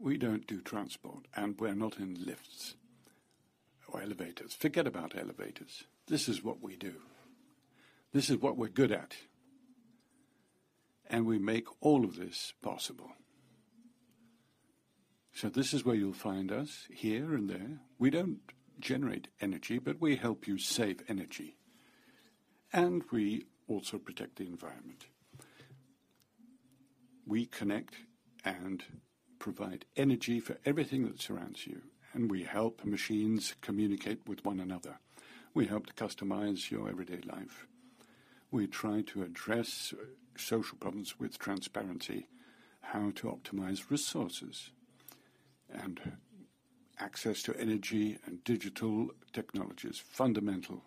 We don't do transport, and we're not in lifts or elevators. Forget about elevators. This is what we do. This is what we're good at. We make all of this possible. This is where you'll find us, here and there. We don't generate energy, but we help you save energy. We also protect the environment. We connect and provide energy for everything that surrounds you, and we help machines communicate with one another. We help to customize your everyday life. We try to address social problems with transparency, how to optimize resources, and access to energy and digital technology is fundamental.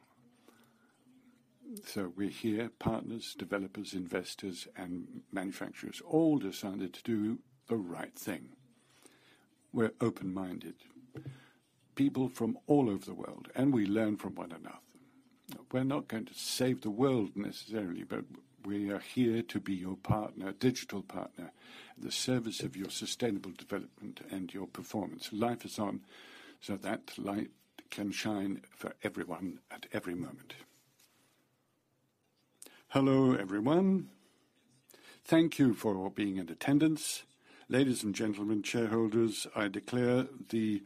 We're here, partners, developers, investors, and manufacturers all decided to do the right thing. We're open-minded. People from all over the world, and we learn from one another. We're not going to save the world necessarily, but we are here to be your partner, digital partner, the service of your sustainable development and your performance. Life Is On, so that light can shine for everyone at every moment. Hello, everyone. Thank you for being in attendance. Ladies and gentlemen, shareholders, I declare the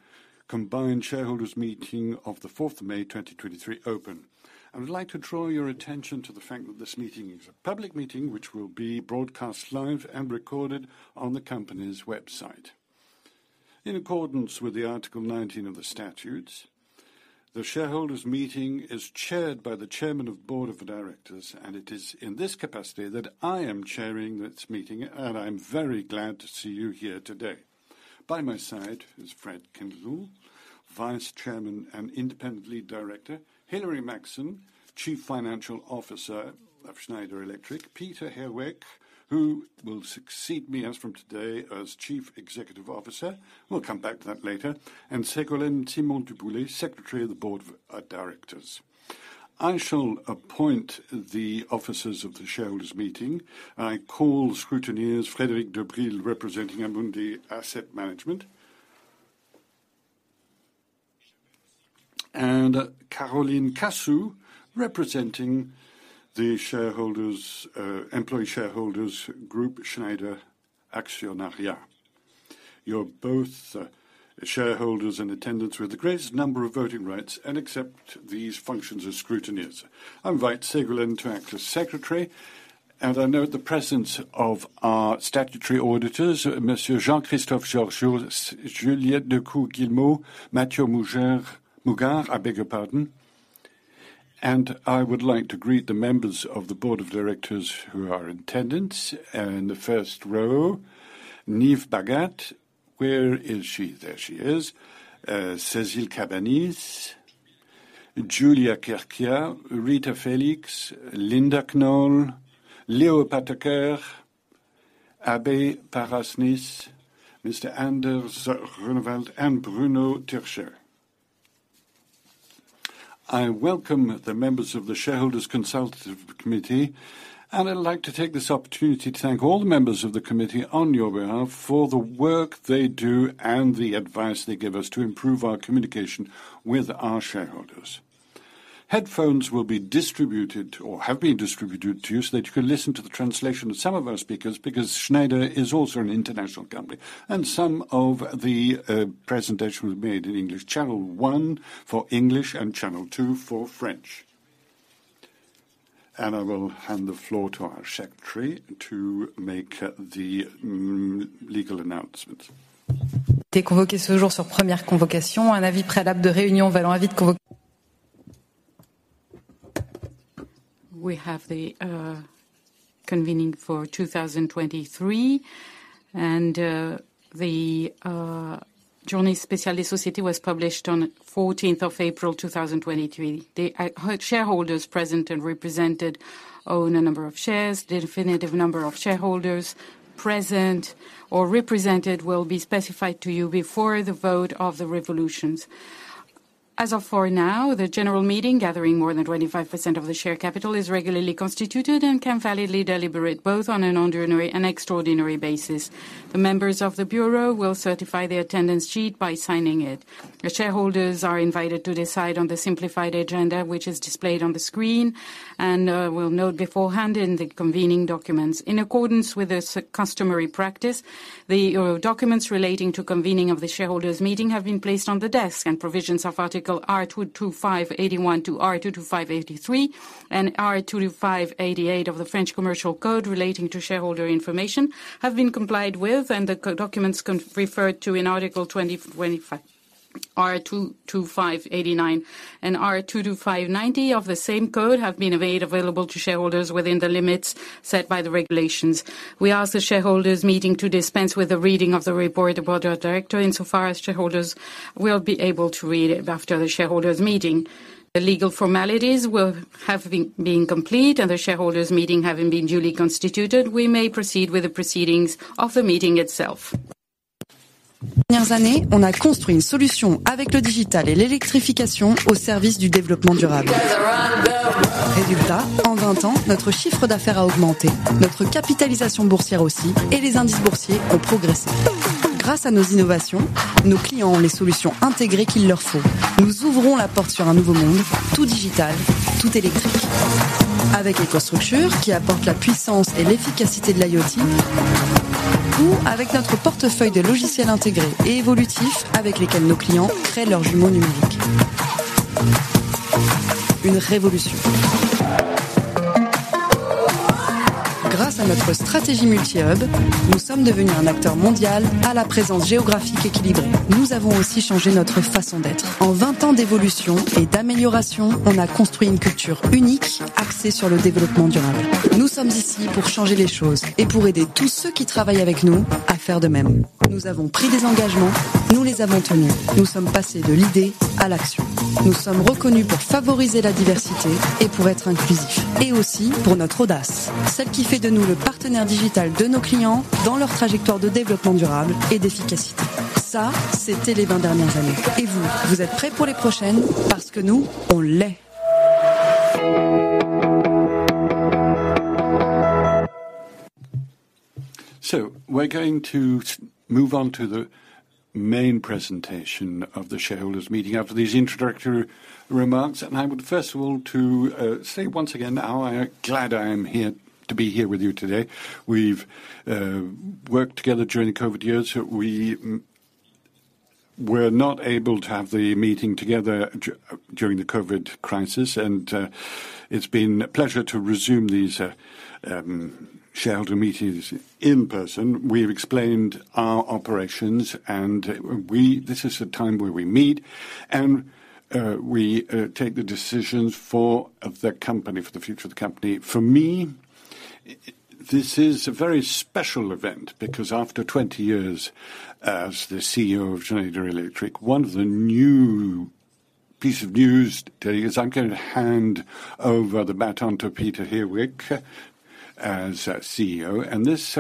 combined Annual Shareholders Meeting of May 4th, 2023, open. I would like to draw your attention to the fact that this meeting is a public meeting which will be broadcast live and recorded on the company's website. In accordance with the Article 19 of the statutes, the Shareholders Meeting is chaired by the Chairman of Board of Directors, and it is in this capacity that I am chairing this meeting, and I'm very glad to see you here today. By my side is Fred Kindle, Vice Chairman and Independent Lead Director, Hilary Maxson, Chief Financial Officer of Schneider Electric, Peter Herweck, who will succeed me as from today as Chief Executive Officer. We'll come back to that later. Ségolène Simonin-du Boullay, Secretary of the Board of Directors. I shall appoint the officers of the Shareholders Meeting. I call scrutineers Frédéric Debril, representing Amundi Asset Management, and Caroline Cassou, representing the shareholders, employee shareholders group Schneider Actionariat. You're both shareholders in attendance with the greatest number of voting rights and accept these functions as scrutineers. I invite Ségolène to act as secretary, and I note the presence of our statutory auditors, Monsieur Jean-Christophe Georghiou, Juliette Decout-Guilmot, Mathieu Mouger, I beg your pardon. I would like to greet the members of the Board of Directors who are in attendance. In the first row, Nive Bhagat. Where is she? There she is. Cécile Cabanis, Giulia Chierchia, Rita Félix, Linda Knoll, Léo Apotheker, Abhay Parasnis, Mr. Anders Runevad, and Bruno Turchet. I welcome the members of the Shareholders Consultative Committee, and I'd like to take this opportunity to thank all the members of the committee on your behalf for the work they do and the advice they give us to improve our communication with our shareholders. Headphones will be distributed or have been distributed to you so that you can listen to the translation of some of our speakers, because Schneider is also an international company. Some of the presentation was made in English. Channel 1 for English, and Channel 2 for French. I will hand the floor to our secretary to make the legal announcement. We have the convening for 2023, and the journey specialist society was published on April 14th, 2023. The shareholders present and represented own a number of shares. The definitive number of shareholders present or represented will be specified to you before the vote of the resolutions. As of for now, the general meeting, gathering more than 25% of the share capital, is regularly constituted and can validly deliberate both on an ordinary and extraordinary basis. The members of the bureau will certify the attendance sheet by signing it. The shareholders are invited to decide on the simplified agenda, which is displayed on the screen and will note beforehand in the convening documents. In accordance with this customary practice, the documents relating to convening of the Shareholders Meeting have been placed on the desk. Provisions of Article R.225-81 to R.225-83 and R.225-88 of the French Commercial Code relating to shareholder information have been complied with. The co-documents referred to in Article R.225-89 and R.225-90 of the same Code have been made available to shareholders within the limits set by the regulations. We ask the Shareholders Meeting to dispense with the reading of the report of Board of Directors insofar as shareholders will be able to read it after the Shareholders Meeting. The legal formalities will have been complete. The Shareholders Meeting having been duly constituted, we may proceed with the proceedings of the meeting itself. Last year, on a construit une solution avec le digital et l'électrification au service du développement durable. Résultat: en 20 ans, notre chiffre d'affaires a augmenté, notre capitalisation boursière aussi et les indices boursiers ont progressé. Grâce à nos innovations, nos clients ont les solutions intégrées qu'il leur faut. Nous ouvrons la porte sur un nouveau monde, tout digital, tout électrique. Avec EcoStruxure qui apporte la puissance et l'efficacité de l'IoT ou avec notre portefeuille de logiciels intégrés et évolutifs avec lesquels nos clients créent leur jumeau numérique. Une révolution. Grâce à notre stratégie multi-hub, nous sommes devenus un acteur mondial à la présence géographique équilibrée. Nous avons aussi changé notre façon d'être. En 20 ans d'évolution et d'amélioration, on a construit une culture unique axée sur le développement durable. Nous sommes ici pour changer les choses et pour aider tous ceux qui travaillent avec nous à faire de même. Nous avons pris des engagements, nous les avons tenus. Nous sommes passés de l'idée à l'action. Nous sommes reconnus pour favoriser la diversité et pour être inclusifs et aussi pour notre audace, celle qui fait de nous le partenaire digital de nos clients dans leur trajectoire de développement durable et d'efficacité. Ça, c'était les 20 dernières années. Vous, vous êtes prêts pour les prochaines? Parce que nous, on l'est. We're going to move on to the main presentation of the shareholders' meeting after these introductory remarks. I would first of all to say once again how glad I am to be here with you today. We've worked together during the COVID years. We were not able to have the meeting together during the COVID crisis, and it's been a pleasure to resume these shareholder meetings in person. We've explained our operations, and this is a time where we meet and we take the decisions for the company, for the future of the company. For me, this is a very special event because after 20 years as the CEO of Schneider Electric, one of the new piece of news today is I'm gonna hand over the baton to Peter Herweck as CEO. This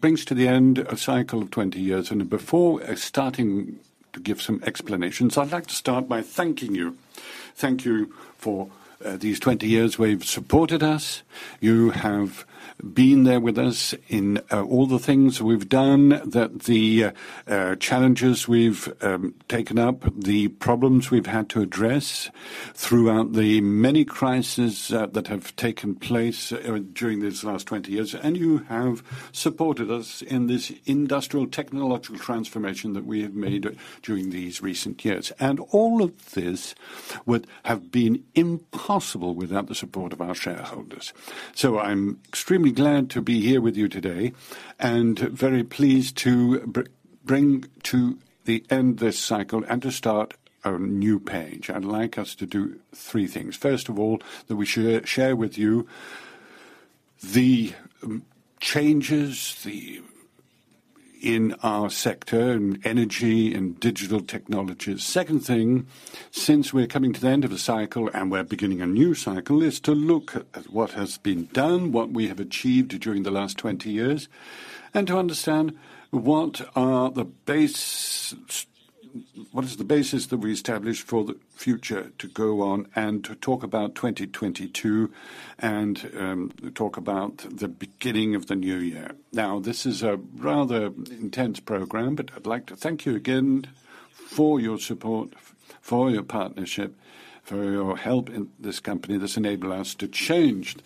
brings to the end a cycle of 20 years. Before starting to give some explanations, I'd like to start by thanking you. Thank you for these 20 years where you've supported us. You have been there with us in all the things we've done, the challenges we've taken up, the problems we've had to address throughout the many crises that have taken place during these last 20 years. You have supported us in this industrial technological transformation that we have made during these recent years. All of this would have been impossible without the support of our shareholders. I'm extremely glad to be here with you today and very pleased to bring to the end this cycle and to start a new page. I'd like us to do 3 things. First of all, that we share with you the changes in our sector, in energy, in digital technologies. Second thing, since we're coming to the end of a cycle and we're beginning a new cycle, is to look at what has been done, what we have achieved during the last 20 years, and to understand what is the basis that we establish for the future to go on and to talk about 2022 and talk about the beginning of the new year. This is a rather intense program, but I'd like to thank you again for your support, for your partnership, for your help in this company that's enabled us to change,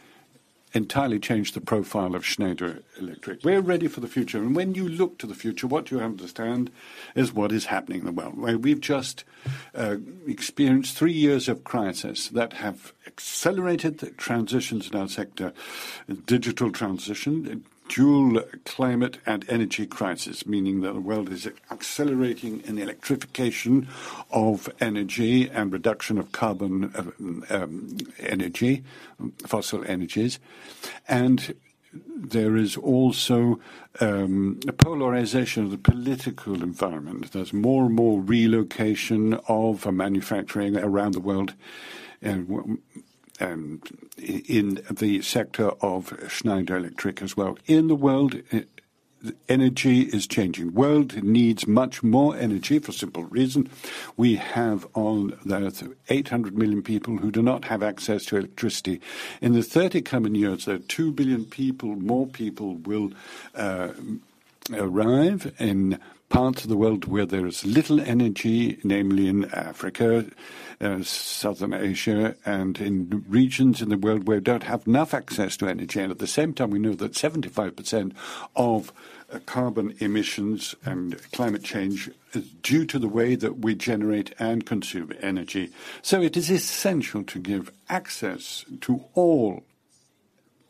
entirely change the profile of Schneider Electric. We're ready for the future. When you look to the future, what you understand is what is happening in the world, where we've just experienced three years of crisis that have accelerated the transitions in our sector, digital transition, dual climate and energy crisis, meaning the world is accelerating in electrification of energy and reduction of carbon energy, fossil energies. There is also a polarization of the political environment. There's more and more relocation of manufacturing around the world and in the sector of Schneider Electric as well. In the world, energy is changing. World needs much more energy for simple reason. We have on the Earth, 800 million people who do not have access to electricity. In the 30 coming years, there are 2 billion people, more people will arrive in parts of the world where there is little energy, namely in Africa, Southern Asia, and in regions in the world where don't have enough access to energy. At the same time, we know that 75% of carbon emissions and climate change is due to the way that we generate and consume energy. It is essential to give access to all,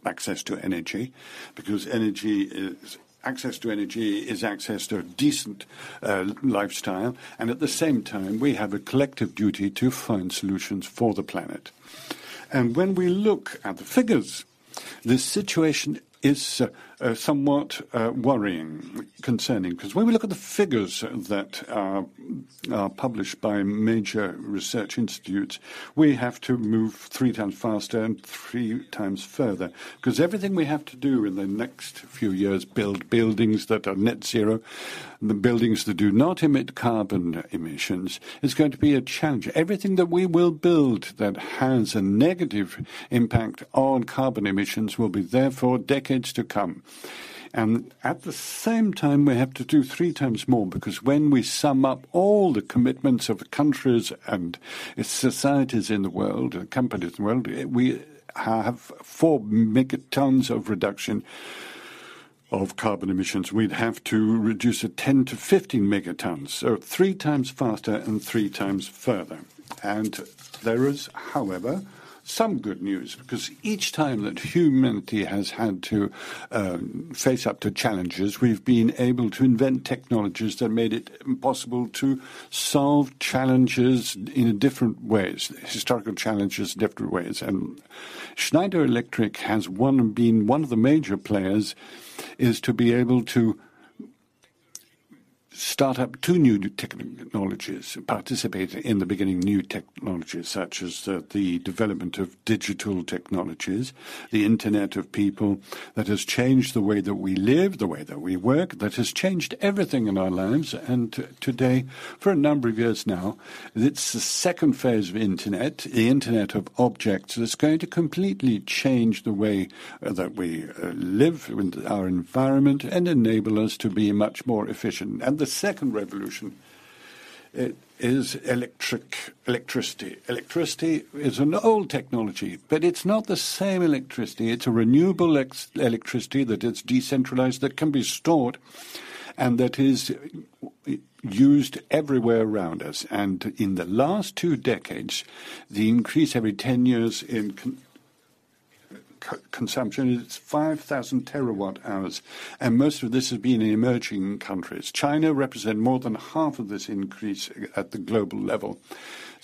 access to energy, because access to energy is access to a decent lifestyle. At the same time, we have a collective duty to find solutions for the planet. When we look at the figures. The situation is somewhat worrying, concerning, because when we look at the figures that are published by major research institutes, we have to move 3 times faster and 3 times further, because everything we have to do in the next few years, build buildings that are net zero, the buildings that do not emit carbon emissions, is going to be a challenge. Everything that we will build that has a negative impact on carbon emissions will be there for decades to come. At the same time, we have to do 3 times more, because when we sum up all the commitments of countries and societies in the world and companies in the world, we have 4 megatons of reduction of carbon emissions. We'd have to reduce it 10-15 megatons, so 3 times faster and 3 times further. There is, however, some good news, because each time that humanity has had to face up to challenges, we've been able to invent technologies that made it possible to solve challenges in different ways, historical challenges in different ways. Schneider Electric has been one of the major players, is to be able to start up two new technologies, participate in the beginning new technologies, such as the development of digital technologies, the internet of people. That has changed the way that we live, the way that we work. That has changed everything in our lives. Today, for a number of years now, it's the second phase of internet, the internet of objects, that's going to completely change the way that we live with our environment and enable us to be much more efficient. The second revolution is electricity. Electricity is an old technology, but it's not the same electricity. It's a renewable electricity that is decentralized, that can be stored, and that is used everywhere around us. In the last two decades, the increase every 10 years in consumption is 5,000 TWh, and most of this has been in emerging countries. China represent more than half of this increase at the global level.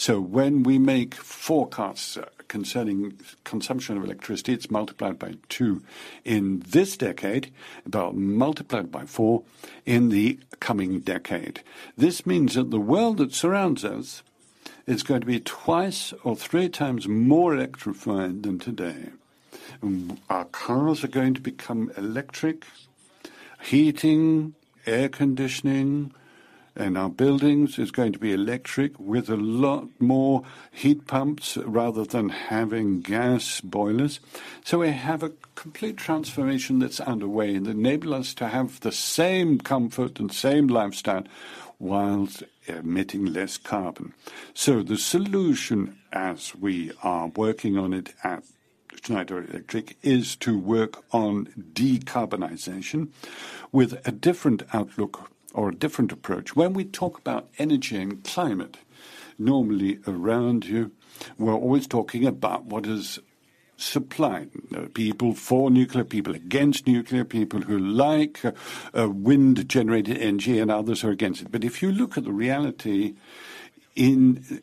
When we make forecasts concerning consumption of electricity, it's multiplied by 2 in this decade, but multiplied by 4 in the coming decade. This means that the world that surrounds us is going to be 2 or 3 times more electrified than today. Our cars are going to become electric. Heating, air conditioning in our buildings is going to be electric with a lot more heat pumps rather than having gas boilers. We have a complete transformation that's underway that enable us to have the same comfort and same lifestyle whilst emitting less carbon. The solution, as we are working on it at Schneider Electric, is to work on decarbonization with a different outlook or a different approach. When we talk about energy and climate, normally around you, we're always talking about what is supply. People for nuclear, people against nuclear, people who like wind-generated energy and others who are against it. If you look at the reality in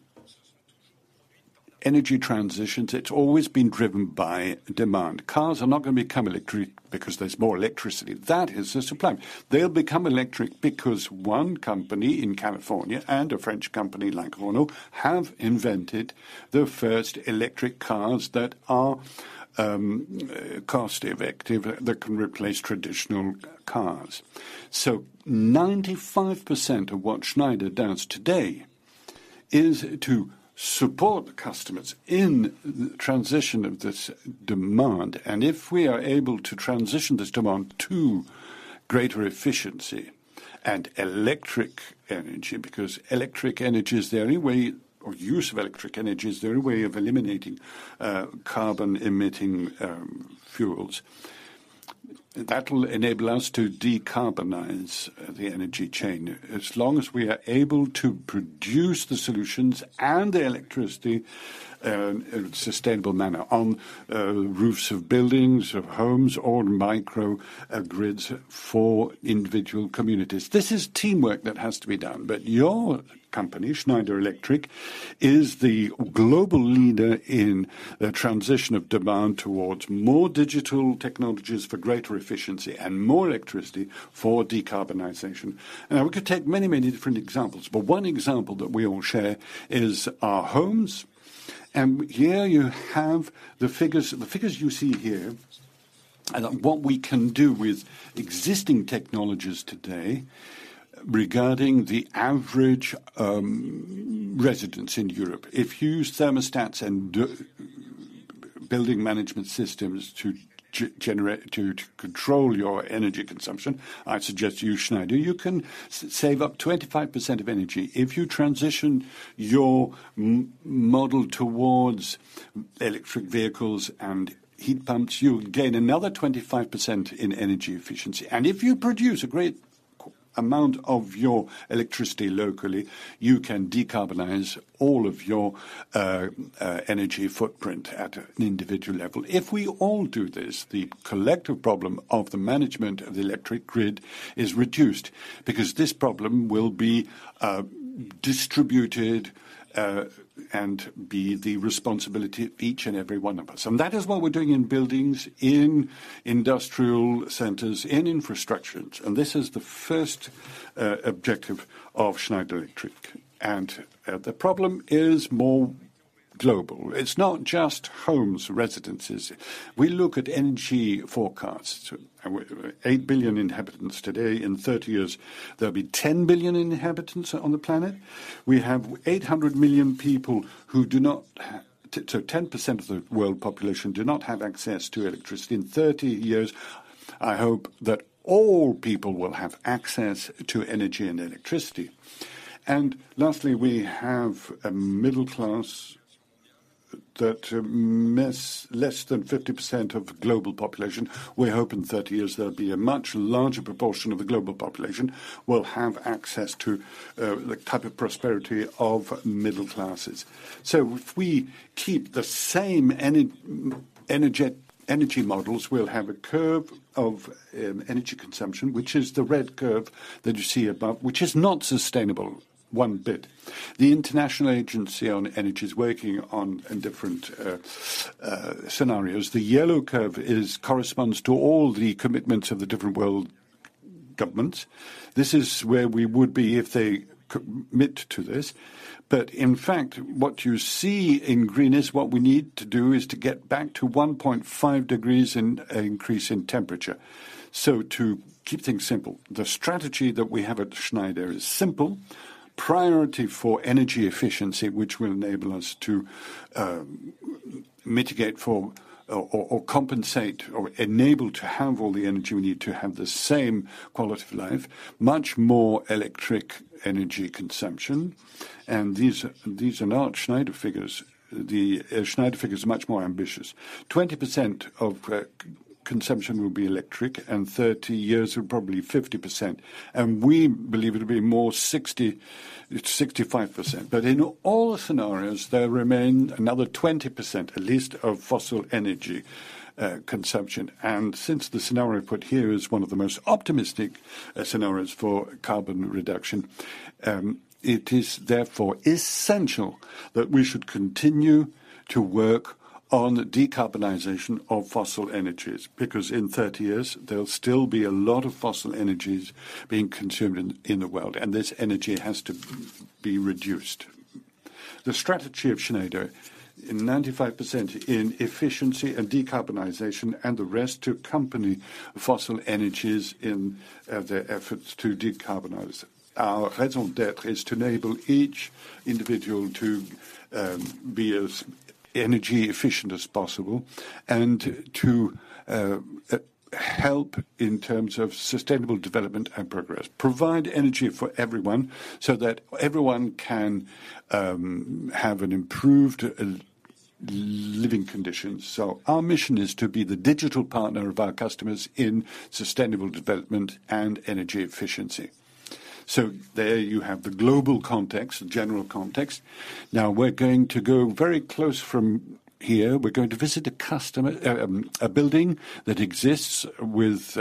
energy transitions, it's always been driven by demand. Cars are not gonna become electric because there's more electricity. That is the supply. They'll become electric because one company in California and a French company like Renault have invented the first electric cars that are cost-effective, that can replace traditional cars. 95% of what Schneider does today is to support customers in transition of this demand. If we are able to transition this demand to greater efficiency and electric energy, because electric energy is the only way, or use of electric energy is the only way of eliminating carbon-emitting fuels. That will enable us to decarbonize the energy chain, as long as we are able to produce the solutions and the electricity in a sustainable manner on roofs of buildings, of homes, on microgrids for individual communities. This is teamwork that has to be done. Your company, Schneider Electric, is the global leader in the transition of demand towards more digital technologies for greater efficiency and more electricity for decarbonization. We could take many, many different examples, but one example that we all share is our homes. Here you have the figures. The figures you see here and what we can do with existing technologies today regarding the average residence in Europe. If you use thermostats and building management systems to control your energy consumption, I suggest to you, Schneider, you can save up 25% of energy. If you transition your model towards electric vehicles and heat pumps, you gain another 25% in energy efficiency. If you produce a great amount of your electricity locally, you can decarbonize all of your energy footprint at an individual level. If we all do this, the collective problem of the management of the electric grid is reduced because this problem will be distributed and be the responsibility of each and every one of us. That is what we're doing in buildings, in industrial centers, in infrastructures, this is the first objective of Schneider Electric. The problem is more global. It's not just homes, residences. We look at energy forecasts. 8 billion inhabitants today. In 30 years, there'll be 10 billion inhabitants on the planet. We have 800 million people who do not have access to electricity. 10% of the world population do not have access to electricity. In 30 years, I hope that all people will have access to energy and electricity. Lastly, we have a middle class that, less than 50% of global population. We hope in 30 years there'll be a much larger proportion of the global population will have access to the type of prosperity of middle classes. If we keep the same energy models, we'll have a curve of energy consumption, which is the red curve that you see above, which is not sustainable one bit. The International Energy Agency is working on different scenarios. The yellow curve corresponds to all the commitments of the different world governments. This is where we would be if they commit to this. In fact, what you see in green is what we need to do is to get back to 1.5 degrees in increase in temperature. To keep things simple, the strategy that we have at Schneider is simple. Priority for energy efficiency, which will enable us to mitigate for or compensate or enable to have all the energy we need to have the same quality of life, much more electric energy consumption. These are not Schneider figures. The Schneider figure is much more ambitious. 20% of consumption will be electric, 30 years, probably 50%. We believe it'll be more 60%-65%. In all scenarios, there remain another 20% at least of fossil energy consumption. Since the scenario put here is one of the most optimistic scenarios for carbon reduction, it is therefore essential that we should continue to work on decarbonization of fossil energies, because in 30 years there'll still be a lot of fossil energies being consumed in the world, this energy has to be reduced. The strategy of Schneider, 95% in efficiency and decarbonization and the rest to accompany fossil energies in their efforts to decarbonize. Our raison d'être is to enable each individual to be as energy efficient as possible and to help in terms of sustainable development and progress. Provide energy for everyone so that everyone can have an improved living conditions. Our mission is to be the digital partner of our customers in sustainable development and energy efficiency. There you have the global context, the general context. Now we're going to go very close from here. We're going to visit a customer. A building that exists with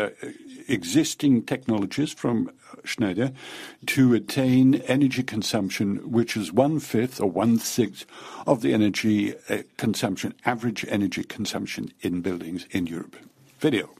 existing technologies from Schneider Electric to attain energy consumption, which is 1/5 or 1/6 of the average energy consumption in buildings in Europe. Video.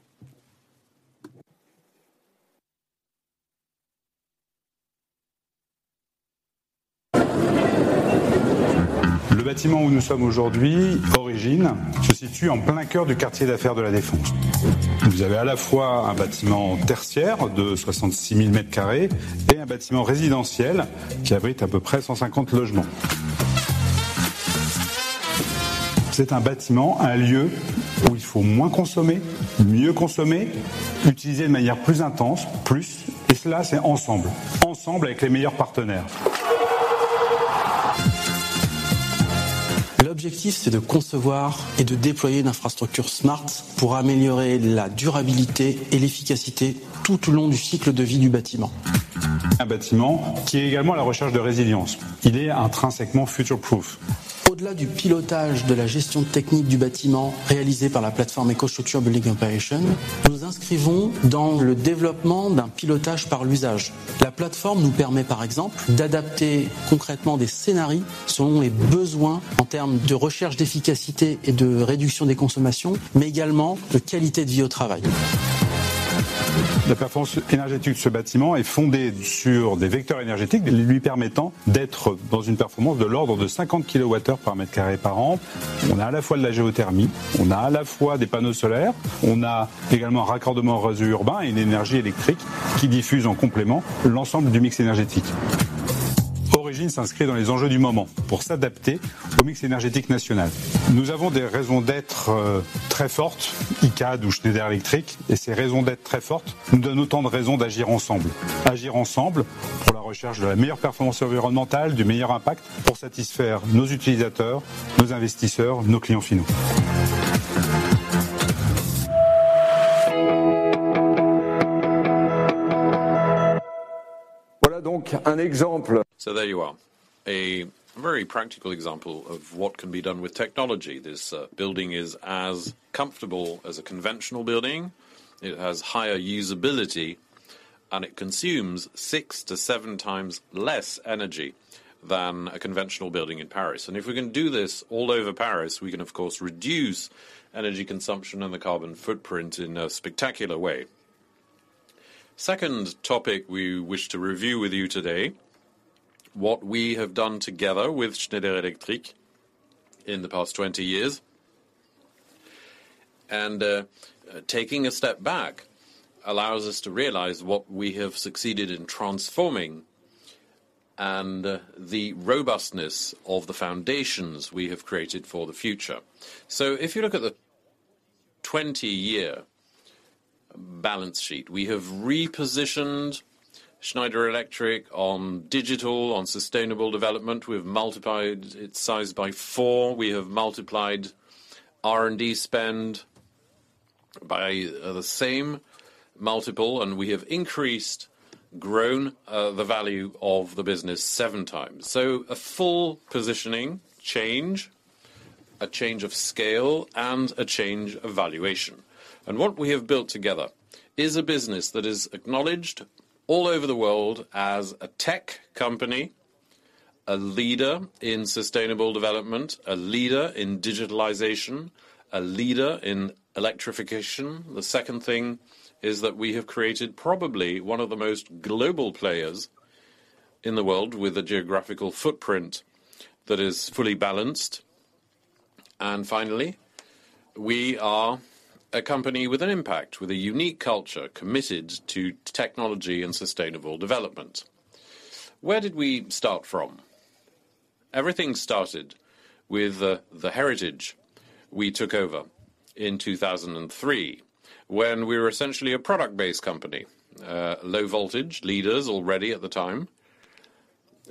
There you are, a very practical example of what can be done with technology. This building is as comfortable as a conventional building. It has higher usability, and it consumes 6-7 times less energy than a conventional building in Paris. If we can do this all over Paris, we can of course reduce energy consumption and the carbon footprint in a spectacular way. Second topic we wish to review with you today, what we have done together with Schneider Electric in the past 20 years. Taking a step back allows us to realize what we have succeeded in transforming and the robustness of the foundations we have created for the future. If you look at the 20-year balance sheet, we have repositioned Schneider Electric on digital, on sustainable development. We've multiplied its size by 4. We have multiplied R&D spend by the same multiple, and we have increased, grown, the value of the business 7 times. A full positioning change, a change of scale, and a change of valuation. What we have built together is a business that is acknowledged all over the world as a tech company, a leader in sustainable development, a leader in digitalization, a leader in electrification. The second thing is that we have created probably one of the most global players in the world with a geographical footprint that is fully balanced. Finally, we are a company with an impact, with a unique culture committed to technology and sustainable development. Where did we start from? Everything started with the heritage we took over in 2003, when we were essentially a product-based company. Low voltage leaders already at the time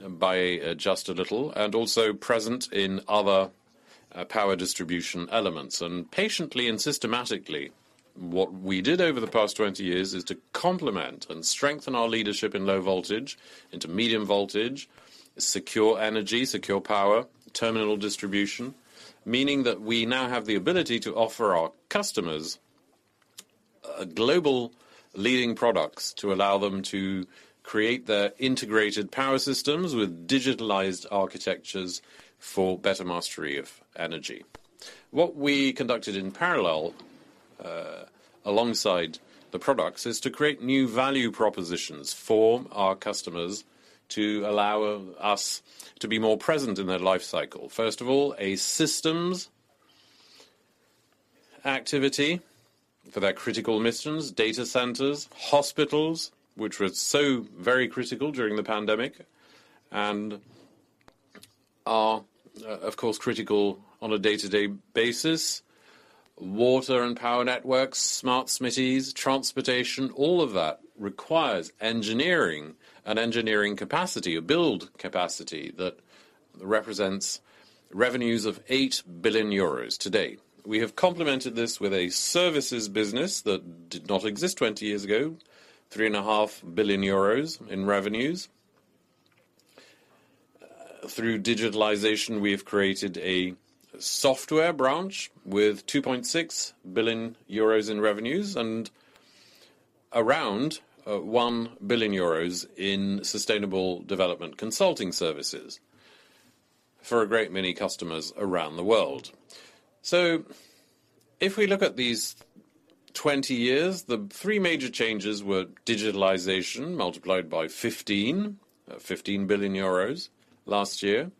by just a little, and also present in other power distribution elements. Patiently and systematically, what we did over the past 20 years is to complement and strengthen our leadership in low voltage into medium voltage, secure energy, secure power, terminal distribution. Meaning that we now have the ability to offer our customers global leading products to allow them to create their integrated power systems with digitalized architectures for better mastery of energy. What we conducted in parallel, alongside the products, is to create new value propositions for our customers to allow us to be more present in their life cycle. First of all, a systems activity for their critical missions, data centers, hospitals, which were so very critical during the pandemic and are of course, critical on a day-to-day basis. Water and power networks, smart cities, transportation, all of that requires engineering and engineering capacity, a build capacity that represents revenues of 8 billion euros today. We have complemented this with a services business that did not exist 20 years ago, 3.5 billion euros in revenues. Through digitalization, we have created a software branch with 2.6 billion euros in revenues and around 1 billion euros in sustainable development consulting services for a great many customers around the world. If we look at these 20 years, the three major changes were digitalization multiplied by 15, 15 billion euros last year.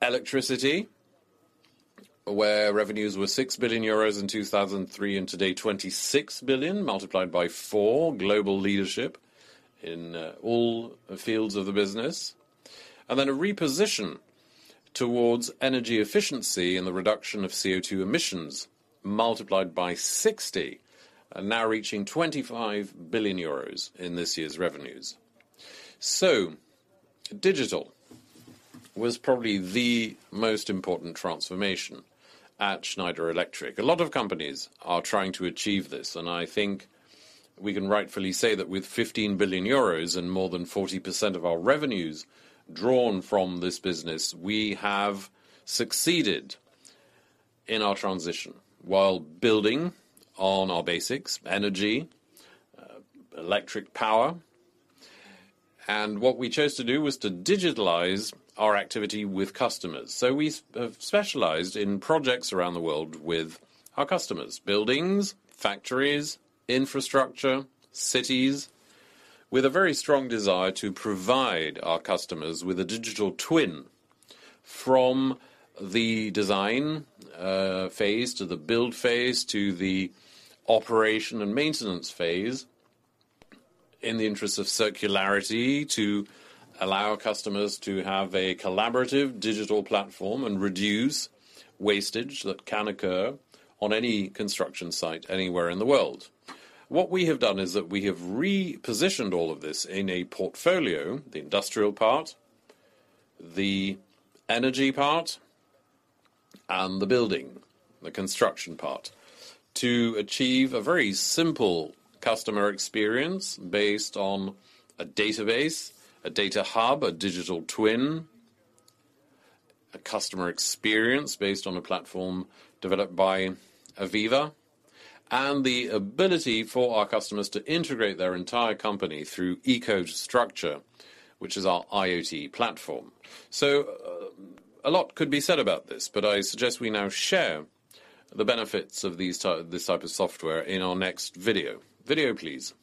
Electricity, where revenues were 6 billion euros in 2003, and today 26 billion multiplied by 4. Global leadership in all fields of the business. A reposition towards energy efficiency and the reduction of CO2 emissions multiplied by 60 are now reaching 25 billion euros in this year's revenues. Digital was probably the most important transformation at Schneider Electric. A lot of companies are trying to achieve this, I think we can rightfully say that with 15 billion euros and more than 40% of our revenues drawn from this business, we have succeeded in our transition while building on our basics, energy, electric power. What we chose to do was to digitalize our activity with customers. We have specialized in projects around the world with our customers, buildings, factories, infrastructure, cities, with a very strong desire to provide our customers with a digital twin from the design phase to the build phase to the operation and maintenance phase, in the interest of circularity, to allow customers to have a collaborative digital platform and reduce wastage that can occur on any construction site anywhere in the world. What we have done is that we have repositioned all of this in a portfolio, the industrial part, the energy part and the building, the construction part, to achieve a very simple customer experience based on a database, a data hub, a digital twin, a customer experience based on a platform developed by AVEVA, and the ability for our customers to integrate their entire company through EcoStruxure, which is our IoT platform. A lot could be said about this, but I suggest we now share the benefits of this type of software in our next video. Video, please.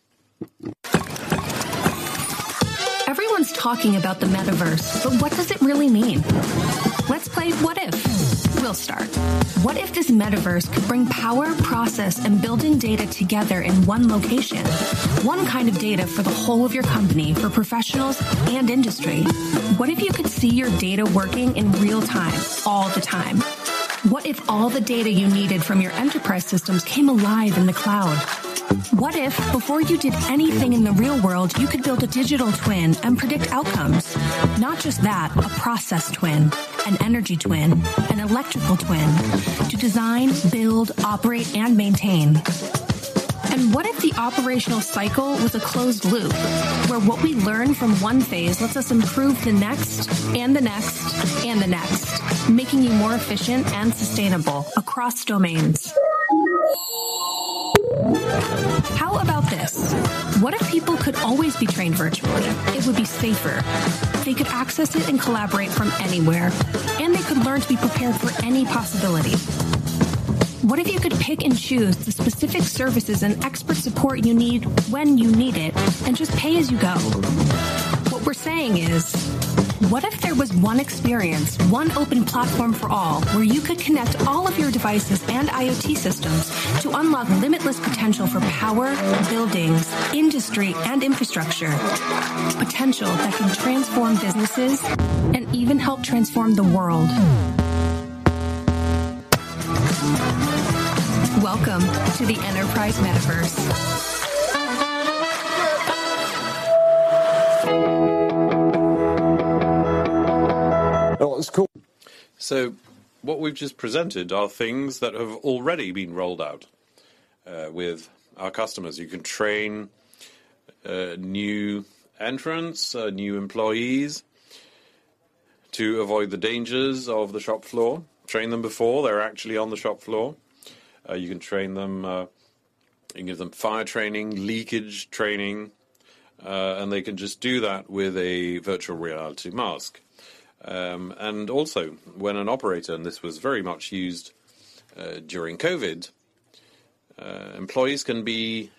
Everyone's talking about the Metaverse. What does it really mean? Let's play What If. We'll start. What if this Metaverse could bring power, process, and building data together in one location? One kind of data for the whole of your company, for professionals and industry. What if you could see your data working in real-time, all the time? What if all the data you needed from your enterprise systems came alive in the cloud? What if, before you did anything in the real world, you could build a digital twin and predict outcomes? Not just that, a process twin, an energy twin, an electrical twin to design, build, operate, and maintain. What if the operational cycle was a closed loop, where what we learn from one phase lets us improve the next, and the next, and the next, making you more efficient and sustainable across domains. How about this? What if people could always be trained virtually? It would be safer. They could access it and collaborate from anywhere, and they could learn to be prepared for any possibility. What if you could pick and choose the specific services and expert support you need when you need it, and just pay as you go? What we're saying is, what if there was one experience, one open platform for all, where you could connect all of your devices and IoT systems to unlock limitless potential for power, buildings, industry, and infrastructure? Potential that can transform businesses and even help transform the world. Welcome to the Enterprise Metaverse. Oh, that's cool. What we've just presented are things that have already been rolled out with our customers. You can train new entrants, new employees to avoid the dangers of the shop floor, train them before they're actually on the shop floor. You can train them, you can give them fire training, leakage training, and they can just do that with a virtual reality mask. When an operator, and this was very much used during COVID, employees can be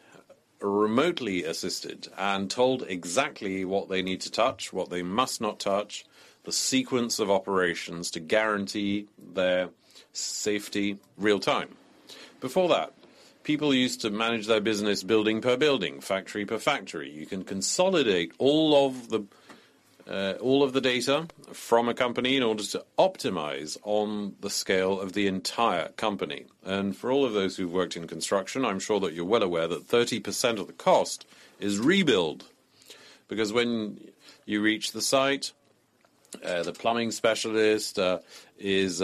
remotely assisted and told exactly what they need to touch, what they must not touch, the sequence of operations to guarantee their safety real-time. Before that, people used to manage their business building per building, factory per factory. You can consolidate all of the data from a company in order to optimize on the scale of the entire company. For all of those who've worked in construction, I'm sure that you're well aware that 30% of the cost is rebuild. Because when you reach the site, the plumbing specialist is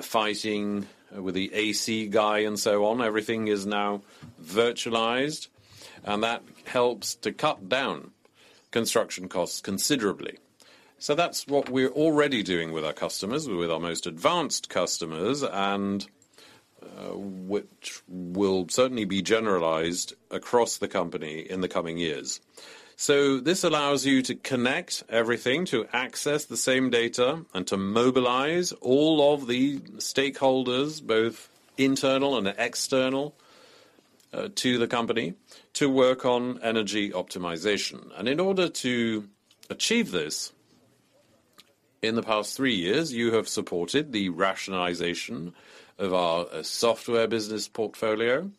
fighting with the AC guy and so on, everything is now virtualized, and that helps to cut down construction costs considerably. That's what we're already doing with our customers, with our most advanced customers, and which will certainly be generalized across the company in the coming years. This allows you to connect everything, to access the same data, and to mobilize all of the stakeholders, both internal and external to the company, to work on energy optimization. In order to achieve this, in the past three years, you have supported the rationalization of our software business portfolio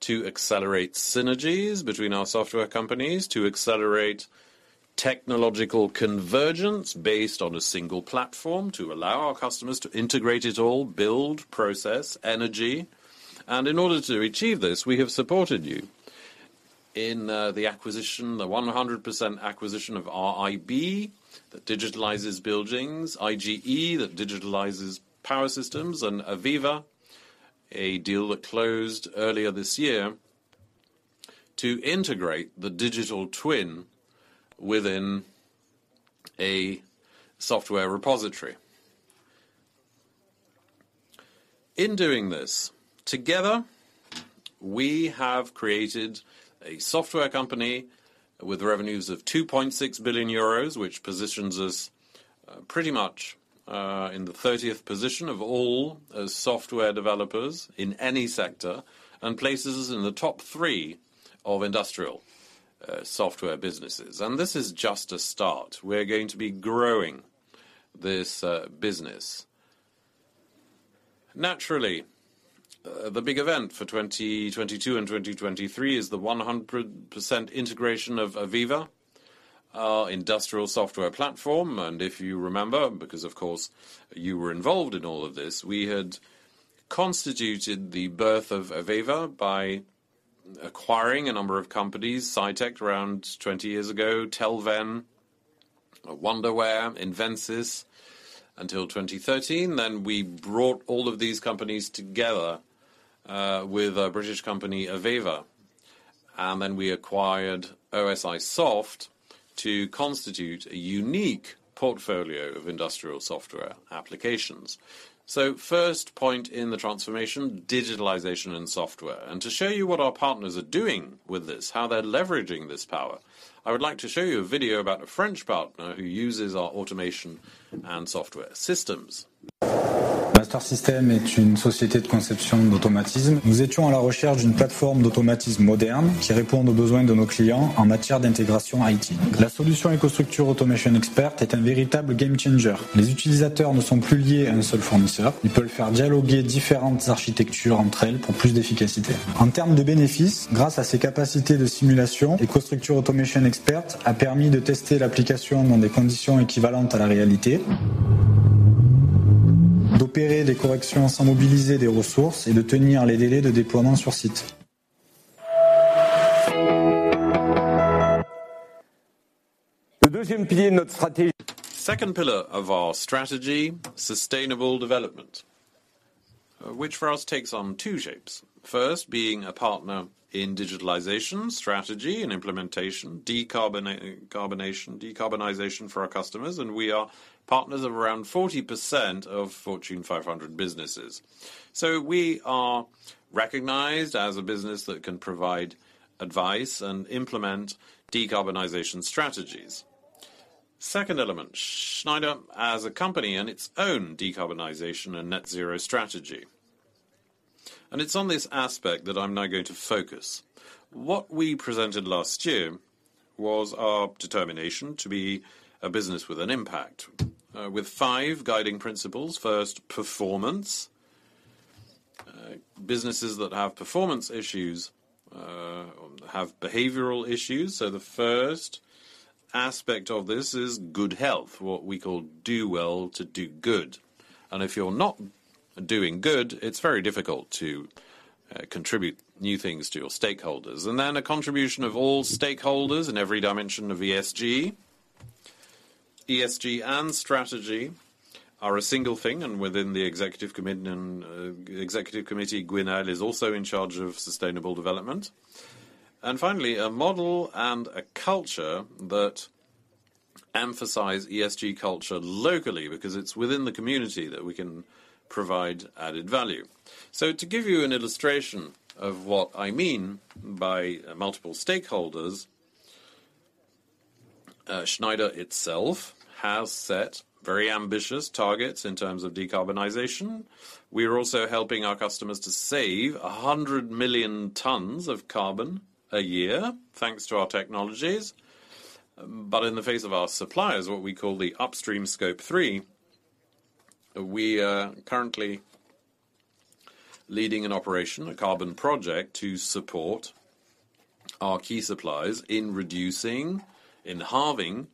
to accelerate synergies between our software companies, to accelerate technological convergence based on a single platform, to allow our customers to integrate it all, build, process, energy. In order to achieve this, we have supported you in the acquisition, the 100% acquisition of RIB that digitalizes buildings, IGE that digitalizes power systems, and AVEVA, a deal that closed earlier this year to integrate the digital twin within a software repository. In doing this, together, we have created a software company with revenues of 2.6 billion euros, which positions us pretty much in the 30th position of all software developers in any sector and places us in the top three of industrial software businesses. This is just a start. We're going to be growing this business. Naturally, the big event for 2022 and 2023 is the 100% integration of AVEVA, our industrial software platform. If you remember, because of course you were involved in all of this, we had constituted the birth of AVEVA by acquiring a number of companies, Citect around 20 years ago, Telvent, Wonderware, Invensys until 2013. We brought all of these companies together with a British company, AVEVA, and then we acquired OSIsoft to constitute a unique portfolio of industrial software applications. First point in the transformation, digitalization and software. To show you what our partners are doing with this, how they're leveraging this power, I would like to show you a video about a French partner who uses our automation and software systems. Master Systèmes is une société de conception d'automatismes. Nous étions à la recherche d'une plateforme d'automatismes moderne qui réponde aux besoins de nos clients en matière d'intégration IT. La solution EcoStruxure Automation Expert est un véritable game changer. Les utilisateurs ne sont plus liés à un seul fournisseur. Ils peuvent faire dialoguer différentes architectures entre elles pour plus d'efficacité. En termes de bénéfices, grâce à ses capacités de simulation, EcoStruxure Automation Expert a permis de tester l'application dans des conditions équivalentes à la réalité, d'opérer des corrections sans mobiliser des ressources et de tenir les délais de déploiement sur site. Le deuxième pilier de notre stratégie. Second pillar of our strategy, sustainable development, which for us takes on two shapes. First, being a partner in digitalization, strategy, and implementation, decarbonization for our customers. We are partners of around 40% of Fortune 500 businesses. We are recognized as a business that can provide advice and implement decarbonization strategies. Second element, Schneider as a company and its own decarbonization and net zero strategy. It's on this aspect that I'm now going to focus. What we presented last year was our determination to be a business with an impact, with 5 guiding principles. First, performance. Businesses that have performance issues, have behavioral issues. The first aspect of this is good health, what we call do well to do good. If you're not doing good, it's very difficult to contribute new things to your stakeholders. A contribution of all stakeholders in every dimension of ESG. ESG and strategy are a single thing, and within the executive committee, Gwenaelle is also in charge of sustainable development. A model and a culture that emphasize ESG culture locally because it's within the community that we can provide added value. To give you an illustration of what I mean by multiple stakeholders, Schneider itself has set very ambitious targets in terms of decarbonization. We are also helping our customers to save 100 million tons of carbon a year, thanks to our technologies. In the face of our suppliers, what we call the upstream Scope 3, we are currently leading an operation, a carbon project, to support our key suppliers in reducing, in halving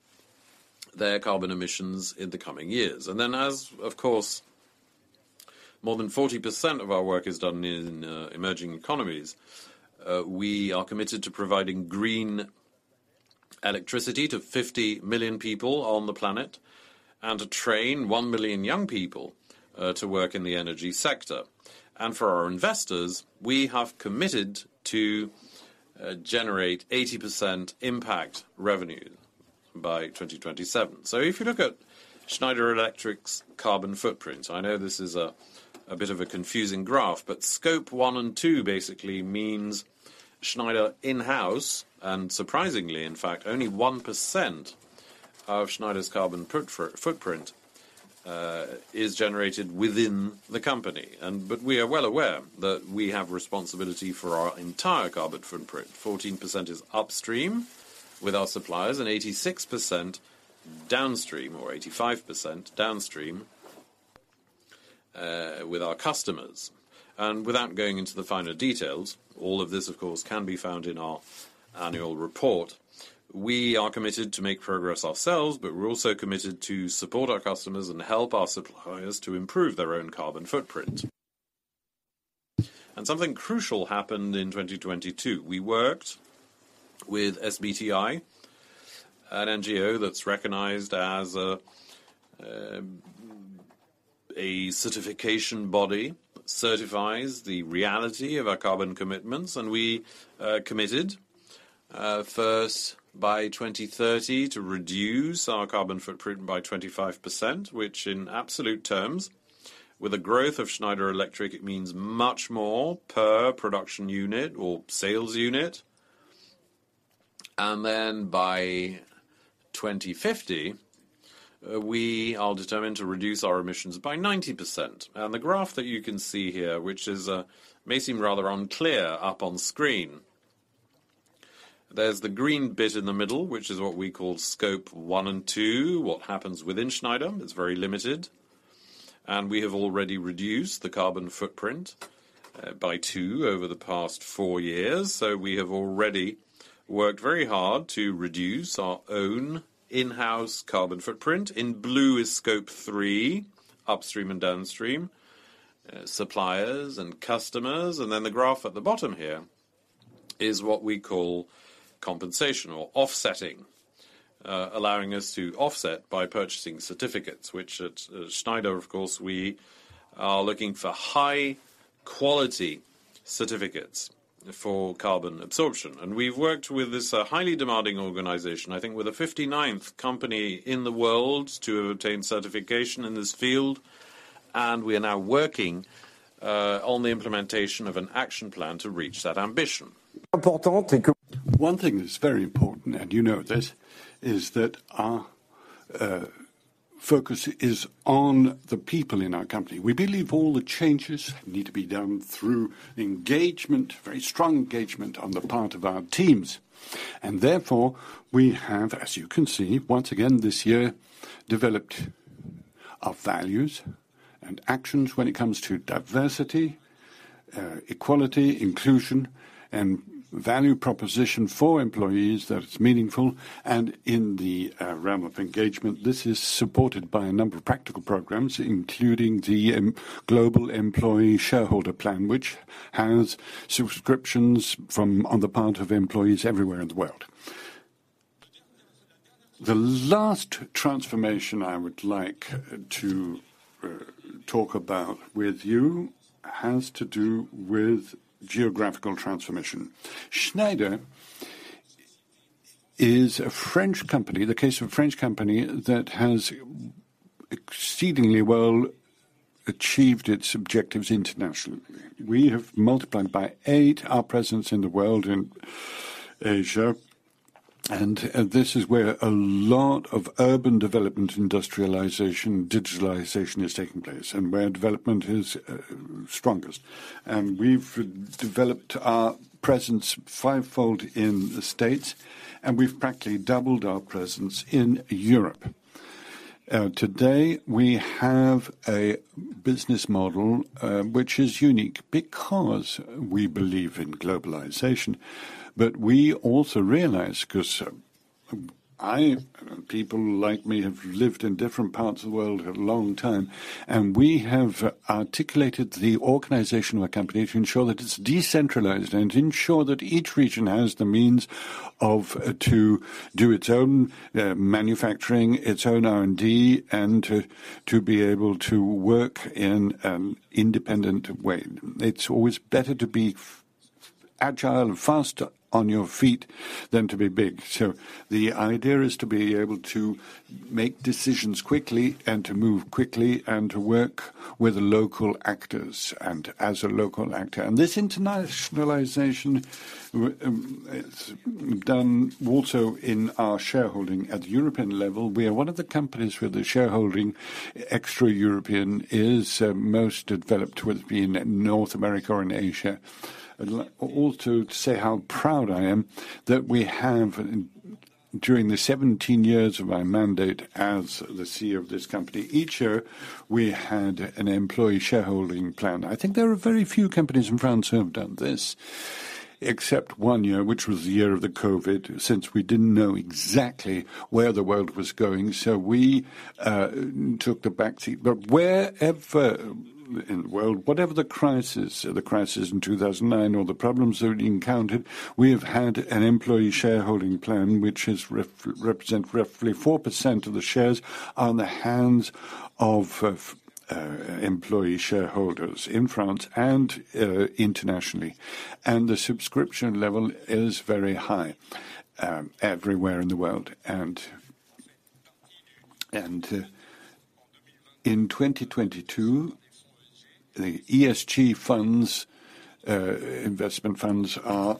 their carbon emissions in the coming years. As, of course, more than 40% of our work is done in emerging economies, we are committed to providing green electricity to 50 million people on the planet and to train 1 million young people to work in the energy sector. For our investors, we have committed to generate 80% impact revenue by 2027. If you look at Schneider Electric's carbon footprint, I know this is a bit of a confusing graph, but Scope 1 and 2 basically means Schneider in-house, and surprisingly, in fact, only 1% of Schneider's carbon footprint is generated within the company. We are well aware that we have responsibility for our entire carbon footprint. 14% is upstream with our suppliers and 86% downstream or 85% downstream with our customers. Without going into the finer details, all of this, of course, can be found in our annual report. We are committed to make progress ourselves, but we're also committed to support our customers and help our suppliers to improve their own carbon footprint. Something crucial happened in 2022. We worked with SBTi, an NGO that's recognized as a certification body, certifies the reality of our carbon commitments. We committed first by 2030 to reduce our carbon footprint by 25%, which in absolute terms, with the growth of Schneider Electric, it means much more per production unit or sales unit. By 2050, we are determined to reduce our emissions by 90%. The graph that you can see here, which is, may seem rather unclear up on screen. There's the green bit in the middle, which is what we call Scope 1 and 2, what happens within Schneider. It's very limited. We have already reduced the carbon footprint by 2 over the past four years. We have already worked very hard to reduce our own in-house carbon footprint. In blue is Scope 3, upstream and downstream, suppliers and customers. The graph at the bottom here is what we call compensation or offsetting, allowing us to offset by purchasing certificates, which at Schneider, of course, we are looking for high-quality certificates for carbon absorption. We've worked with this highly demanding organization, I think we're the 59th company in the world to obtain certification in this field. We are now working on the implementation of an action plan to reach that ambition. One thing that's very important, you know this, is that our focus is on the people in our company. We believe all the changes need to be done through engagement, very strong engagement on the part of our teams. Therefore, we have, as you can see, once again this year, developed our values and actions when it comes to diversity, equality, inclusion, and value proposition for employees that's meaningful. In the realm of engagement, this is supported by a number of practical programs, including the global employee shareholder plan, which has subscriptions from on the part of employees everywhere in the world. The last transformation I would like to talk about with you has to do with geographical transformation. Schneider is a French company, the case of a French company that has exceedingly well achieved its objectives internationally. We have multiplied by eight our presence in the world, in Asia, and this is where a lot of urban development, industrialization, digitalization is taking place and where development is strongest. We've developed our presence fivefold in the States, and we've practically doubled our presence in Europe. Today we have a business model which is unique because we believe in globalization. We also realize 'cause people like me have lived in different parts of the world a long time, and we have articulated the organizational accommodation to ensure that it's decentralized and ensure that each region has the means to do its own manufacturing, its own R&D, and to be able to work in an independent way. It's always better to be agile and faster on your feet than to be big. The idea is to be able to make decisions quickly and to move quickly and to work with local actors and as a local actor. This internationalization is done also in our shareholding at European level. We are one of the companies where the shareholding extra European is most developed, whether it be in North America or in Asia. I'd like also to say how proud I am that we have, during the 17 years of my mandate as the CEO of this company, each year we had an employee shareholding plan. I think there are very few companies in France who have done this. Except one year, which was the year of the COVID, since we didn't know exactly where the world was going, so we took a back seat. Wherever in the world, whatever the crisis, the crisis in 2009 or the problems that we encountered, we have had an employee shareholding plan, which is represent roughly 4% of the shares on the hands of employee shareholders in France and internationally. The subscription level is very high everywhere in the world. In 2022, the ESG funds investment funds are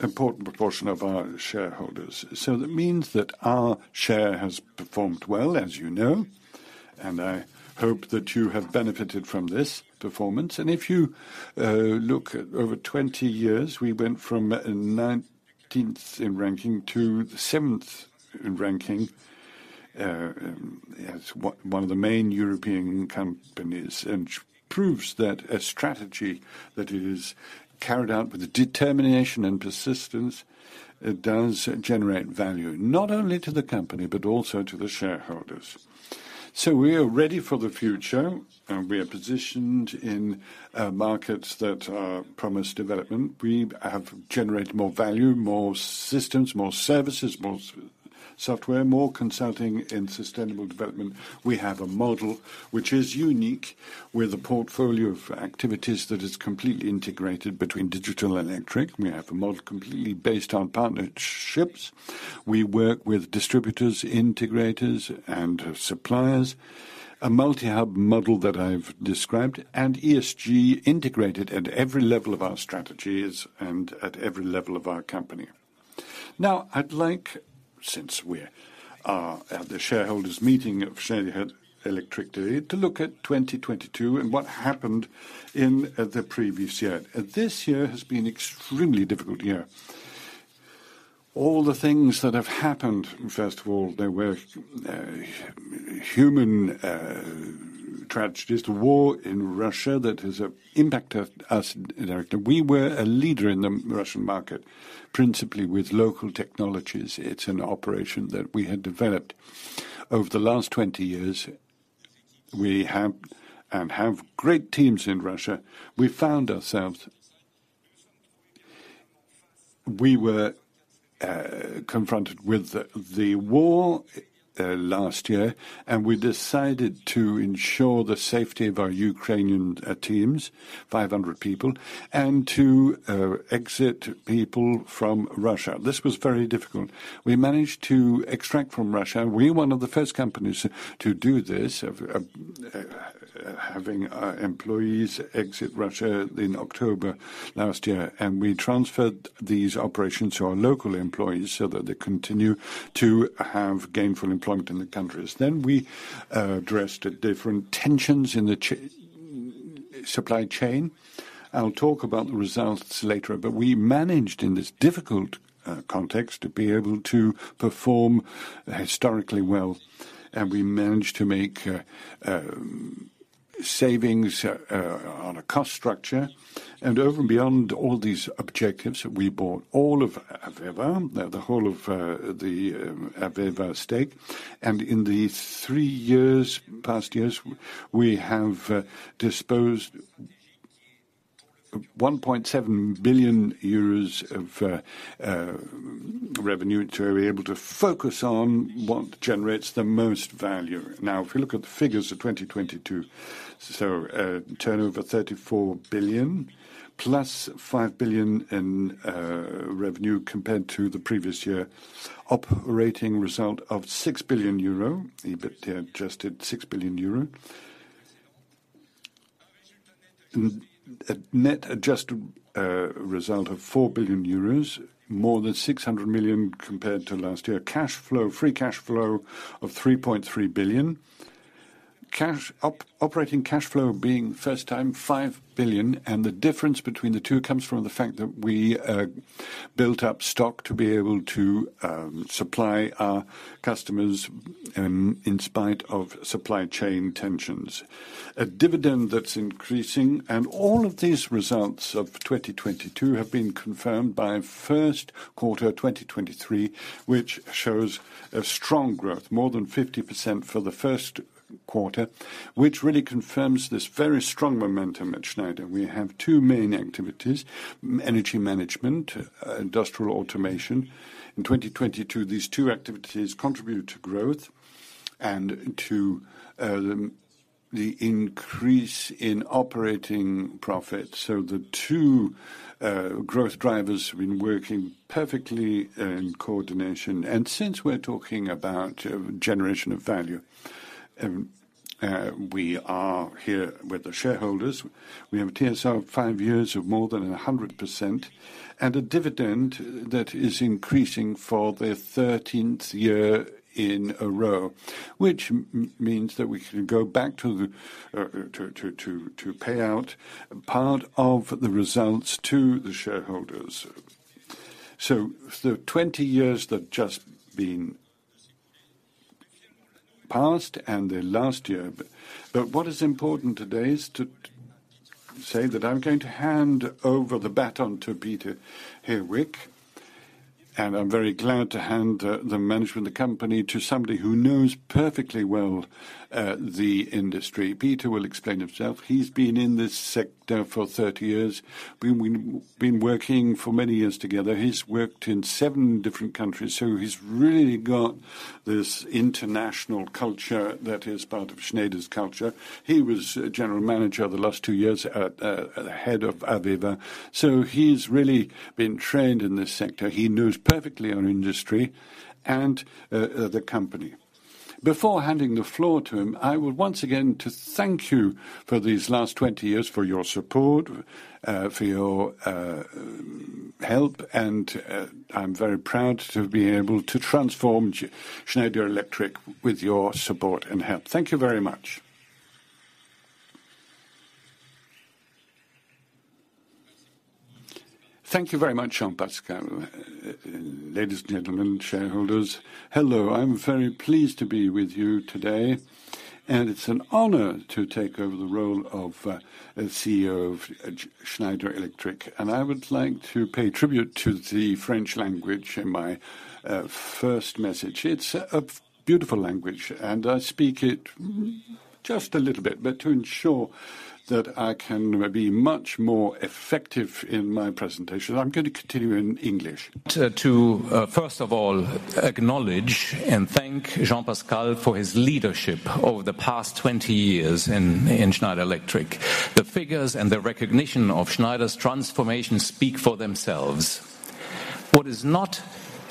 important proportion of our shareholders. That means that our share has performed well, as you know, and I hope that you have benefited from this performance. If you look at over 20 years, we went from 19th in ranking to 7th in ranking as one of the main European companies. It proves that a strategy that is carried out with determination and persistence, it does generate value, not only to the company, but also to the shareholders. We are ready for the future, and we are positioned in markets that promise development. We have generated more value, more systems, more services, more software, more consulting in sustainable development. We have a model which is unique with a portfolio of activities that is completely integrated between digital and electric. We have a model completely based on partnerships. We work with distributors, integrators, and suppliers. A multi-hub model that I've described and ESG integrated at every level of our strategies and at every level of our company. I'd like, since we are at the Shareholders Meeting of Schneider Electric today, to look at 2022 and what happened in the previous year. This year has been extremely difficult year. All the things that have happened, first of all, there were human tragedies, the war in Russia that has impacted us directly. We were a leader in the Russian market, principally with local technologies. It's an operation that we had developed over the last 20 years. We have great teams in Russia. We were confronted with the war last year. We decided to ensure the safety of our Ukrainian teams, 500 people, and to exit people from Russia. This was very difficult. We managed to extract from Russia. We're one of the first companies to do this. Having our employees exit Russia in October last year, we transferred these operations to our local employees so that they continue to have gainful employment in the countries. We addressed different tensions in the supply chain. I'll talk about the results later. We managed, in this difficult context, to be able to perform historically well, and we managed to make savings on a cost structure. Over and beyond all these objectives, we bought all of AVEVA, the whole of the AVEVA stake. In the three past years, we have disposed 1.7 billion euros of revenue to be able to focus on what generates the most value. If you look at the figures of 2022, turnover 34 billion, +5 billion in revenue compared to the previous year. Operating result of 6 billion euro, EBITDA adjusted 6 billion euro. Net adjusted result of 4 billion euros, more than 600 million compared to last year. Cash flow, free cash flow of 3.3 billion. Operating cash flow being first time 5 billion. The difference between the two comes from the fact that we built up stock to be able to supply our customers in spite of supply chain tensions. A dividend that's increasing. All of these results of 2022 have been confirmed by first quarter 2023, which shows a strong growth, more than 50% for the first quarter, which really confirms this very strong momentum at Schneider. We have two main activities, energy management, industrial automation. In 2022, these two activities contributed to growth and to the increase in operating profit. The two growth drivers have been working perfectly in coordination. Since we're talking about generation of value, we are here with the shareholders. We have a TSR of five years of more than 100% and a dividend that is increasing for the 13th year in a row, which means that we can go back to pay out part of the results to the shareholders. The 20 years that just been passed and the last year. What is important today is to say that I'm going to hand over the baton to Peter Herweck, and I'm very glad to hand the management of the company to somebody who knows perfectly well the industry. Peter will explain himself. He's been in this sector for 30 years. We've been working for many years together. He's worked in seven different countries, so he's really got this international culture that is part of Schneider's culture. He was general manager the last two years at the head of AVEVA. He's really been trained in this sector. He knows perfectly our industry and the company. Before handing the floor to him, I would once again to thank you for these last 20 years, for your support, for your help, I'm very proud to have been able to transform Schneider Electric with your support and help. Thank you very much. Thank you very much, Jean-Pascal. Ladies and gentlemen, shareholders, hello. I'm very pleased to be with you today. It's an honor to take over the role of CEO of Schneider Electric. I would like to pay tribute to the French language in my first message. It's a beautiful language, and I speak it just a little bit. To ensure that I can be much more effective in my presentation, I'm gonna continue in English. First of all, acknowledge and thank Jean-Pascal for his leadership over the past 20 years in Schneider Electric. The figures and the recognition of Schneider's transformation speak for themselves. What is not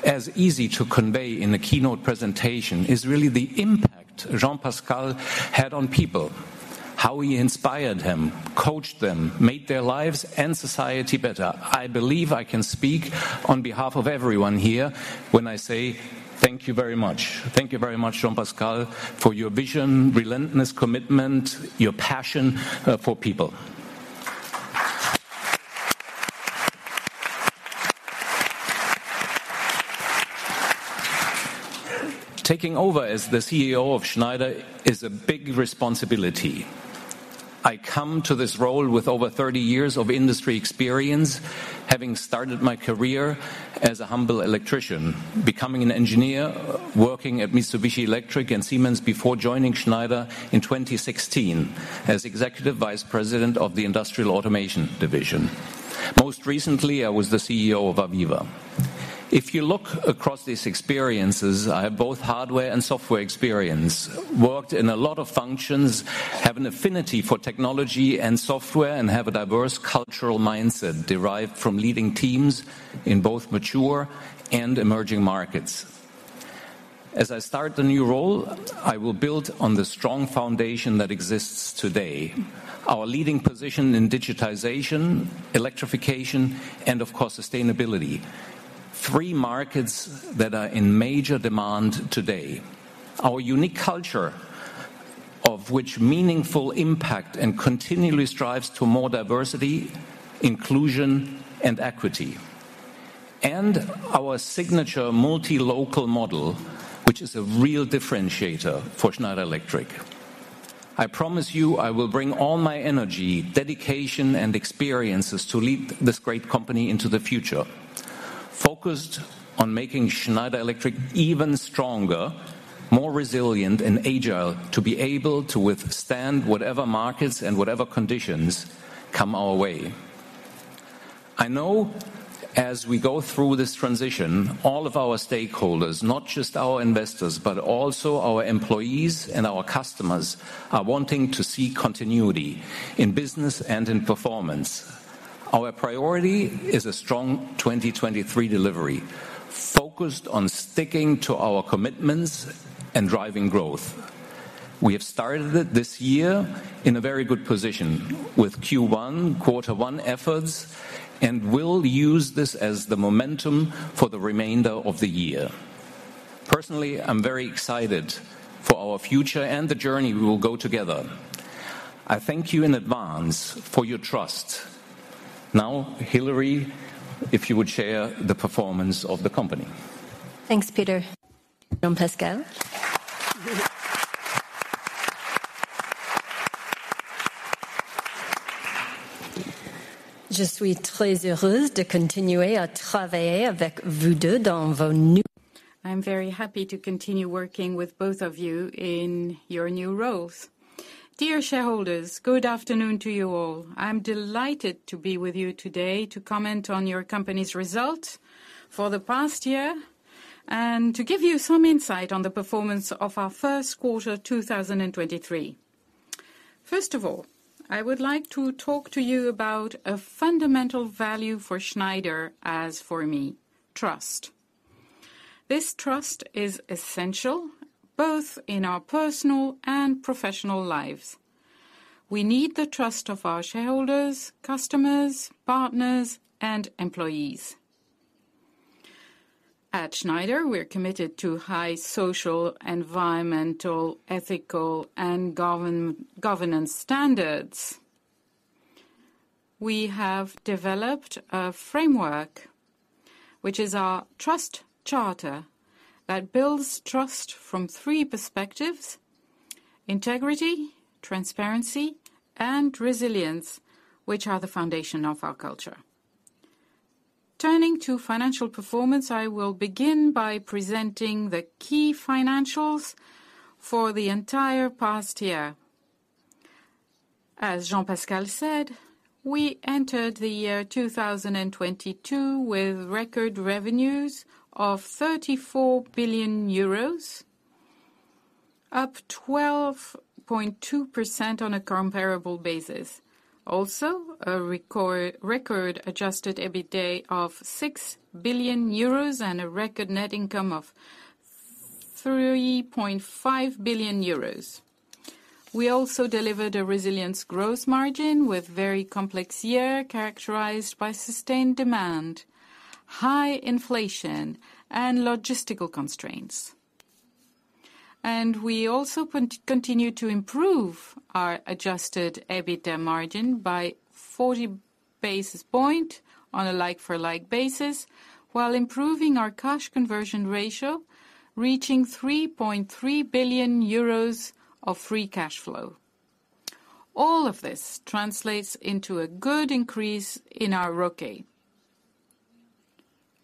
as easy to convey in a keynote presentation is really the impact Jean-Pascal had on people, how he inspired them, coached them, made their lives and society better. I believe I can speak on behalf of everyone here when I say thank you very much. Thank you very much, Jean-Pascal, for your vision, relentless commitment, your passion for people. Taking over as the CEO of Schneider is a big responsibility. I come to this role with over 30 years of industry experience, having started my career as a humble electrician, becoming an engineer, working at Mitsubishi Electric and Siemens before joining Schneider in 2016 as Executive Vice President of the Industrial Automation Division. Most recently, I was the CEO of AVEVA. If you look across these experiences, I have both hardware and software experience, worked in a lot of functions, have an affinity for technology and software, and have a diverse cultural mindset derived from leading teams in both mature and emerging markets. As I start the new role, I will build on the strong foundation that exists today. Our leading position in digitization, electrification, and of course, sustainability. Three markets that are in major demand today. Our unique culture, of which meaningful impact and continually strives to more diversity, inclusion, and equity. Our signature multi-local model, which is a real differentiator for Schneider Electric. I promise you, I will bring all my energy, dedication, and experiences to lead this great company into the future, focused on making Schneider Electric even stronger, more resilient, and agile to be able to withstand whatever markets and whatever conditions come our way. I know as we go through this transition, all of our stakeholders, not just our investors, but also our employees and our customers, are wanting to see continuity in business and in performance. Our priority is a strong 2023 delivery, focused on sticking to our commitments and driving growth. We have started it this year in a very good position with Q1 efforts, and we'll use this as the momentum for the remainder of the year. Personally, I'm very excited for our future and the journey we will go together. I thank you in advance for your trust. Now, Hilary, if you would share the performance of the company. Thanks, Peter. Jean-Pascal. I'm very happy to continue working with both of you in your new roles. Dear shareholders, good afternoon to you all. I'm delighted to be with you today to comment on your company's results for the past year, to give you some insight on the performance of our first quarter 2023. First of all, I would like to talk to you about a fundamental value for Schneider, as for me, trust. This trust is essential both in our personal and professional lives. We need the trust of our shareholders, customers, partners, and employees. At Schneider, we're committed to high social, environmental, ethical, and governance standards. We have developed a framework, which is our trust charter, that builds trust from three perspectives: integrity, transparency, and resilience, which are the foundation of our culture. Turning to financial performance, I will begin by presenting the key financials for the entire past year. As Jean-Pascal said, we entered the year 2022 with record revenues of 34 billion euros, up 12.2% on a comparable basis. A record adjusted EBITDA of 6 billion euros and a record net income of 3.5 billion euros. We also delivered a resilience growth margin with very complex year, characterized by sustained demand, high inflation, and logistical constraints. We also continue to improve our adjusted EBITDA margin by 40 basis point on a like-for-like basis, while improving our cash conversion ratio, reaching 3 billion euros of free cash flow. All of this translates into a good increase in our ROCE.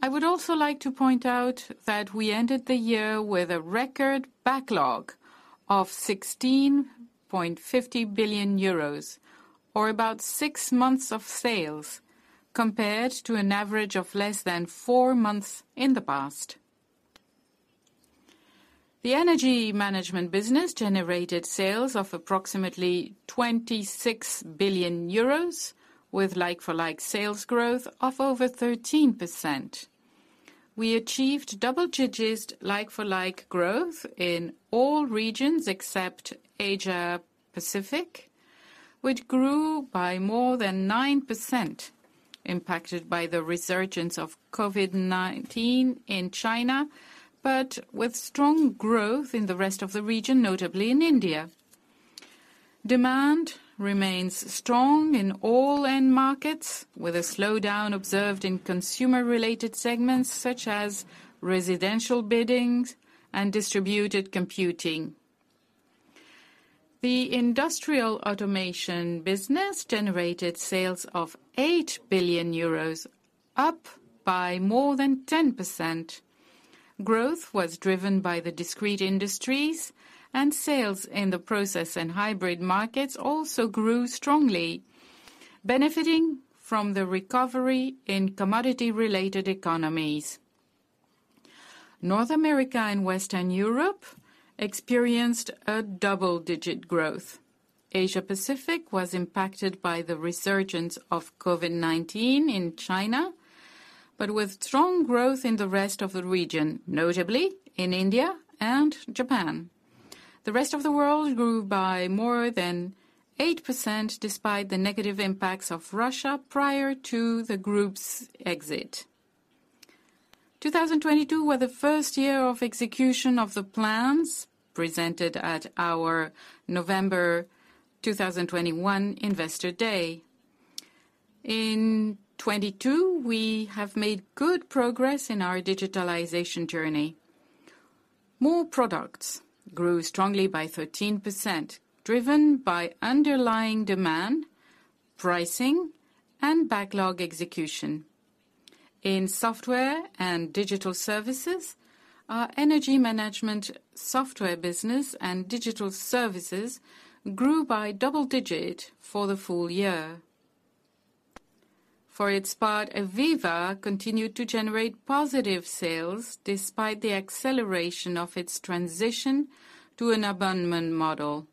I would also like to point out that we ended the year with a record backlog of 16.50 billion euros, or about six months of sales, compared to an average of less than four months in the past. The energy management business generated sales of approximately 26 billion euros with like for like sales growth of over 13%. We achieved double-digit like for like growth in all regions except Asia-Pacific, which grew by more than 9%, impacted by the resurgence of COVID-19 in China, but with strong growth in the rest of the region, notably in India. Demand remains strong in all end markets, with a slowdown observed in consumer-related segments such as residential biddings and distributed computing. The industrial automation business generated sales of 8 billion euros, up by more than 10%. Growth was driven by the discrete industries and sales in the process and hybrid markets also grew strongly, benefiting from the recovery in commodity-related economies. North America and Western Europe experienced a double-digit growth. Asia-Pacific was impacted by the resurgence of COVID-19 in China, with strong growth in the rest of the region, notably in India and Japan. The rest of the world grew by more than 8% despite the negative impacts of Russia prior to the group's exit. 2022 were the first year of execution of the plans presented at our November 2021 Investor Day. In 2022, we have made good progress in our digitalization journey. More products grew strongly by 13%, driven by underlying demand, pricing, and backlog execution. In software and digital services, our energy management software business and digital services grew by double-digit for the full year. For its part, AVEVA continued to generate positive sales despite the acceleration of its transition to an abandonment model.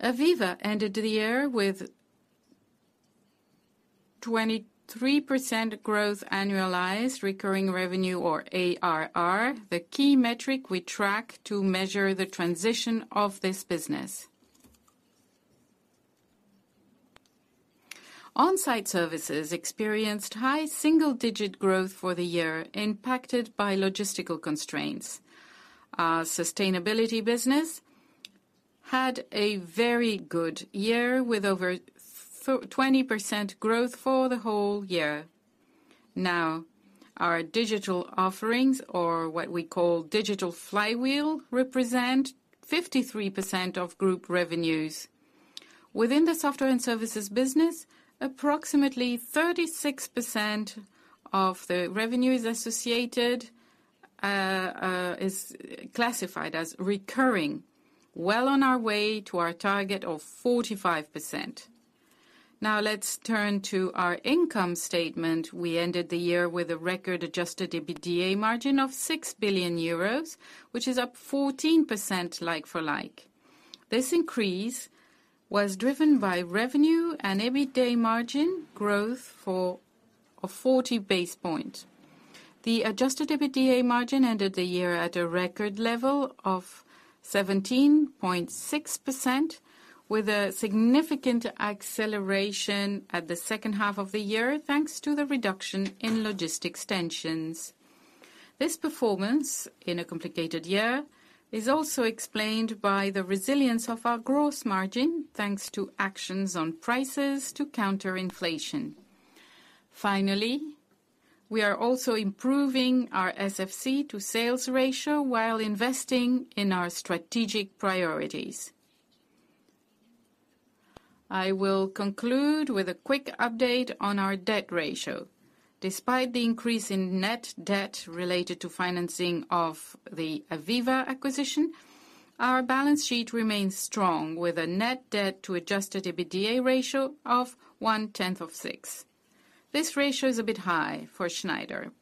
AVEVA ended the year with 23% growth annualized recurring revenue, or ARR, the key metric we track to measure the transition of this business. On-site services experienced high single-digit growth for the year, impacted by logistical constraints. Our sustainability business had a very good year with over 20% growth for the whole year. Our digital offerings or what we call digital flywheel, represent 53% of group revenues. Within the software and services business, approximately 36% of the revenue is classified as recurring, well on our way to our target of 45%. Let's turn to our income statement. We ended the year with a record adjusted EBITDA margin of 6 billion euros, which is up 14% like for like. This increase was driven by revenue and EBITDA margin growth for a 40 basis points. The adjusted EBITDA margin ended the year at a record level of 17.6%, with a significant acceleration at the second half of the year, thanks to the reduction in logistics tensions. This performance in a complicated year is also explained by the resilience of our gross margin, thanks to actions on prices to counter inflation. We are also improving our SFC to sales ratio while investing in our strategic priorities. I will conclude with a quick update on our debt ratio. Despite the increase in net debt related to financing of the AVEVA acquisition, our balance sheet remains strong with a net debt to adjusted EBITDA ratio of one-tenth of six. This ratio is a bit high for Schneider,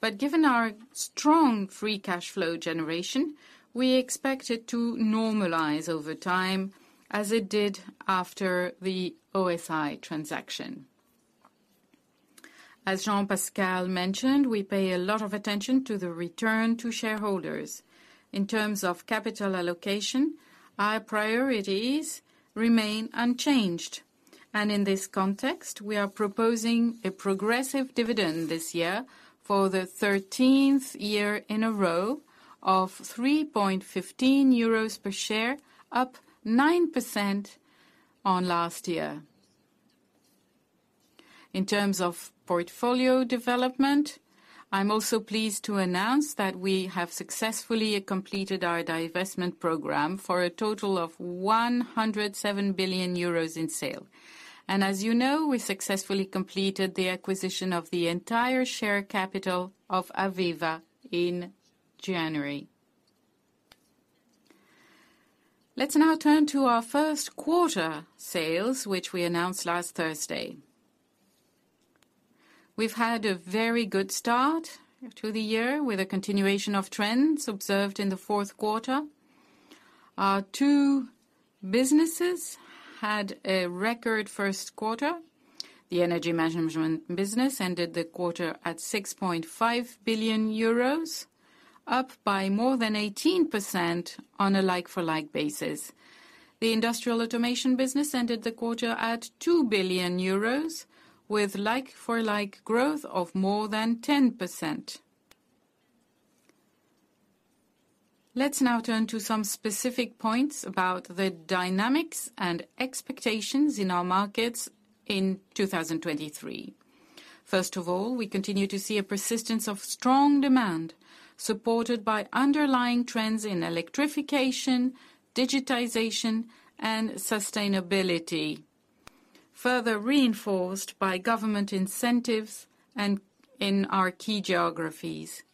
but given our strong free cash flow generation, we expect it to normalize over time as it did after the OSIsoft transaction. As Jean-Pascal mentioned, we pay a lot of attention to the return to shareholders. In terms of capital allocation, our priorities remain unchanged. In this context, we are proposing a progressive dividend this year for the 13th year in a row of 3.15 euros per share, up 9% on last year. In terms of portfolio development, I'm also pleased to announce that we have successfully completed our divestment program for a total of 107 billion euros in sale. As you know, we successfully completed the acquisition of the entire share capital of AVEVA in January. Let's now turn to our first quarter sales, which we announced last Thursday. We've had a very good start to the year with a continuation of trends observed in the fourth quarter. Our two businesses had a record first quarter. The energy management business ended the quarter at 6.5 billion euros, up by more than 18% on a like-for-like basis. The industrial automation business ended the quarter at 2 billion euros with like-for-like growth of more than 10%. Let's now turn to some specific points about the dynamics and expectations in our markets in 2023. First of all, we continue to see a persistence of strong demand, supported by underlying trends in electrification, digitization, and sustainability, further reinforced by government incentives and in our key geographies.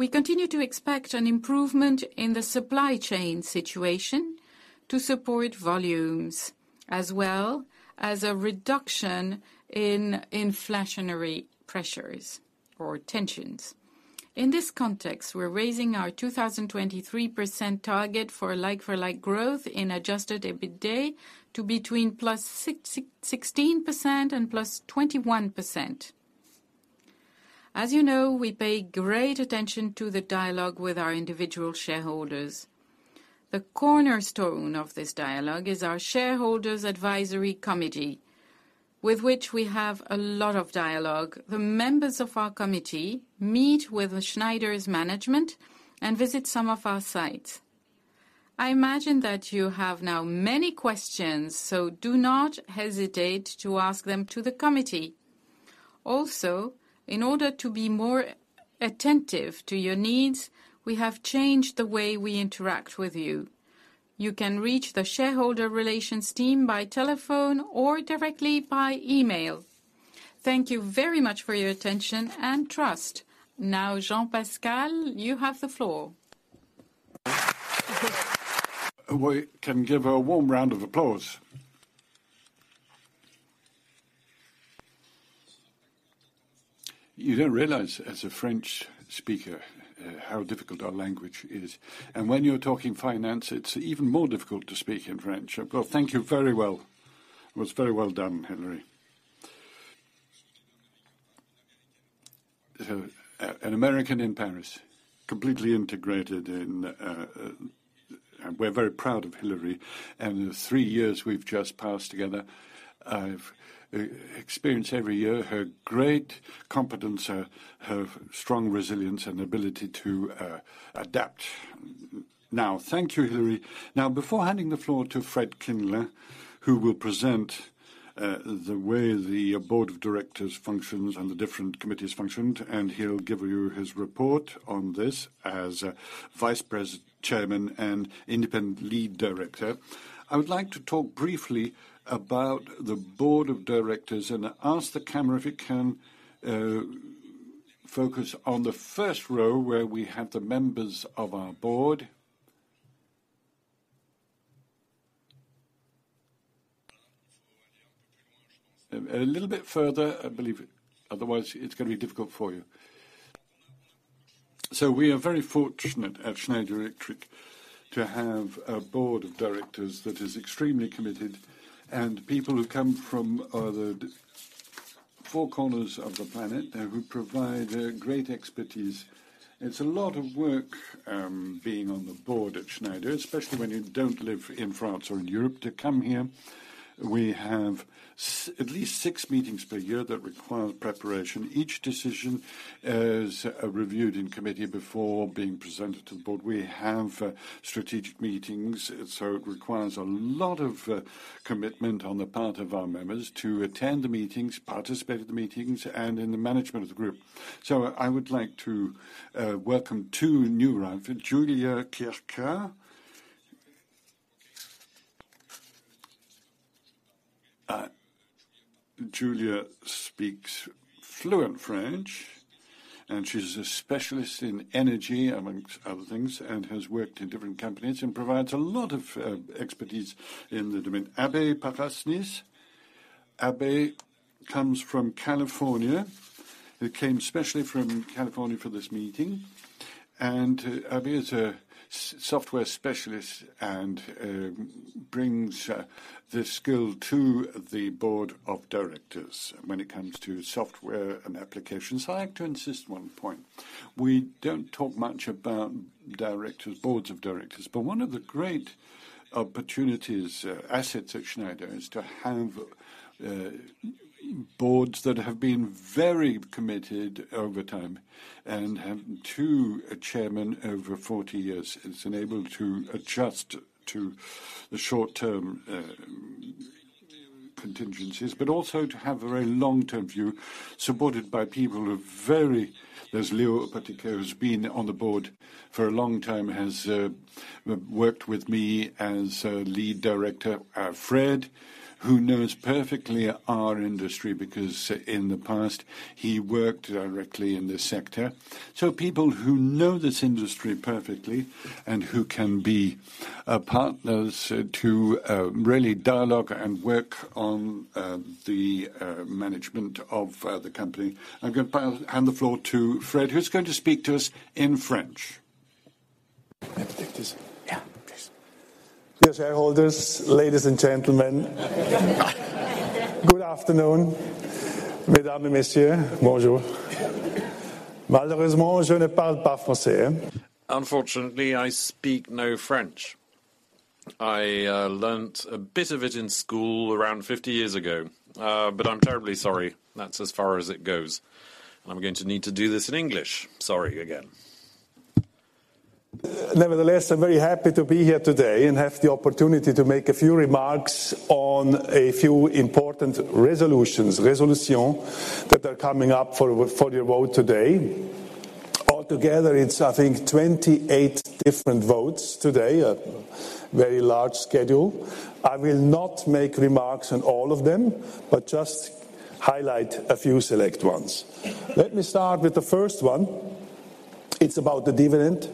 We continue to expect an improvement in the supply chain situation to support volumes. As well as a reduction in inflationary pressures or tensions. In this context, we're raising our 2023 target for like-for-like growth in adjusted EBITDA to between +16% and +21%. As you know, we pay great attention to the dialogue with our individual shareholders. The cornerstone of this dialogue is our Shareholders' Advisory Committee, with which we have a lot of dialogue. The members of our committee meet with Schneider's management and visit some of our sites. I imagine that you have now many questions, so do not hesitate to ask them to the committee. Also, in order to be more attentive to your needs, we have changed the way we interact with you. You can reach the shareholder relations team by telephone or directly by email. Thank you very much for your attention and trust. Now, Jean-Pascal, you have the floor. We can give a warm round of applause. You don't realize as a French speaker how difficult our language is, and when you're talking finance, it's even more difficult to speak in French. Well, thank you. Very well. It was very well done, Hilary. So an American in Paris, completely integrated, we're very proud of Hilary, and the three years we've just passed together. I've experienced every year her great competence, her strong resilience and ability to adapt. Now, thank you, Hilary. Now, before handing the floor to Fred Kindle, who will present the way the Board of Directors functions and the different committees functioned, and he'll give you his report on this as Chairman and Independent Lead Director. I would like to talk briefly about the Board of Directors and ask the camera if it can focus on the first row where we have the members of our board. A little bit further, I believe. Otherwise, it's gonna be difficult for you. We are very fortunate at Schneider Electric to have a Board of Directors that is extremely committed, and people who come from the four corners of the planet, who provide great expertise. It's a lot of work, being on the Board at Schneider, especially when you don't live in France or in Europe, to come here. We have at least six meetings per year that require preparation. Each decision is reviewed in committee before being presented to the Board. We have strategic meetings, so it requires a lot of commitment on the part of our members to attend the meetings, participate in the meetings and in the management of the group. I would like to welcome two new members. Giulia Chierchia. Giulia speaks fluent French, and she's a specialist in energy, amongst other things, and has worked in different companies and provides a lot of expertise in the domain. Abhay Parasnis. Abhay comes from California. He came specially from California for this meeting. Abhay is a software specialist and brings this skill to the Board of Directors when it comes to software and applications. I have to insist one point. We don't talk much about directors, boards of directors, one of the great opportunities, assets at Schneider is to have boards that have been very committed over time and have two chairmen over 40 years. It's enabled to adjust to the short-term contingencies, but also to have a very long-term view, supported by people who are very. There's Léo, in particular, who's been on the Board for a long time, has worked with me as a lead director. Fred, who knows perfectly our industry because in the past, he worked directly in this sector. People who know this industry perfectly and who can be partners to really dialogue and work on the management of the company. I'm gonna hand the floor to Fred, who's going to speak to us in French. Can I take this? Yeah, please. Dear shareholders, ladies and gentlemen. Good afternoon. Unfortunately, I speak no French. I learned a bit of it in school around 50 years ago. I'm terribly sorry. That's as far as it goes. I'm going to need to do this in English. Sorry again. I'm very happy to be here today and have the opportunity to make a few remarks on a few important resolutions, resolution, that are coming up for your vote today. All together, it's, I think, 28 different votes today. A very large schedule. I will not make remarks on all of them, just highlight a few select ones. Let me start with the first one. It's about the dividend.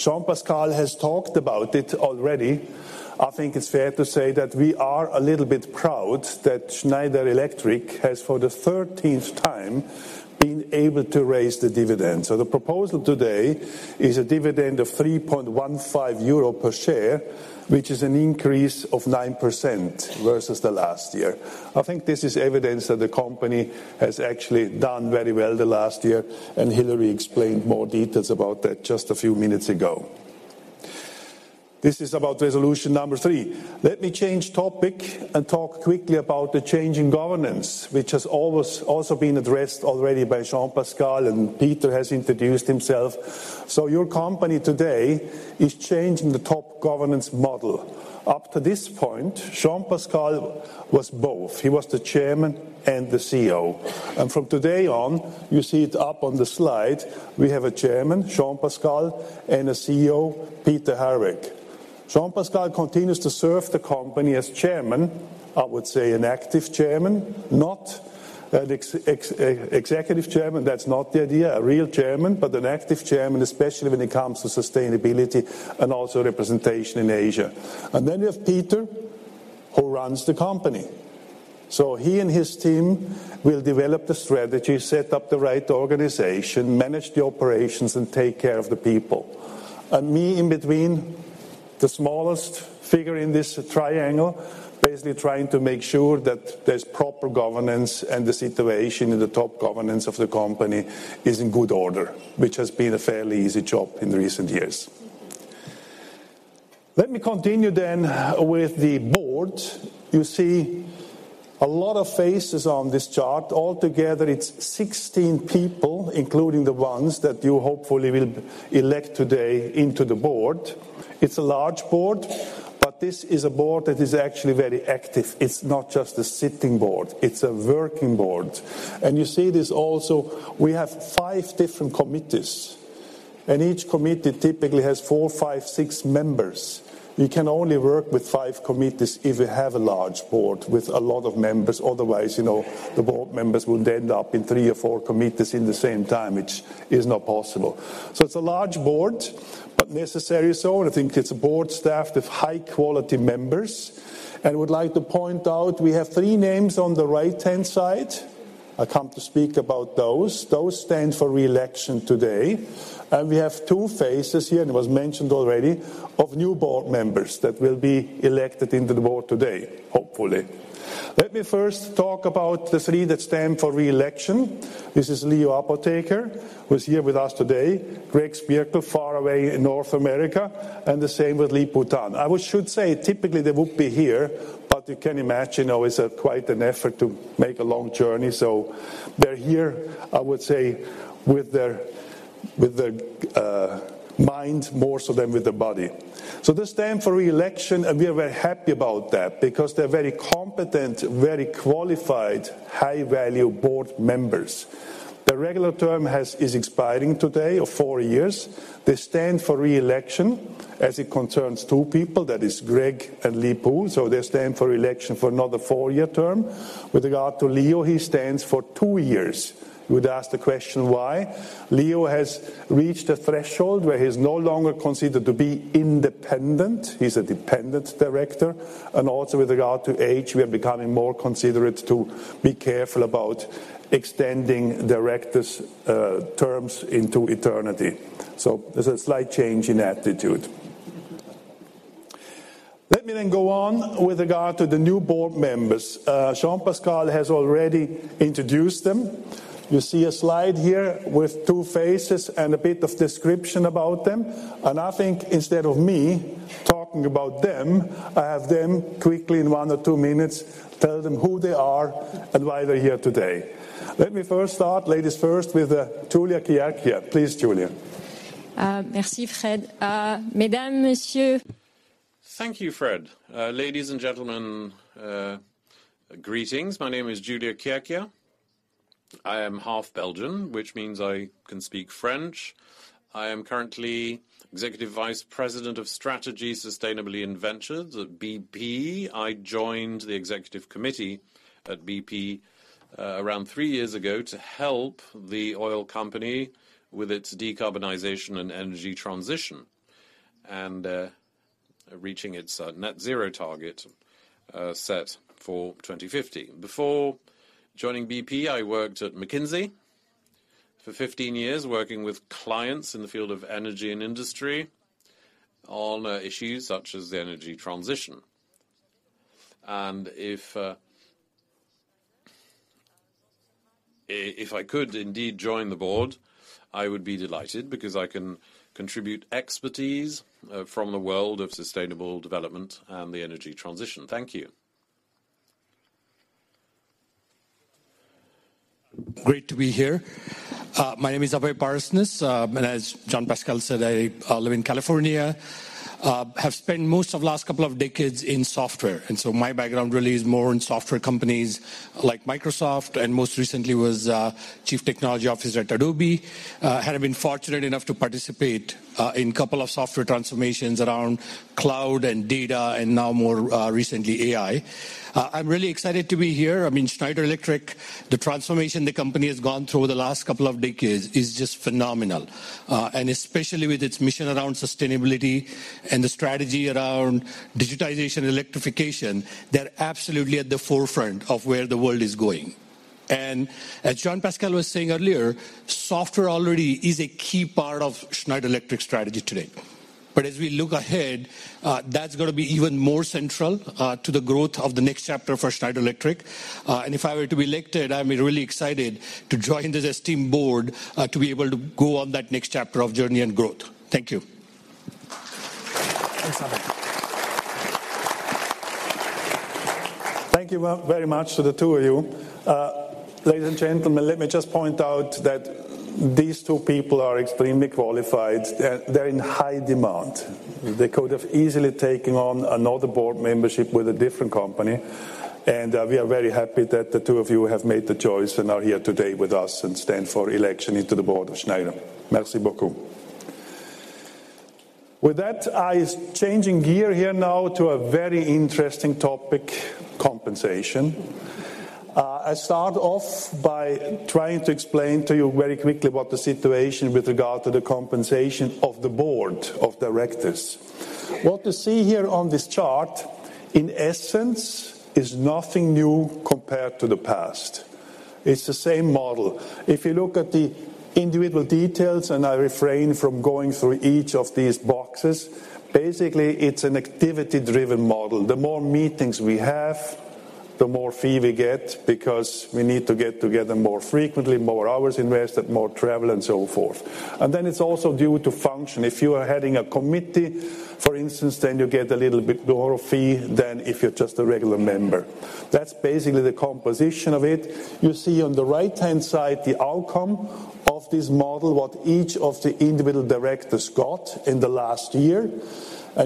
Jean-Pascal has talked about it already. I think it's fair to say that we are a little bit proud that Schneider Electric has, for the 13th time, been able to raise the dividend. The proposal today is a dividend of 3.15 euro per share, which is an increase of 9% versus the last year. I think this is evidence that the company has actually done very well the last year, and Hilary explained more details about that just a few minutes ago. This is about Resolution 3. Let me change topic and talk quickly about the change in governance, which has always also been addressed already by Jean-Pascal, and Peter has introduced himself. Your company today is changing the top governance model. Up to this point, Jean-Pascal was both. He was the Chairman and the CEO. From today on, you see it up on the slide, we have a Chairman, Jean-Pascal, and a CEO, Peter Herweck. Jean-Pascal continues to serve the company as Chairman, I would say an active Chairman, not an executive Chairman, that's not the idea, a real Chairman, but an active Chairman, especially when it comes to sustainability and also representation in Asia. Then we have Peter, who runs the company. He and his team will develop the strategy, set up the right organization, manage the operations, and take care of the people. Me in between, the smallest figure in this triangle, basically trying to make sure that there's proper governance and the situation in the top governance of the company is in good order, which has been a fairly easy job in recent years. Let me continue then with the Board. You see a lot of faces on this chart. All together, it's 16 people, including the ones that you hopefully will elect today into the Board. It's a large board, but this is a board that is actually very active. It's not just a sitting board, it's a working board. You see this also, we have 5 different committees, and each committee typically has 4, 5, 6 members. You can only work with 5 committees if you have a large board with a lot of members. Otherwise, you know, the Board members would end up in 3 or 4 committees in the same time, which is not possible. It's a large board, but necessary so. I think it's a board staffed with high-quality members. I would like to point out we have three names on the right-hand side. I come to speak about those. Those stand for re-election today. We have two faces here, and it was mentioned already, of new board members that will be elected into the Board today, hopefully. Let me first talk about the three that stand for re-election. This is Léo Apotheker, who is here with us today, Gregory Spierkel to far away in North America, and the same with Lip-Bu Tan. I should say, typically, they would be here, but you can imagine how it's quite an effort to make a long journey. They're here, I would say, with their, with their mind more so than with their body. They stand for re-election, and we are very happy about that because they're very competent, very qualified, high-value board members. Their regular term is expiring today of four years. They stand for re-election as it concerns two people, that is Greg and Lip-Bu. They stand for re-election for another four-year term. With regard to Léo, he stands for two years. You would ask the question, why? Léo has reached a threshold where he is no longer considered to be independent. He's a dependent director. Also with regard to age, we are becoming more considerate to be careful about extending directors' terms into eternity. There's a slight change in attitude. Let me then go on with regard to the new board members. Jean-Pascal has already introduced them. You see a slide here with two faces and a bit of description about them. I think instead of me talking about them, I have them quickly in one or two minutes, tell them who they are and why they're here today. Let me first start, ladies first, with Giulia Chierchia. Please, Giulia. Merci, Fred. Mesdames, messieurs. Thank you, Fred. Ladies and gentlemen, greetings. My name is Giulia Chierchia. I am half Belgian, which means I can speak French. I am currently Executive Vice President of Strategy, Sustainability, and Ventures at BP. I joined the executive committee at BP, around three years ago to help the oil company with its decarbonization and energy transition and reaching its net zero target set for 2050. Before joining BP, I worked at McKinsey for 15 years, working with clients in the field of energy and industry on issues such as the energy transition. If I could indeed join the Board, I would be delighted because I can contribute expertise from the world of sustainable development and the energy transition. Thank you. Great to be here. My name is Abhay Parasnis, and as Jean-Pascal said, I live in California. Have spent most of last couple of decades in software, and so my background really is more in software companies like Microsoft, and most recently was Chief Technology Officer at Adobe. Have been fortunate enough to participate in couple of software transformations around cloud and data and now more recently AI. I'm really excited to be here. I mean, Schneider Electric, the transformation the company has gone through over the last couple of decades is just phenomenal. And especially with its mission around sustainability and the strategy around digitization, electrification, they're absolutely at the forefront of where the world is going As Jean-Pascal was saying earlier, software already is a key part of Schneider Electric strategy today. As we look ahead, that's gonna be even more central to the growth of the next chapter for Schneider Electric. If I were to be elected, I'm really excited to join this esteemed board to be able to go on that next chapter of journey and growth. Thank you. Thanks, Abhay. Thank you very much to the two of you. ladies and gentlemen, let me just point out that these two people are extremely qualified. They're in high demand. They could have easily taken on another board membership with a different company, and we are very happy that the two of you have made the choice and are here today with us and stand for election into the Board of Schneider. With that, I is changing gear here now to a very interesting topic, compensation. I start off by trying to explain to you very quickly what the situation with regard to the compensation of the Board of Directors. What you see here on this chart, in essence, is nothing new compared to the past. It's the same model. If you look at the individual details, I refrain from going through each of these boxes. Basically, it's an activity-driven model. The more meetings we have, the more fee we get because we need to get together more frequently, more hours invested, more travel, and so forth. It's also due to function. If you are heading a committee, for instance, then you get a little bit more fee than if you're just a regular member. That's basically the composition of it. You see on the right-hand side, the outcome of this model, what each of the individual directors got in the last year.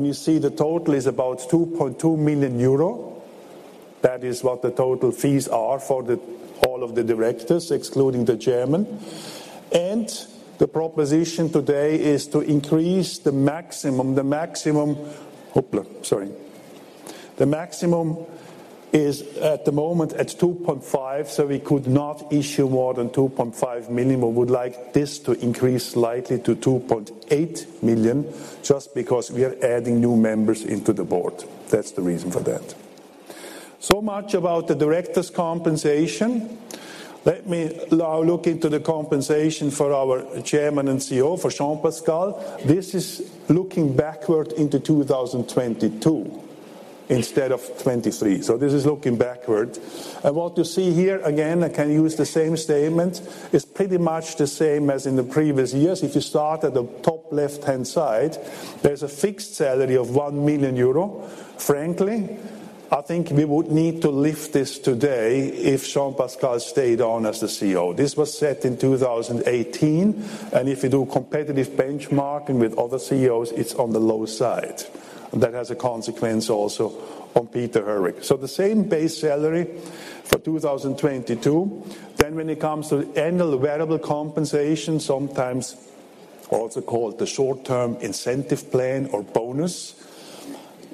You see the total is about 2.2 million euro. That is what the total fees are for all of the directors, excluding the Chairman. The proposition today is to increase the maximum. The maximum is at the moment at 2.5 million, so we could not issue more than 2.5 million. We would like this to increase slightly to 2.8 million just because we are adding new members into the Board. That's the reason for that. Much about the director's compensation. Let me now look into the compensation for our Chairman and CEO, for Jean-Pascal. This is looking backward into 2022 instead of 2023. This is looking backward. What you see here, again, I can use the same statement, is pretty much the same as in the previous years. If you start at the top left-hand side, there's a fixed salary of 1 million euro. Frankly, I think we would need to lift this today if Jean-Pascal stayed on as the CEO. This was set in 2018. If you do competitive benchmarking with other CEOs, it's on the low side. That has a consequence also on Peter Herweck. The same base salary for 2022. When it comes to annual variable compensation, sometimes also called the short-term incentive plan or bonus,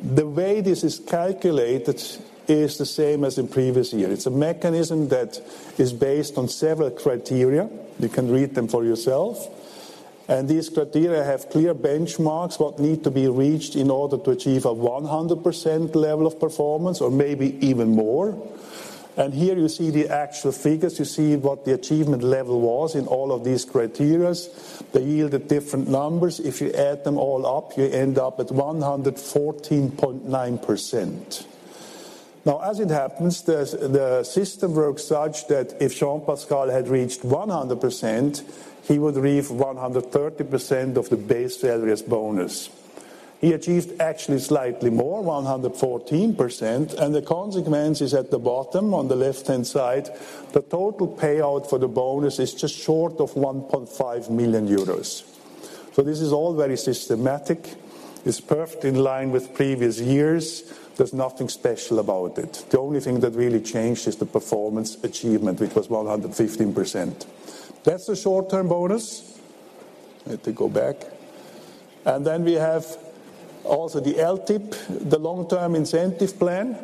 the way this is calculated is the same as in previous year. It's a mechanism that is based on several criteria. You can read them for yourself. These criteria have clear benchmarks what need to be reached in order to achieve a 100% level of performance or maybe even more. Here you see the actual figures. You see what the achievement level was in all of these criteria. They yield different numbers. If you add them all up, you end up at 114.9%. Now, as it happens, the system works such that if Jean-Pascal had reached 100%, he would receive 130% of the base salary as bonus. He achieved actually slightly more, 114%, and the consequence is at the bottom on the left-hand side, the total payout for the bonus is just short of 1.5 million euros. This is all very systematic. It's perfect in line with previous years. There's nothing special about it. The only thing that really changed is the performance achievement, which was 115%. That's the short-term bonus. I have to go back. We have also the LTIP, the long-term incentive plan,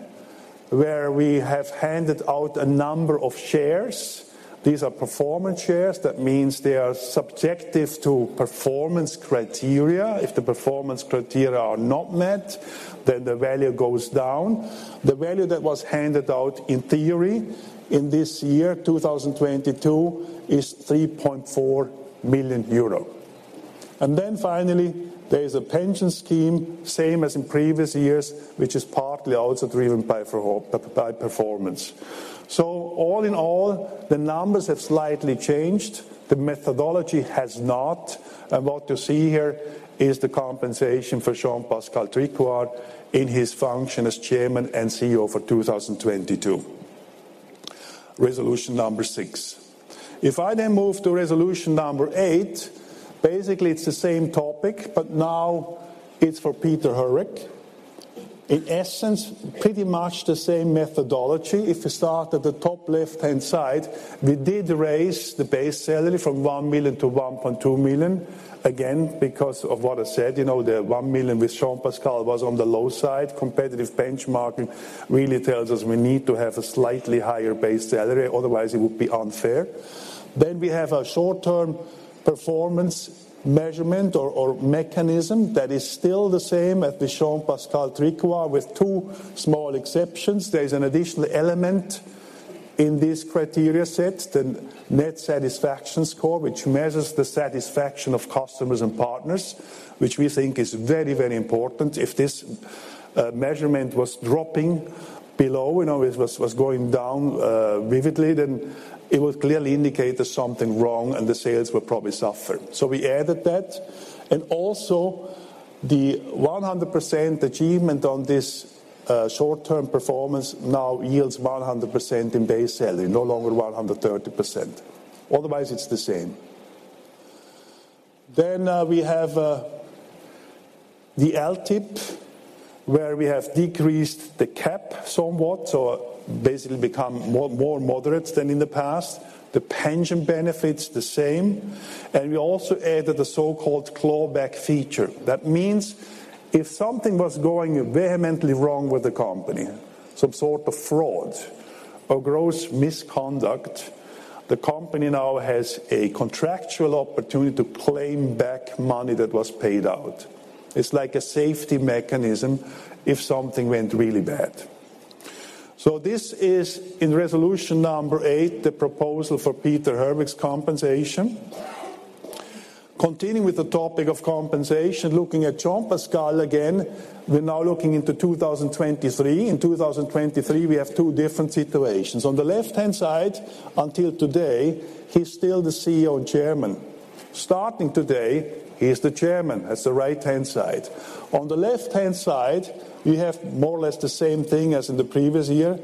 where we have handed out a number of shares. These are performance shares. That means they are subjective to performance criteria. If the performance criteria are not met, then the value goes down. The value that was handed out in theory in this year, 2022, is 3.4 million euro. Finally, there is a pension scheme, same as in previous years, which is partly also driven by performance. All in all, the numbers have slightly changed. The methodology has not. What you see here is the compensation for Jean-Pascal Tricoire in his function as Chairman and CEO for 2022. Resolution 6. If I then move to Resolution 8, basically it's the same topic, but now it's for Peter Herweck. In essence, pretty much the same methodology. If you start at the top left-hand side, we did raise the base salary from 1 million-1.2 million, again, because of what I said. You know, the 1 million with Jean-Pascal was on the low side. Competitive benchmarking really tells us we need to have a slightly higher base salary, otherwise it would be unfair. We have a short-term performance measurement or mechanism that is still the same as the Jean-Pascal Tricoire with two small exceptions. There is an additional element in this criteria set, the Net Satisfaction Score, which measures the satisfaction of customers and partners, which we think is very, very important. If this measurement was dropping below, you know, it was going down vividly, then it would clearly indicate there's something wrong, and the sales would probably suffer. We added that. Also the 100% achievement on this short-term performance now yields 100% in base salary, no longer 130%. Otherwise, it's the same. We have the LTIP, where we have decreased the cap somewhat or basically become more, more moderate than in the past. The pension benefit's the same. We also added the so-called clawback feature. That means if something was going vehemently wrong with the company, some sort of fraud or gross misconduct, the company now has a contractual opportunity to claim back money that was paid out. It's like a safety mechanism if something went really bad. This is in Resolution 8, the proposal for Peter Herweck's compensation. Continuing with the topic of compensation, looking at Jean-Pascal again, we're now looking into 2023. In 2023, we have two different situations. On the left-hand side, until today, he's still the CEO and Chairman. Starting today, he is the Chairman. That's the right-hand side. On the left-hand side, we have more or less the same thing as in the previous year.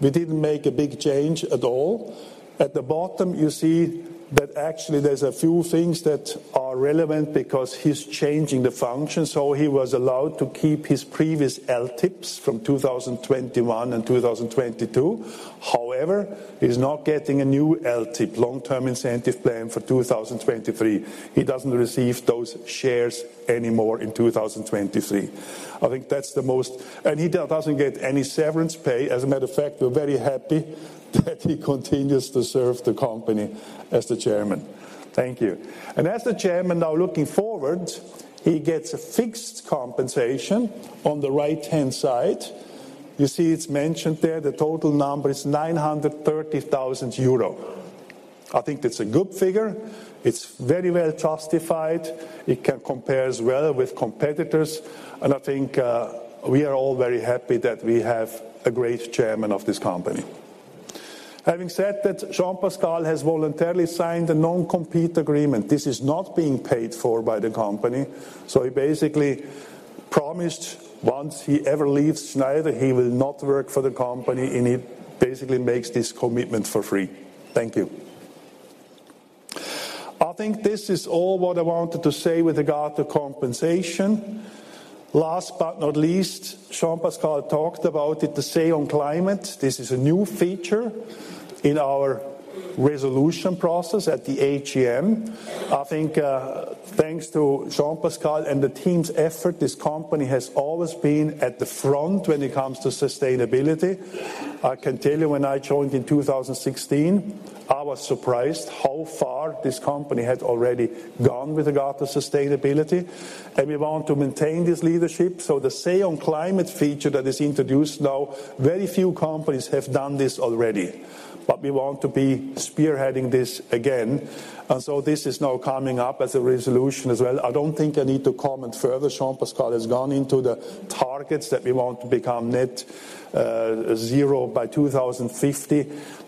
We didn't make a big change at all. At the bottom you see that actually there's a few things that are relevant because he's changing the function, so he was allowed to keep his previous LTIPs from 2021 and 2022. However, he's now getting a new LTIP, long-term incentive plan, for 2023. He doesn't receive those shares anymore in 2023. He doesn't get any severance pay. As a matter of fact, we're very happy that he continues to serve the company as the Chairman. Thank you. As the Chairman now looking forward, he gets a fixed compensation. On the right-hand side, you see it's mentioned there, the total number is 930,000 euro. I think that's a good figure. It's very well justified. It can compares well with competitors. I think we are all very happy that we have a great Chairman of this company. Having said that, Jean-Pascal has voluntarily signed a non-compete agreement. This is not being paid for by the company, so he basically promised once he ever leaves Schneider, he will not work for the company, and he basically makes this commitment for free. Thank you. I think this is all what I wanted to say with regard to compensation. Last but not least, Jean-Pascal talked about it, the Say on Climate. This is a new feature in our resolution process at the AGM. I think thanks to Jean-Pascal and the team's effort, this company has always been at the front when it comes to sustainability. I can tell you when I joined in 2016, I was surprised how far this company had already gone with regard to sustainability. We want to maintain this leadership. The Say on Climate feature that is introduced now, very few companies have done this already. We want to be spearheading this again. This is now coming up as a resolution as well. I don't think I need to comment further. Jean-Pascal has gone into the targets that we want to become net zero by 2050.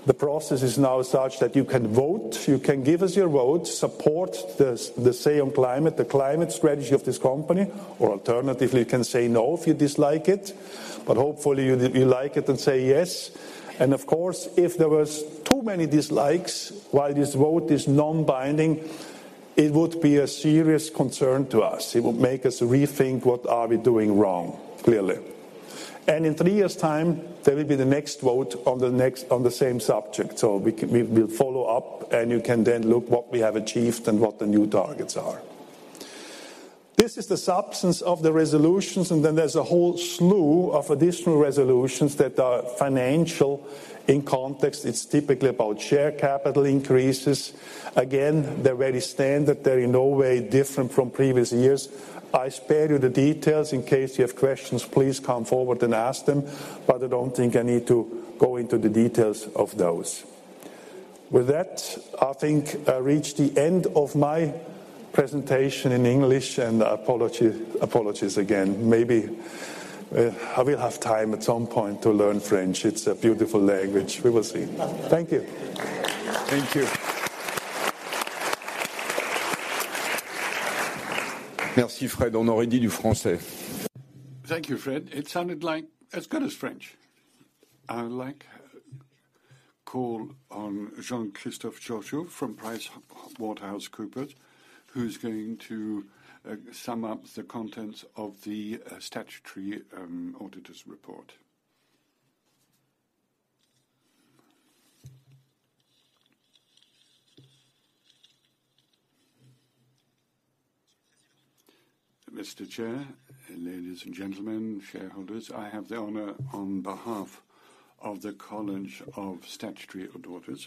The process is now such that you can vote. You can give us your vote, support the Say on Climate, the climate strategy of this company, or alternatively, you can say no if you dislike it. Hopefully you like it and say yes. Of course, if there was too many dislikes, while this vote is non-binding, it would be a serious concern to us. It would make us rethink what are we doing wrong, clearly. In three years' time, there will be the next vote on the next, on the same subject. We'll follow up, and you can then look what we have achieved and what the new targets are. This is the substance of the resolutions, and then there's a whole slew of additional resolutions that are financial in context. It's typically about share capital increases. Again, they're very standard. They're in no way different from previous years. I spare you the details. In case you have questions, please come forward and ask them. I don't think I need to go into the details of those. With that, I think I reached the end of my presentation in English, and apologies again. Maybe I will have time at some point to learn French. It's a beautiful language. We will see. Thank you. Thank you. Merci, Fred. Thank you, Fred. It sounded like as good as French. I would like call on Jean-Christophe Georghiou from PricewaterhouseCoopers, who's going to sum up the contents of the statutory auditor's report. Mr. Chair, ladies and gentlemen, shareholders, I have the honor on behalf of the College of Statutory Auditors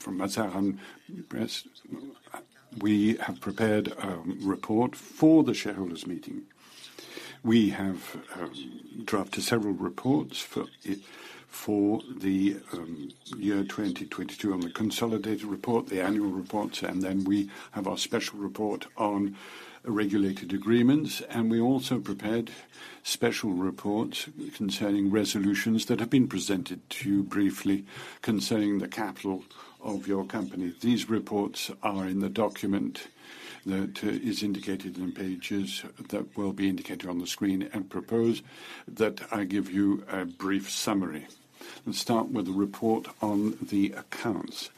from Mazars and PwC. We have prepared a report for the Shareholders Meeting. We have drafted several reports for it, for the year 2022 on the consolidated report, the annual report, and then we have our special report on regulated agreements. We also prepared special reports concerning resolutions that have been presented to you briefly concerning the capital of your company. These reports are in the document that is indicated in pages that will be indicated on the screen and propose that I give you a brief summary. Let's start with the report on the accounts.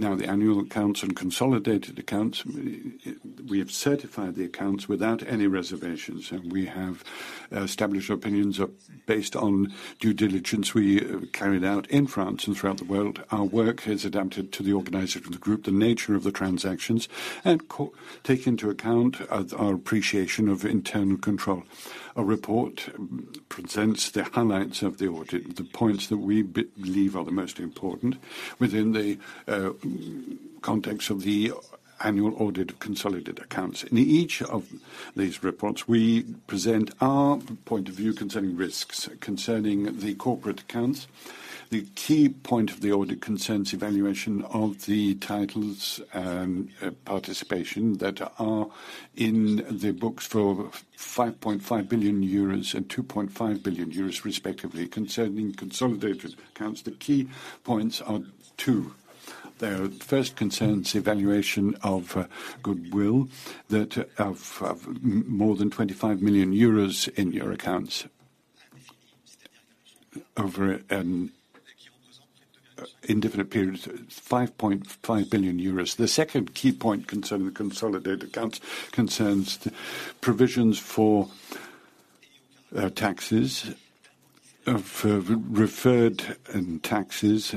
The annual accounts and consolidated accounts, we have certified the accounts without any reservations, and we have established opinions based on due diligence we carried out in France and throughout the world. Our work is adapted to the organization of the group, the nature of the transactions, and co-take into account our appreciation of internal control. A report presents the highlights of the audit, the points that we believe are the most important within the context of the annual audit consolidated accounts. In each of these reports, we present our point of view concerning risks. Concerning the corporate accounts, the key point of the audit concerns evaluation of the titles and participation that are in the books for 5.5 billion euros and 2.5 billion euros, respectively. Concerning consolidated accounts, the key points are two. The first concerns evaluation of goodwill that of more than 25 million euros in your accounts over in different periods, 5.5 billion euros. The second key point concerning the consolidated accounts concerns provisions for taxes, deferred taxes.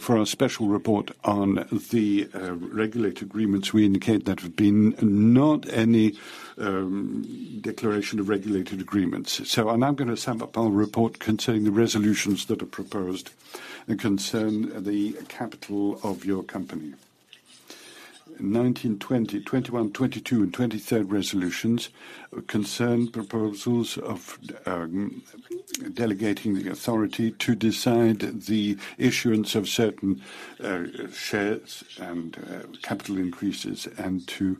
For our special report on the regulated agreements, we indicate there have been not any declaration of regulated agreements. I'm now gonna sum up our report concerning the resolutions that are proposed and concern the capital of your company. 19th, 20th, 21st, 22nd, and 23rd resolutions concern proposals of delegating the authority to decide the issuance of certain shares and capital increases and to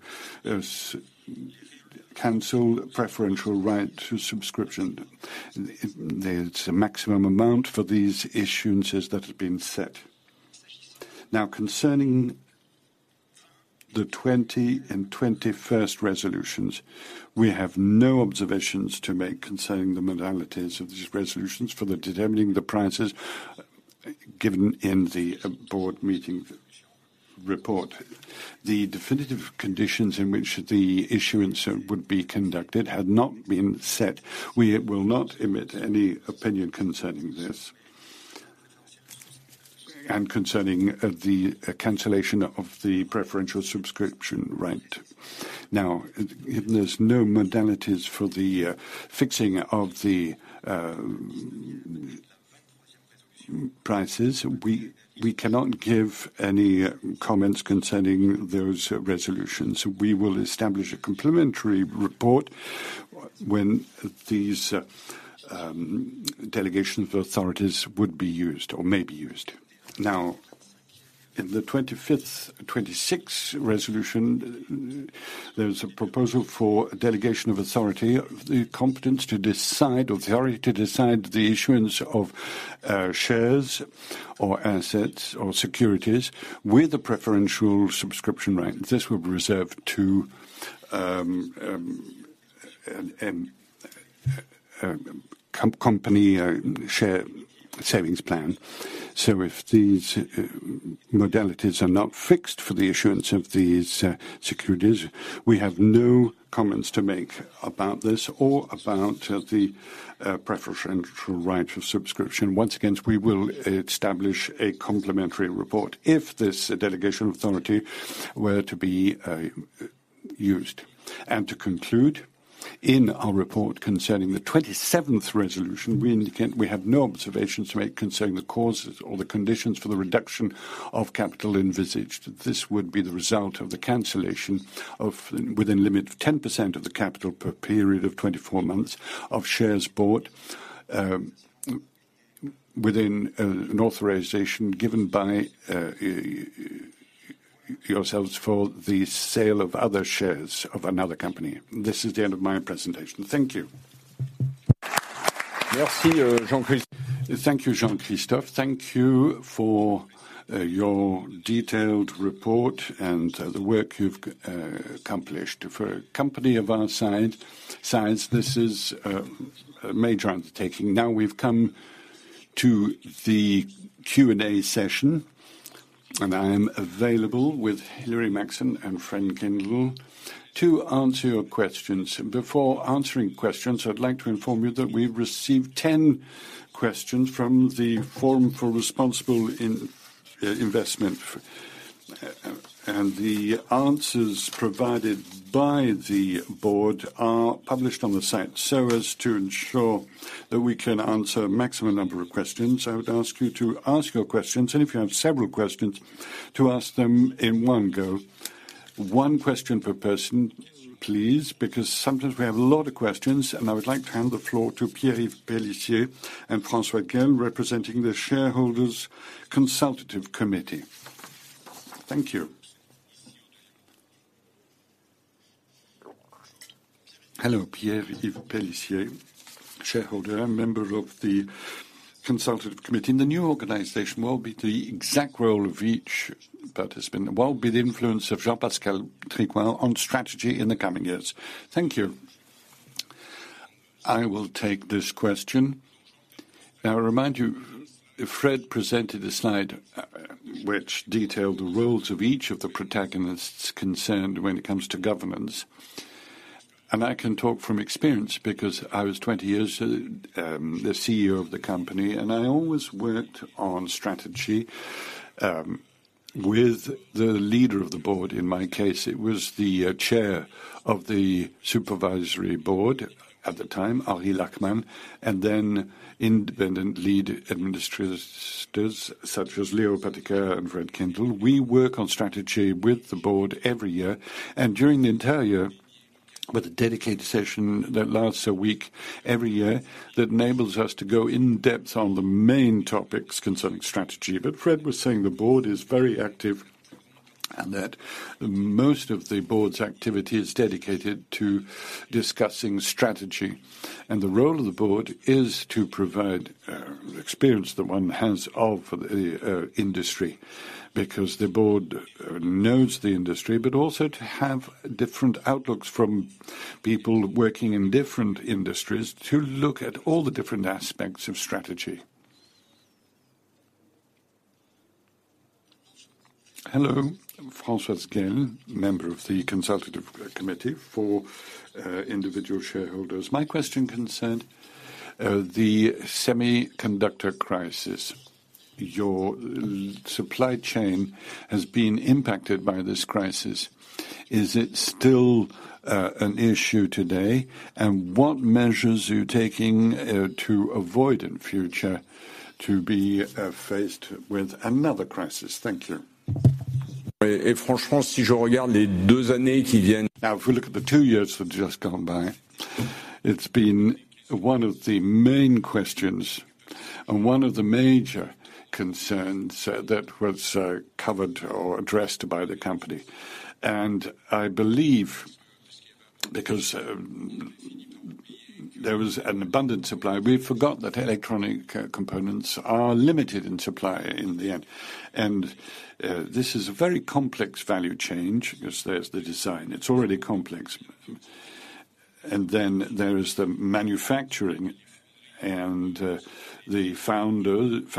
cancel preferential right to subscription. There's a maximum amount for these issuances that have been set. Concerning the Resolution 20 and Resolution 21, we have no observations to make concerning the modalities of these resolutions for the determining the prices given in the Board meeting report. The definitive conditions in which the issuance would be conducted had not been set. We will not emit any opinion concerning this and concerning the cancellation of the preferential subscription right. There's no modalities for the fixing of the prices. We cannot give any comments concerning those resolutions. We will establish a complementary report when these delegation of authorities would be used or may be used. In the Resolution 25, Resolution 26, there's a proposal for delegation of authority, the competence to decide or the authority to decide the issuance of shares or assets or securities with a preferential subscription right. This will be reserved to company share savings plan. If these modalities are not fixed for the issuance of these securities, we have no comments to make about this or about the preferential right of subscription. Once again, we will establish a complementary report if this delegation of authority were to be used. To conclude, in our report concerning the Resolution 27, we indicate we have no observations to make concerning the causes or the conditions for the reduction of capital envisaged. This would be the result of the cancellation of, within limit of 10% of the capital per period of 24 months, of shares bought within an authorization given by yourselves for the sale of other shares of another company. This is the end of my presentation. Thank you. Merci, Jean-Christophe. Thank you, Jean-Christophe. Thank you for your detailed report and the work you've accomplished. For a company of our size, this is a major undertaking. We've come to the Q&A session, I am available with Hilary Maxson and Fred Kindle to answer your questions. Before answering questions, I'd like to inform you that we've received 10 questions from the Forum for Responsible Investment. The answers provided by the Board are published on the site. As to ensure that we can answer maximum number of questions, I would ask you to ask your questions, and if you have several questions, to ask them in one go. One question per person, please, because sometimes we have a lot of questions, and I would like to hand the floor to Pierre-Yves Pélissier and François Guez, representing the Shareholders' Advisory Committee. Thank you. Hello. Pierre-Yves Pélissier, shareholder and member of the Consultative Committee. In the new organization, what will be the exact role of each participant? What will be the influence of Jean-Pascal Tricoire on strategy in the coming years? Thank you. I will take this question. I remind you, Fred presented a slide which detailed the roles of each of the protagonists concerned when it comes to governance. I can talk from experience because I was 20 years the CEO of the company, and I always worked on strategy with the leader of the Board. In my case, it was the chair of the supervisory board at the time, Henri Lachmann, and then independent lead administrators such as Léo Apotheker and Fred Kindle. We work on strategy with the Board every year and during the entire year, with a dedicated session that lasts a week every year. That enables us to go in-depth on the main topics concerning strategy. Fred was saying the Board is very active and that most of the Board's activity is dedicated to discussing strategy. The role of the Board is to provide experience that one has of the industry, because the Board knows the industry. Also to have different outlooks from people working in different industries to look at all the different aspects of strategy. Hello. François Guez, member of the Consultative Committee for individual shareholders. My question concerns the semiconductor crisis. Your supply chain has been impacted by this crisis. Is it still an issue today? What measures are you taking to avoid in future to be faced with another crisis? Thank you. If we look at the two years that just gone by, it's been one of the main questions and one of the major concerns that was covered or addressed by the company. I believe because there was an abundant supply, we forgot that electronic components are limited in supply in the end. This is a very complex value chain 'cause there's the design, it's already complex. There is the manufacturing. Foundries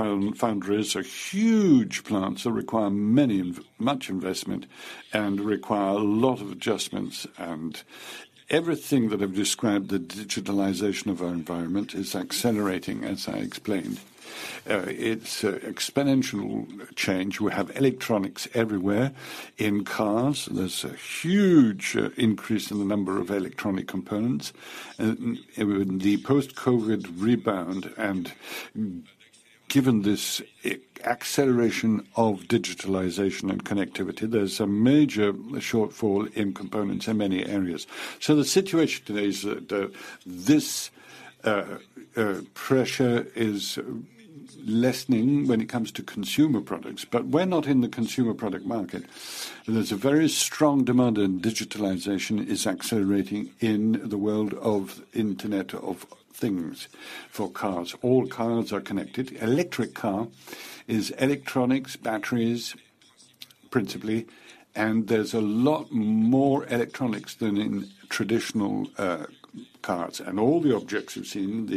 are huge plants that require much investment and require a lot of adjustments. Everything that I've described, the digitalization of our environment is accelerating, as I explained. It's exponential change. We have electronics everywhere. In cars, there's a huge increase in the number of electronic components. The post-COVID rebound, given this acceleration of digitalization and connectivity, there's a major shortfall in components in many areas. The situation today is that this pressure is lessening when it comes to consumer products. We're not in the consumer product market. There's a very strong demand, digitalization is accelerating in the world of Internet of Things. For cars, all cars are connected. Electric car is electronics, batteries, principally, there's a lot more electronics than in traditional cars. All the objects you've seen,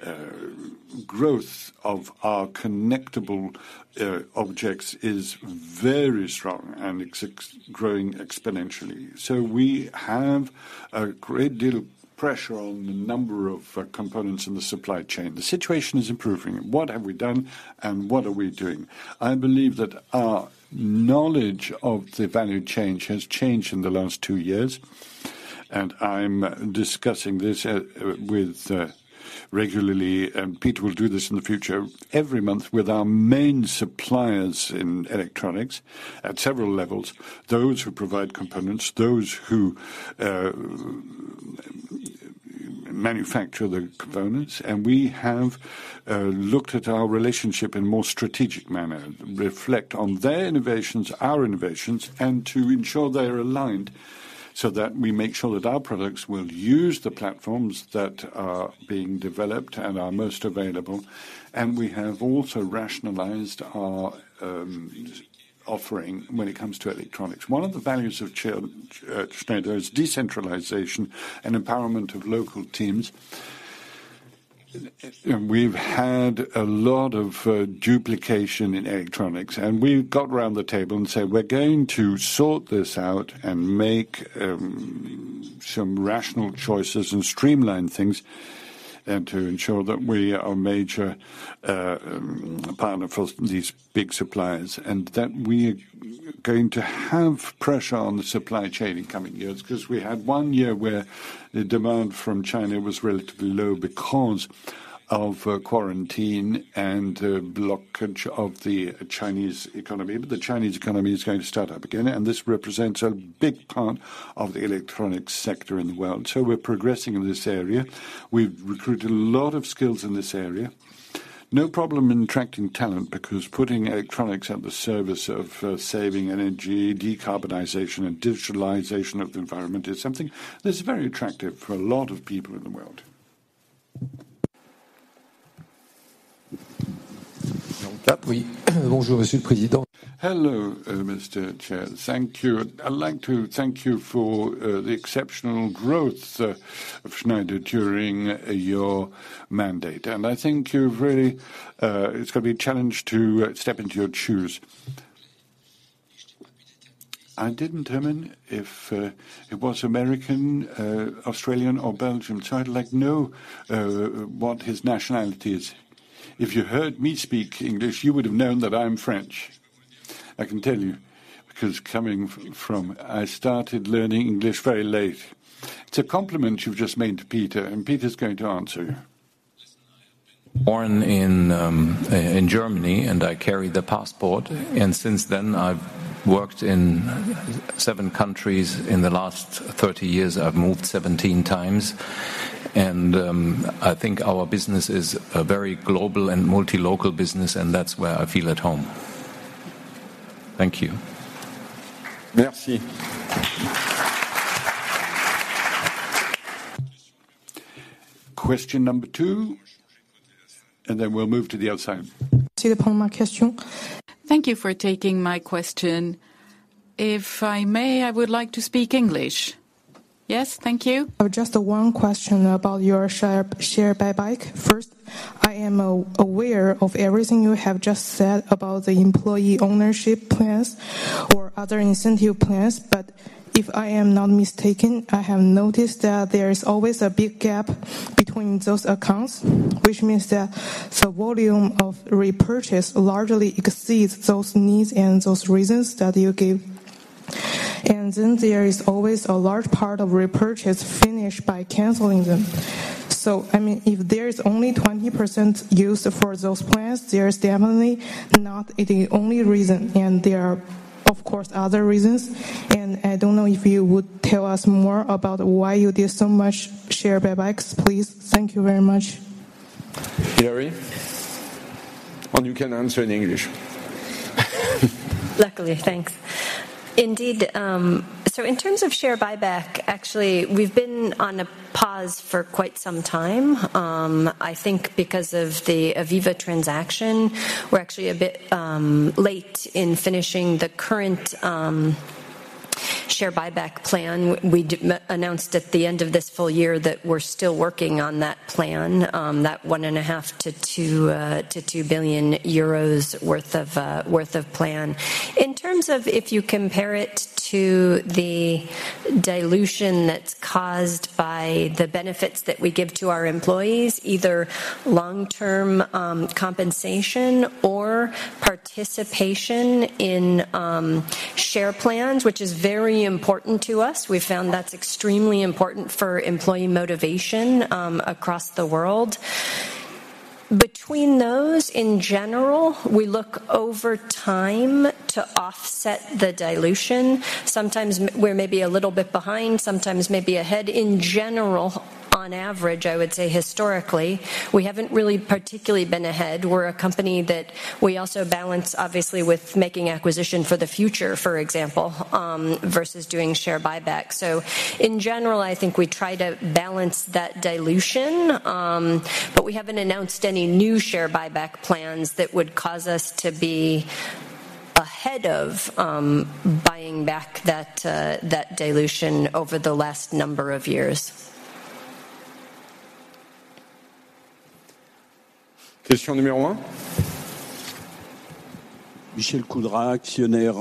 the growth of our connectable objects is very strong, it's growing exponentially. We have a great deal of pressure on the number of components in the supply chain. The situation is improving. What have we done and what are we doing? I believe that our knowledge of the value chain has changed in the last two years. I'm discussing this regularly, and Pete will do this in the future, every month with our main suppliers in electronics at several levels, those who provide components, those who manufacture the components. We have looked at our relationship in more strategic manner, reflect on their innovations, our innovations, and to ensure they are aligned so that we make sure that our products will use the platforms that are being developed and are most available. We have also rationalized our offering when it comes to electronics. One of the values of Schneider is decentralization and empowerment of local teams. We've had a lot of duplication in electronics. We got around the table and said, "We're going to sort this out and make some rational choices and streamline things and to ensure that we are a major partner for these big suppliers, and that we are going to have pressure on the supply chain in coming years." 'Cause we had one year where the demand from China was relatively low. Of quarantine and blockage of the Chinese economy. The Chinese economy is going to start up again, and this represents a big part of the electronics sector in the world. We're progressing in this area. We've recruited a lot of skills in this area. No problem in attracting talent, because putting electronics at the service of saving energy, decarbonization, and digitalization of the environment is something that's very attractive for a lot of people in the world. Hello, Mr. Chair. Thank you. I'd like to thank you for the exceptional growth of Schneider during your mandate. I think you've really. It's going to be a challenge to step into your shoes. I didn't determine if it was American, Australian, or Belgian, so I'd like to know what his nationality is. If you heard me speak English, you would've known that I'm French. I can tell you, because I started learning English very late. It's a compliment you've just made to Peter, and Peter's going to answer you. Born in Germany, and I carry the passport. Since then, I've worked in seven countries in the last 30 years. I've moved 17 times. I think our business is a very global and multi-local business, and that's where I feel at home. Thank you. Merci. Question number two, and then we'll move to the outside. Thank you for taking my question. If I may, I would like to speak English. Yes? Thank you. Just one question about your share buyback. First, I am aware of everything you have just said about the employee ownership plans or other incentive plans, if I am not mistaken, I have noticed that there is always a big gap between those accounts, which means that the volume of repurchase largely exceeds those needs and those reasons that you gave. There is always a large part of repurchase finished by canceling them. I mean, if there is only 20% used for those plans, there is definitely not the only reason, there are, of course, other reasons. I don't know if you would tell us more about why you do so much share buybacks, please. Thank you very much. Hilary? You can answer in English. Luckily. Thanks. Indeed, in terms of share buyback, actually, we've been on a pause for quite some time. I think because of the AVEVA transaction, we're actually a bit late in finishing the current share buyback plan. We announced at the end of this full year that we're still working on that plan, that 1.5 billion-2 billion euros worth of plan. In terms of if you compare it to the dilution that's caused by the benefits that we give to our employees, either long-term compensation or participation in share plans, which is very important to us. We've found that's extremely important for employee motivation across the world. Between those, in general, we look over time to offset the dilution. Sometimes we're maybe a little bit behind, sometimes maybe ahead. In general, on average, I would say historically, we haven't really particularly been ahead. We're a company that we also balance, obviously, with making acquisition for the future, for example, versus doing share buyback. In general, I think we try to balance that dilution, but we haven't announced any new share buyback plans that would cause us to be ahead of buying back that dilution over the last number of years. Question number one. Michel Couderc, actionnaire.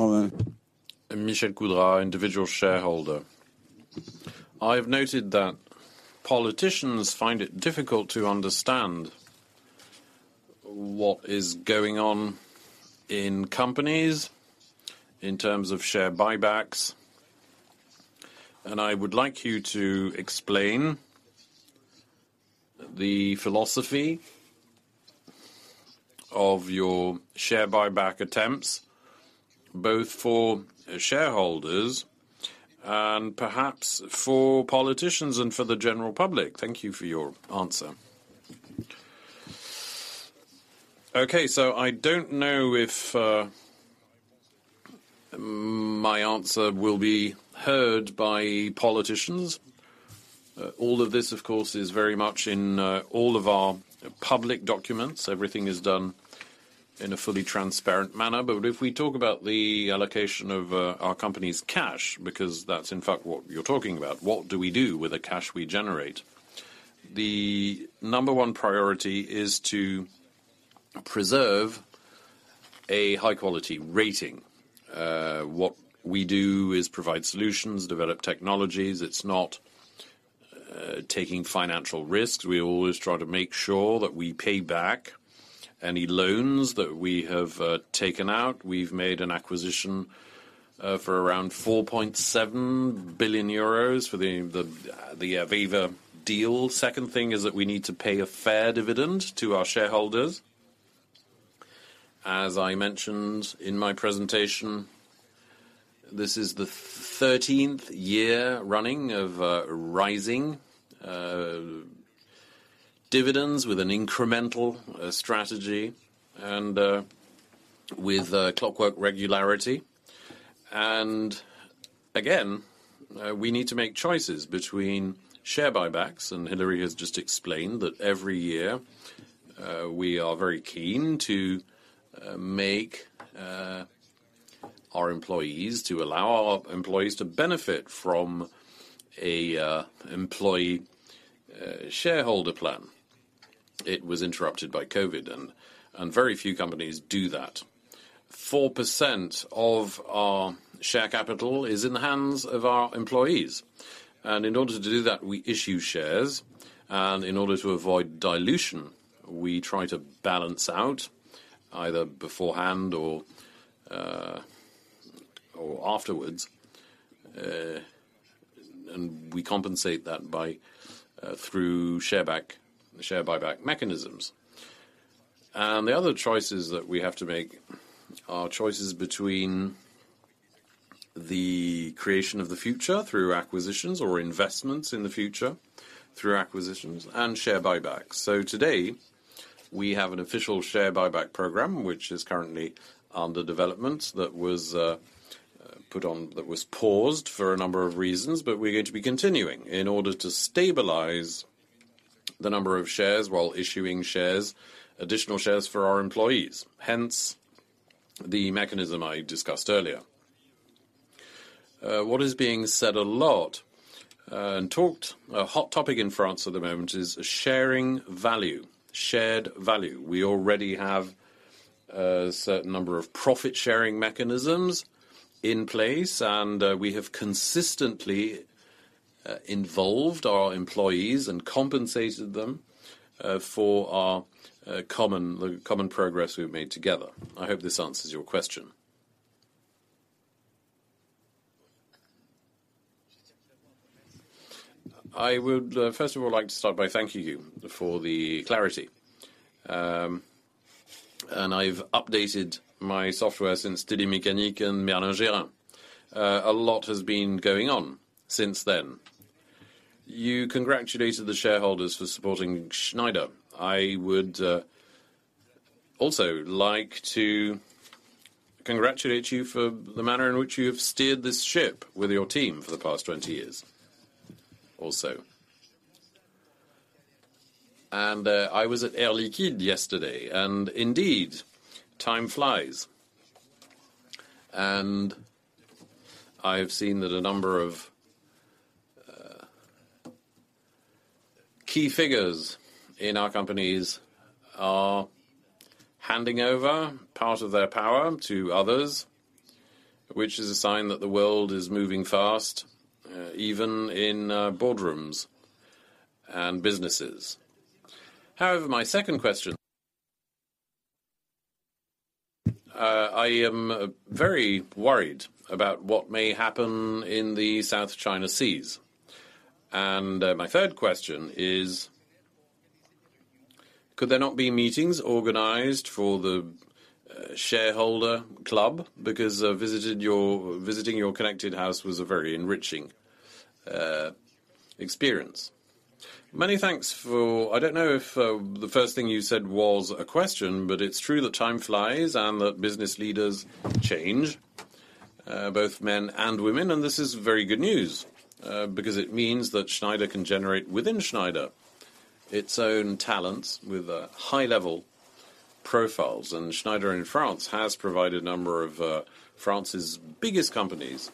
I've noted that politicians find it difficult to understand what is going on in companies in terms of share buybacks. I would like you to explain the philosophy of your share buyback attempts, both for shareholders and perhaps for politicians and for the general public. Thank you for your answer. Okay. I don't know if my answer will be heard by politicians. All of this, of course, is very much in all of our public documents. Everything is done in a fully transparent manner. If we talk about the allocation of our company's cash, because that's in fact what you're talking about, what do we do with the cash we generate? The number one priority is to preserve a high quality rating. What we do is provide solutions, develop technologies. It's not taking financial risks. We always try to make sure that we pay back. Any loans that we have taken out, we've made an acquisition for around 4.7 billion euros for the AVEVA deal. Second thing is that we need to pay a fair dividend to our shareholders. As I mentioned in my presentation, this is the 13th year running of rising dividends with an incremental strategy and with clockwork regularity. Again, we need to make choices between share buybacks, and Hilary has just explained that every year, we are very keen to make our employees to allow our employees to benefit from an employee shareholder plan. It was interrupted by COVID and very few companies do that. 4% of our share capital is in the hands of our employees. In order to do that, we issue shares, in order to avoid dilution, we try to balance out either beforehand or afterwards. We compensate that by through shareback, share buyback mechanisms. The other choices that we have to make are choices between the creation of the future through acquisitions or investments in the future, through acquisitions and share buybacks. Today, we have an official share buyback program, which is currently under development that was paused for a number of reasons, but we're going to be continuing in order to stabilize the number of shares while issuing shares, additional shares for our employees. Hence, the mechanism I discussed earlier. What is being said a lot, talked, a hot topic in France at the moment is sharing value, shared value. We already have a certain number of profit-sharing mechanisms in place, and we have consistently involved our employees and compensated them for our common progress we've made together. I hope this answers your question. I would first of all like to start by thanking you for the clarity. I've updated my software since Télémécanique and Merlin Gerin. A lot has been going on since then. You congratulated the shareholders for supporting Schneider. I would also like to congratulate you for the manner in which you have steered this ship with your team for the past 20 years also. I was at Air Liquide yesterday, and indeed, time flies. I have seen that a number of key figures in our companies are handing over part of their power to others, which is a sign that the world is moving fast, even in boardrooms and businesses. However, my second question, I am very worried about what may happen in the South China Seas. My third question is, could there not be meetings organized for the shareholder club? Because, visiting your connected house was a very enriching experience. Many thanks for... I don't know if the first thing you said was a question, but it's true that time flies and that business leaders change, both men and women. This is very good news, because it means that Schneider can generate within Schneider its own talents with high-level profiles. Schneider in France has provided a number of France's biggest companies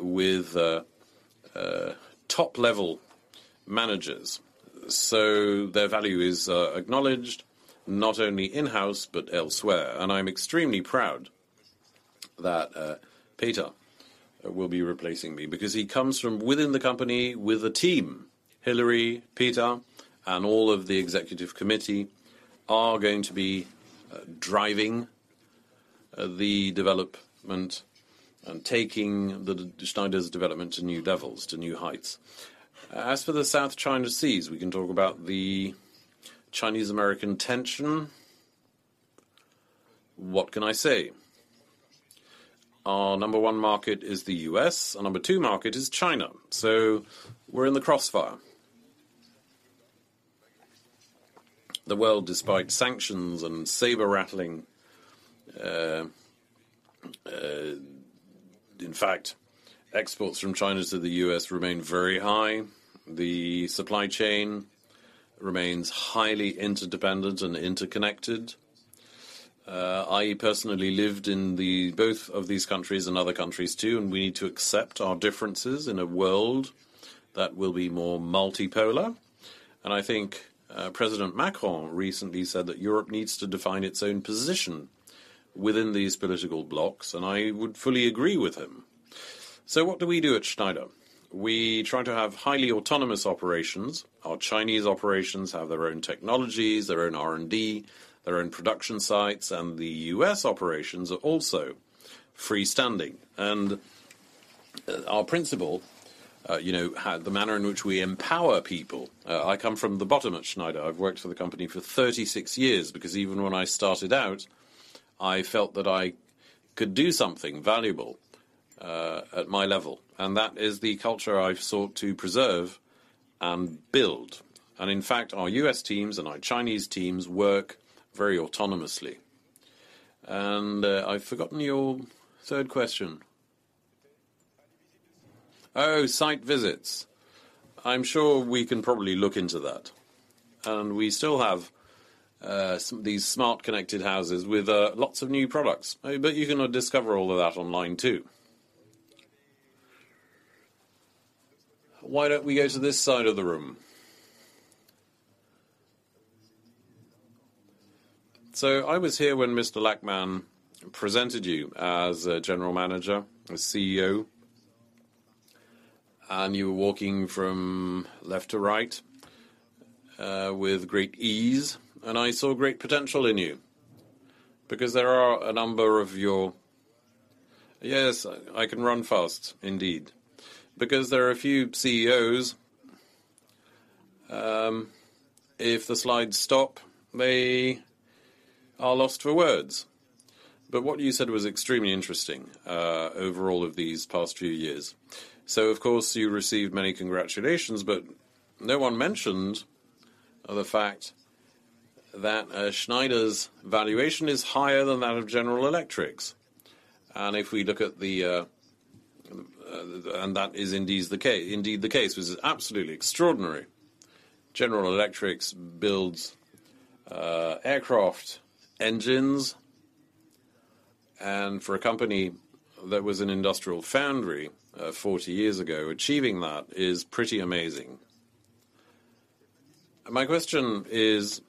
with top-level managers. Their value is acknowledged, not only in-house, but elsewhere. I'm extremely proud that Peter will be replacing me because he comes from within the company with a team. Hilary, Peter, and all of the executive committee are going to be driving the development and taking the Schneider's development to new levels, to new heights. As for the South China Seas, we can talk about the Chinese-American tension. What can I say? Our number one market is the U.S., our number two market is China, so we're in the crossfire. The world, despite sanctions and saber-rattling... In fact, exports from China to the U.S. remain very high. The supply chain remains highly interdependent and interconnected. I personally lived in the both of these countries and other countries, too, and we need to accept our differences in a world that will be more multipolar. I think President Macron recently said that Europe needs to define its own position within these political blocks, and I would fully agree with him. What do we do at Schneider? We try to have highly autonomous operations. Our Chinese operations have their own technologies, their own R&D, their own production sites, and the U.S. operations are also freestanding. Our principle, you know, the manner in which we empower people. I come from the bottom at Schneider. I've worked for the company for 36 years because even when I started out, I felt that I could do something valuable at my level, and that is the culture I've sought to preserve and build. In fact, our U.S. teams and our Chinese teams work very autonomously. I've forgotten your third question. Oh, site visits. I'm sure we can probably look into that. We still have these smart connected houses with lots of new products. You can discover all of that online too. Why don't we go to this side of the room? I was here when Mr. Lachmann presented you as a general manager, a CEO, and you were walking from left to right with great ease, and I saw great potential in you because there are a number of your... Yes, I can run fast, indeed. There are a few CEOs, if the slides stop, they are lost for words. What you said was extremely interesting over all of these past few years. Of course, you received many congratulations, but no one mentioned the fact that Schneider's valuation is higher than that of General Electric's. If we look at the, that is indeed the case, which is absolutely extraordinary. General Electric builds aircraft engines. For a company that was an industrial foundry, 40 years ago, achieving that is pretty amazing. My question is,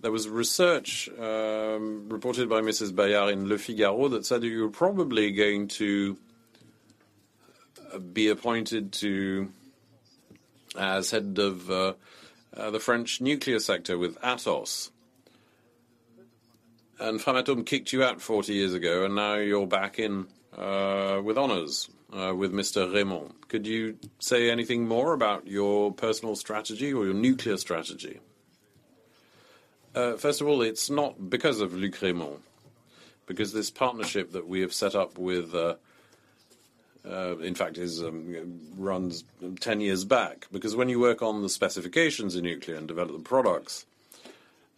there was research reported by Mrs. Bayard in Le Figaro that said you're probably going to be appointed as head of the French nuclear sector with Atos. Framatome kicked you out 40 years ago, and now you're back in with honors with Luc Rémont. Could you say anything more about your personal strategy or your nuclear strategy? First of all, it's not because of Luc Rémont, because this partnership that we have set up with, in fact, is runs 10 years back, because when you work on the specifications in nuclear and develop the products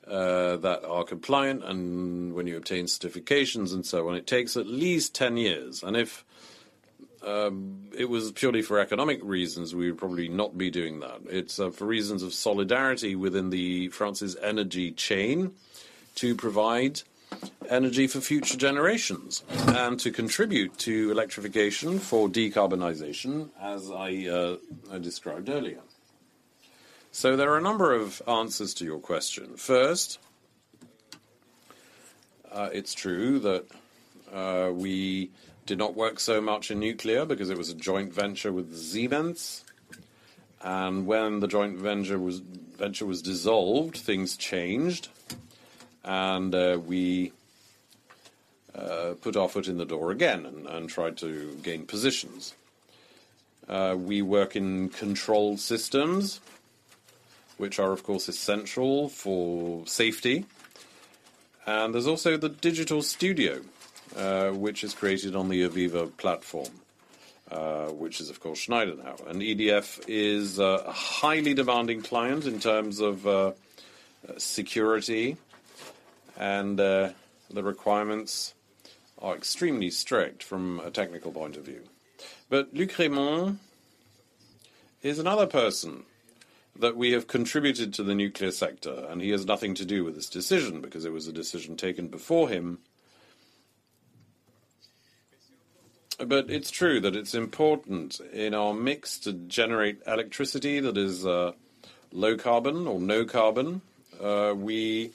that are compliant, and when you obtain certifications and so on, it takes at least 10 years. If it was purely for economic reasons, we would probably not be doing that. It's for reasons of solidarity within France's energy chain to provide energy for future generations and to contribute to electrification for decarbonization, as I described earlier. There are a number of answers to your question. It's true that we did not work so much in nuclear because it was a joint venture with Siemens. When the joint venture was dissolved, things changed, we put our foot in the door again and tried to gain positions. We work in control systems, which are, of course, essential for safety. There's also the digital studio, which is created on the AVEVA platform, which is, of course, Schneider now. EDF is a highly demanding client in terms of security, and the requirements are extremely strict from a technical point of view. Luc Rémont is another person that we have contributed to the nuclear sector, and he has nothing to do with this decision because it was a decision taken before him. It's true that it's important in our mix to generate electricity that is low carbon or no carbon. We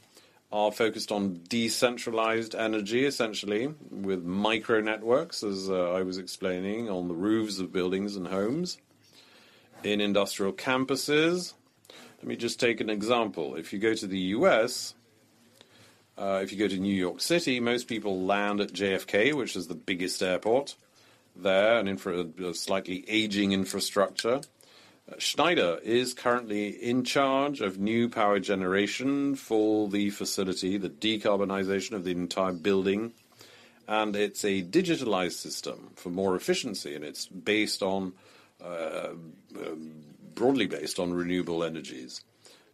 are focused on decentralized energy, essentially, with micro networks, as I was explaining, on the roofs of buildings and homes, in industrial campuses. Let me just take an example. If you go to the U.S., if you go to New York City, most people land at JFK, which is the biggest airport there, and slightly aging infrastructure. Schneider is currently in charge of new power generation for the facility, the decarbonization of the entire building. It's a digitalized system for more efficiency, and it's based on, broadly based on renewable energies,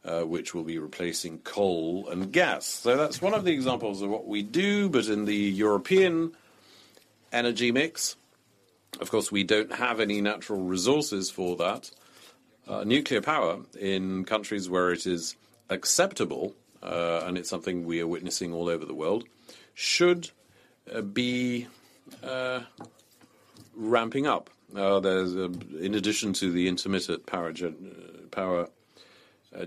which will be replacing coal and gas. That's one of the examples of what we do. In the European energy mix, of course, we don't have any natural resources for that. Nuclear power in countries where it is acceptable, and it's something we are witnessing all over the world, should be ramping up. Now, there's in addition to the intermittent power gen, power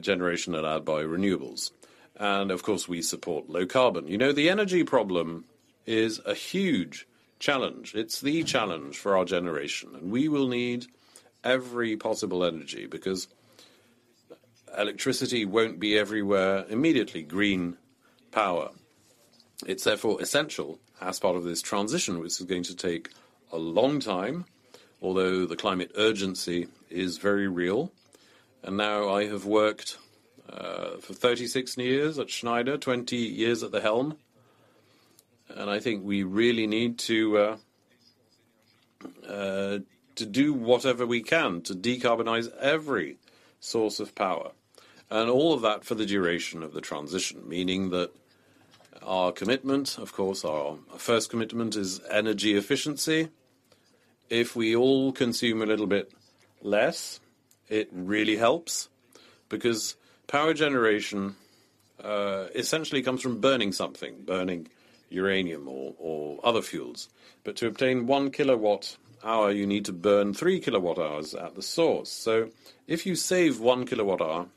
Generation allowed by renewables. Of course, we support low carbon. You know, the energy problem is a huge challenge. It's the challenge for our generation, and we will need every possible energy because electricity won't be everywhere, immediately green power. It's therefore essential as part of this transition, which is going to take a long time, although the climate urgency is very real. Now I have worked for 36 years at Schneider, 20 years at the helm, and I think we really need to do whatever we can to decarbonize every source of power and all of that for the duration of the transition. Meaning that our commitment, of course, our first commitment is energy efficiency. If we all consume a little bit less, it really helps because power generation essentially comes from burning something, burning uranium or other fuels. To obtain 1 kWh, you need to burn 3 kWh at the source. If you save 1 kWh,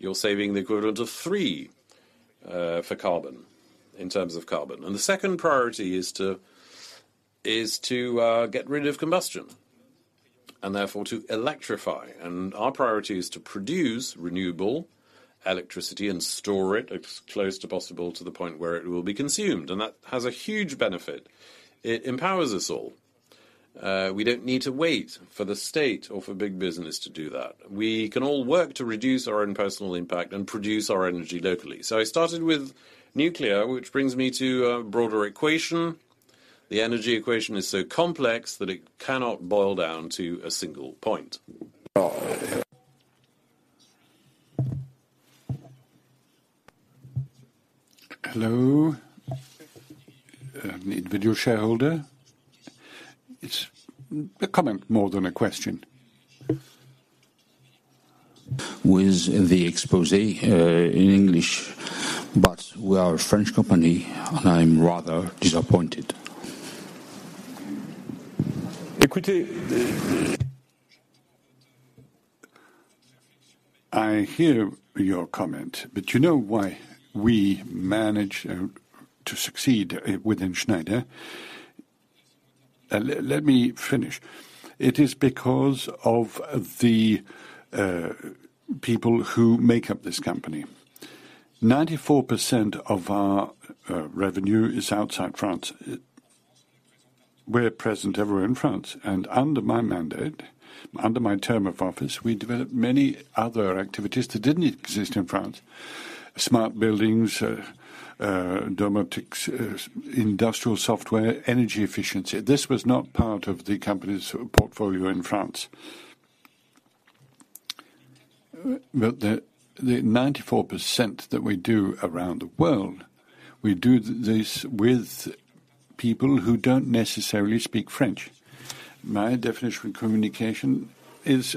you're saving the equivalent of 3 for carbon, in terms of carbon. The second priority is to get rid of combustion and therefore to electrify. Our priority is to produce renewable electricity and store it as close to possible to the point where it will be consumed. That has a huge benefit. It empowers us all. We don't need to wait for the state or for big business to do that. We can all work to reduce our own personal impact and produce our energy locally. I started with nuclear, which brings me to a broader equation. The energy equation is so complex that it cannot boil down to a single point. Hello. I'm individual shareholder. It's a comment more than a question. With the exposé, in English, but we are a French company, and I'm rather disappointed. I hear your comment, you know why we managed to succeed within Schneider? Let me finish. It is because of the people who make up this company. 94% of our revenue is outside France. We're present everywhere in France. Under my mandate, under my term of office, we developed many other activities that didn't exist in France. Smart buildings, domotics, industrial software, energy efficiency. This was not part of the company's portfolio in France. The 94% that we do around the world, we do this with people who don't necessarily speak French. My definition of communication is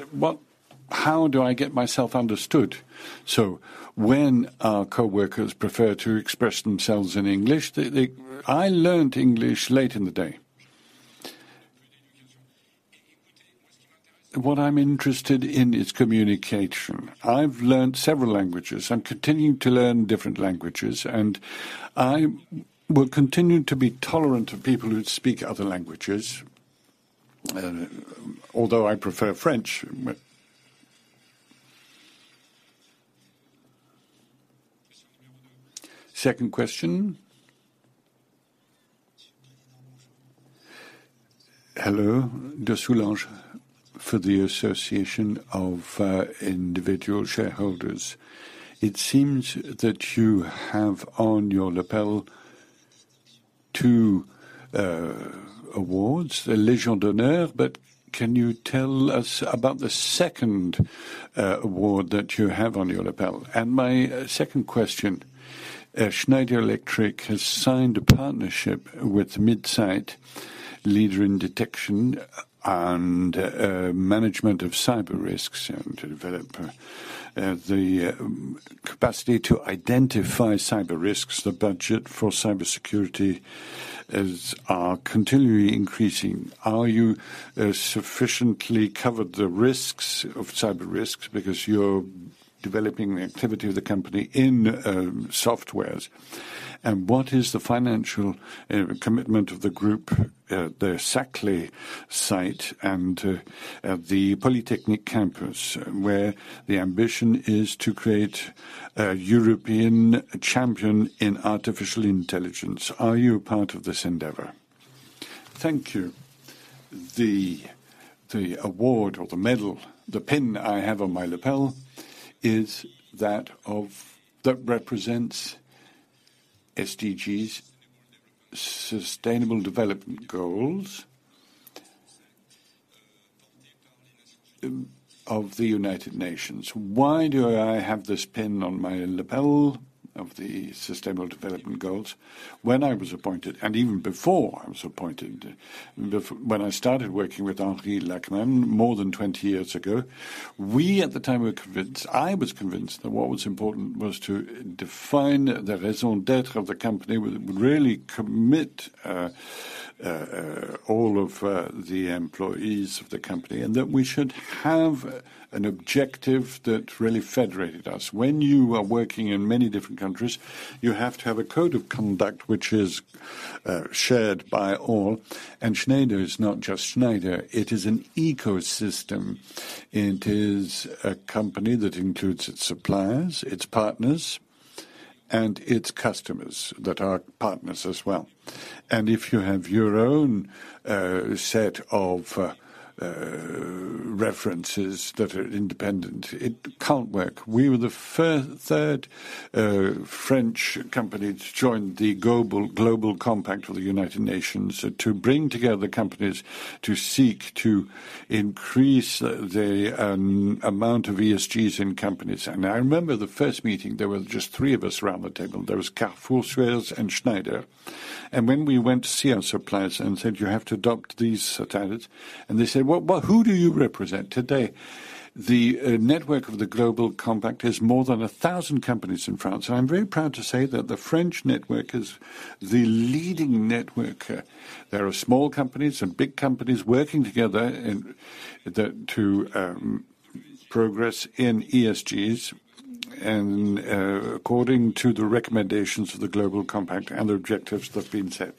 how do I get myself understood? When our coworkers prefer to express themselves in English, they I learned English late in the day. What I'm interested in is communication. I've learned several languages and continue to learn different languages, and I will continue to be tolerant of people who speak other languages, although I prefer French. Second question. Hello. De Solages for the Association of Individual Shareholders. It seems that you have on your lapel 2 awards, the Légion d'honneur, but can you tell us about the second award that you have on your lapel? My second question, Schneider Electric has signed a partnership with BitSight, leader in detection and management of cyber risks and to develop the capacity to identify cyber risks. The budget for cybersecurity are continually increasing. Are you sufficiently covered the risks of cyber risks because you're developing the activity of the company in softwares? What is the financial commitment of the group at the Saclay site and at the Polytechnic campus, where the ambition is to create a European champion in artificial intelligence. Are you a part of this endeavor? Thank you. The award or the medal, the pin I have on my lapel is that of. That represents SDGs, Sustainable Development Goals, of the United Nations. Why do I have this pin on my lapel of the Sustainable Development Goals? When I was appointed, and even before I was appointed, when I started working with Henri Lachmann more than 20 years ago, we at the time were convinced, I was convinced that what was important was to define the raison d'être of the company, would really commit all of the employees of the company, and that we should have an objective that really federated us. When you are working in many different countries, you have to have a code of conduct which is clear Shared by all. Schneider is not just Schneider, it is an ecosystem. It is a company that includes its suppliers, its partners, and its customers that are partners as well. If you have your own set of references that are independent, it can't work. We were the third French company to join the Global Compact with the United Nations to bring together companies to seek to increase the amount of ESGs in companies. I remember the first meeting, there were just three of us around the table. There was Carrefour, Suez, and Schneider. When we went to see our suppliers and said, "You have to adopt these standards." They said, "Well, but who do you represent?" Today, the network of the Global Compact is more than 1,000 companies in France. I'm very proud to say that the French network is the leading network. There are small companies and big companies working together to progress in ESG and according to the recommendations of the Global Compact and the objectives that have been set.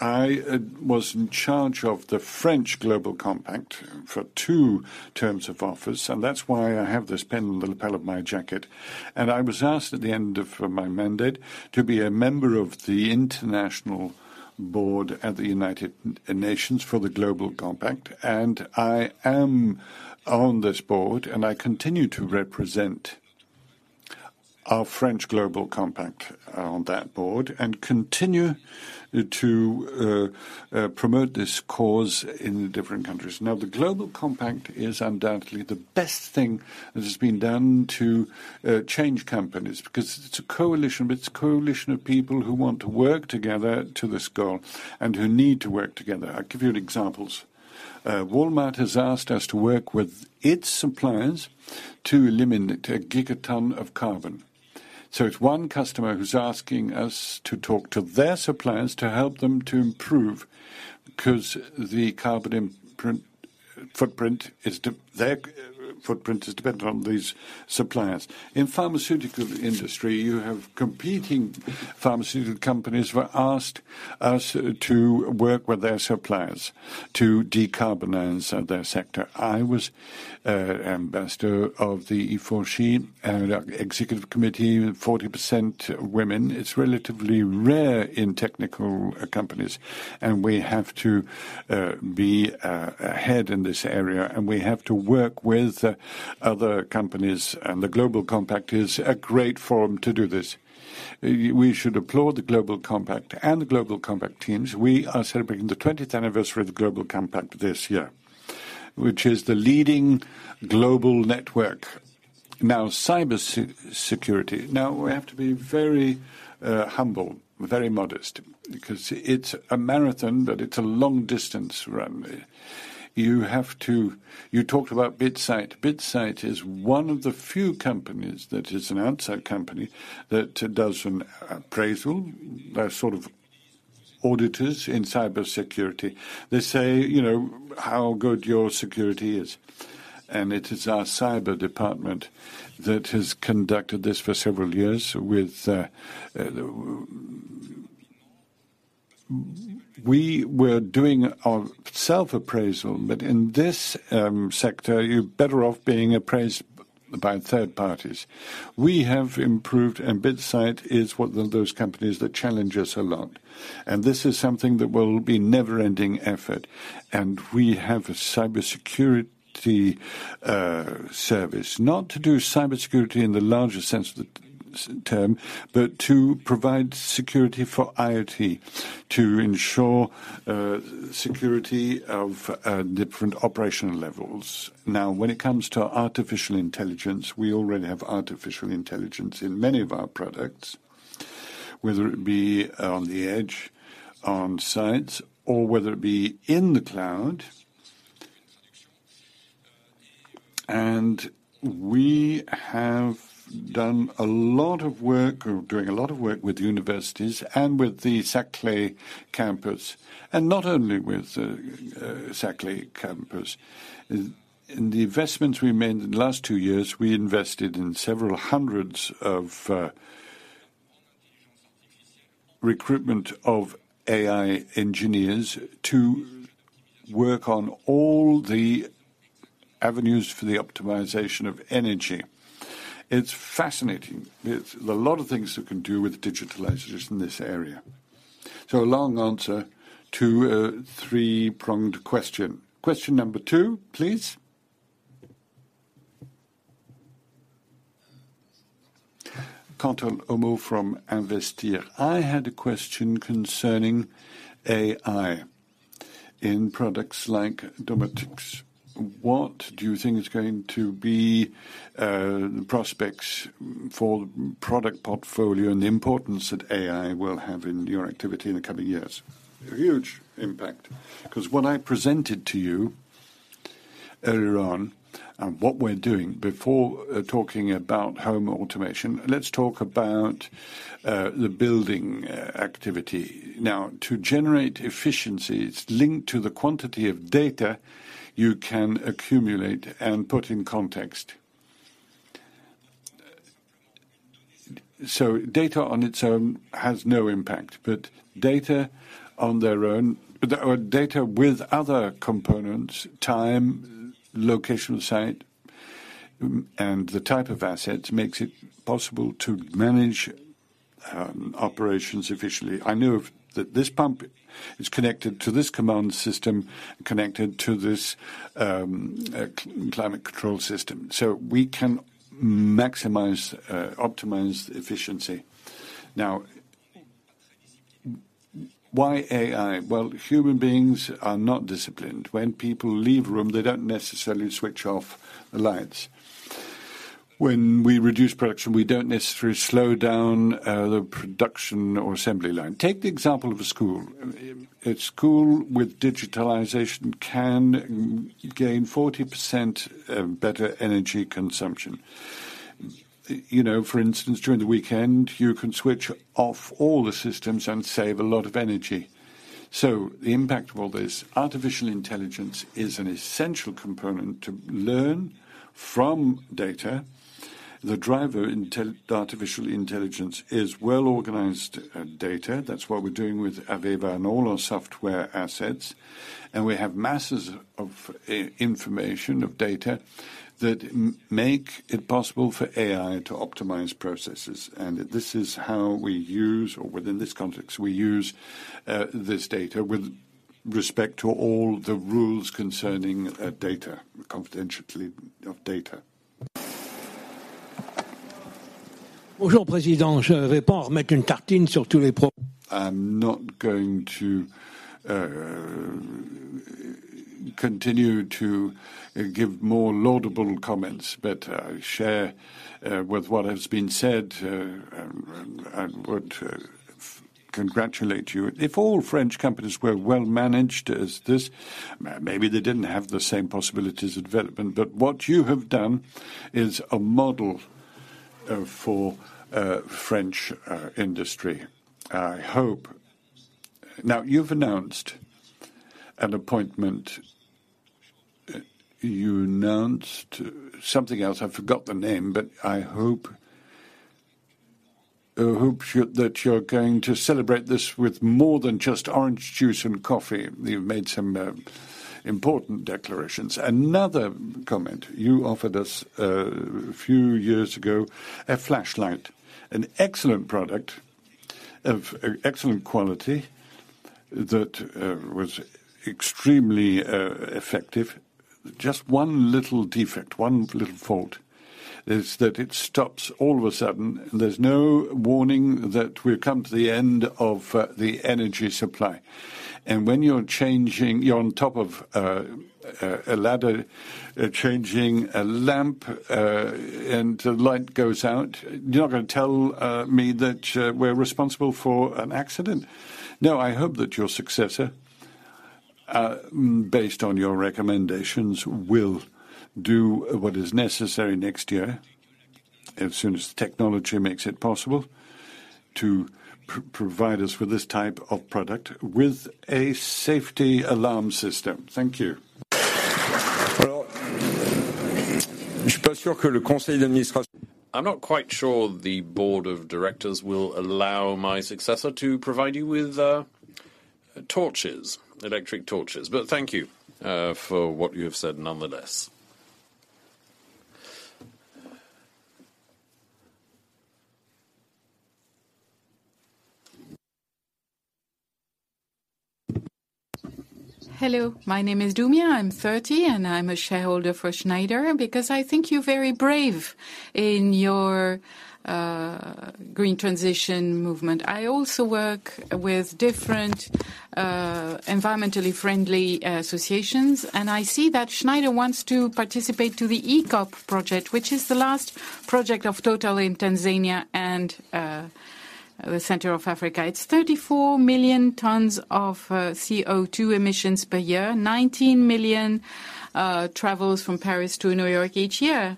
I was in charge of the French Global Compact for two terms of office, and that's why I have this pin on the lapel of my jacket. I was asked at the end of my mandate to be a member of the international board at the United Nations for the Global Compact. I am on this board, and I continue to represent our French Global Compact on that board and continue to promote this cause in different countries. The Global Compact is undoubtedly the best thing that has been done to change companies because it's a coalition, but it's a coalition of people who want to work together to this goal and who need to work together. I'll give you an examples. Walmart has asked us to work with its suppliers to eliminate 1 gigaton of carbon. It's 1 customer who's asking us to talk to their suppliers to help them to improve 'cause the carbon imprint, footprint is. Their footprint is dependent on these suppliers. In pharmaceutical industry, you have competing pharmaceutical companies who have asked us to work with their suppliers to decarbonize their sector. I was ambassador of the HeForShe Executive Committee, 40% women. It's relatively rare in technical companies, we have to be ahead in this area, we have to work with other companies, and the Global Compact is a great forum to do this. We should applaud the Global Compact and the Global Compact teams. We are celebrating the 20th anniversary of the Global Compact this year, which is the leading global network. Cybersecurity. We have to be very humble, very modest because it's a marathon, but it's a long-distance run. You talked about BitSight. BitSight is one of the few companies that is an outside company that does an appraisal. They're sort of auditors in cybersecurity. They say, you know, how good your security is. It is our cyber department that has conducted this for several years with. We were doing our self-appraisal, but in this sector, you're better off being appraised by third parties. We have improved. BitSight is one of those companies that challenge us a lot. This is something that will be never-ending effort. We have a cybersecurity service, not to do cybersecurity in the larger sense of the term, but to provide security for IoT to ensure security of different operational levels. Now, when it comes to artificial intelligence, we already have artificial intelligence in many of our products, whether it be on the edge, on sites, or whether it be in the cloud. We have done a lot of work, are doing a lot of work with universities and with the Saclay campus, and not only with Saclay campus. In the investments we made in the last two years, we invested in several hundreds of recruitment of AI engineers to work on all the avenues for the optimization of energy. It's fascinating. There are a lot of things you can do with digitalizers in this area. So a long answer to a three-pronged question. Question number two, please. Cantel Omot from Investir. I had a question concerning AI in products like domotique. What do you think is going to be the prospects for product portfolio and the importance that AI will have in your activity in the coming years? A huge impact. What I presented to you earlier on and what we're doing, before talking about home automation, let's talk about the building activity. To generate efficiencies linked to the quantity of data you can accumulate and put in context. Data on its own has no impact, but data on their own or data with other components, time, location site, and the type of assets, makes it possible to manage operations efficiently. I know that this pump is connected to this command system, connected to this climate control system. We can maximize, optimize efficiency. Why AI? Human beings are not disciplined. When people leave room, they don't necessarily switch off the lights. When we reduce production, we don't necessarily slow down the production or assembly line. Take the example of a school. A school with digitalization can gain 40% better energy consumption. You know, for instance, during the weekend, you can switch off all the systems and save a lot of energy. The impact of all this, artificial intelligence is an essential component to learn from data. The driver artificial intelligence is well-organized data. That's what we're doing with AVEVA and all our software assets. We have masses of information, of data, that make it possible for AI to optimize processes. This is how we use, or within this context, we use this data with respect to all the rules concerning data, confidentiality of data. I'm not going to continue to give more laudable comments, but I share with what has been said and would congratulate you. If all French companies were well managed as this, maybe they didn't have the same possibilities of development, but what you have done is a model for French industry. I hope. Now, you've announced an appointment. You announced something else, I forgot the name, I hope that you're going to celebrate this with more than just orange juice and coffee. You've made some important declarations. Another comment, you offered us a few years ago, a flashlight, an excellent product of excellent quality that was extremely effective. Just one little defect, one little fault, is that it stops all of a sudden. There's no warning that we've come to the end of the energy supply. When you're changing, you're on top of a ladder, changing a lamp, and the light goes out, you're not gonna tell me that we're responsible for an accident. No, I hope that your successor, based on your recommendations, will do what is necessary next year, as soon as technology makes it possible, to provide us with this type of product with a safety alarm system. Thank you. I'm not quite sure the Board of Directors will allow my successor to provide you with, torches, electric torches, but thank you, for what you have said nonetheless. Hello, my name is Dumia. I'm 30, and I'm a shareholder for Schneider because I think you're very brave in your green transition movement. I also work with different environmentally friendly associations, and I see that Schneider wants to participate to the EACOP project, which is the last project of Total in Tanzania and the center of Africa. It's 34 million tons of CO2 emissions per year, 19 million travels from Paris to New York each year.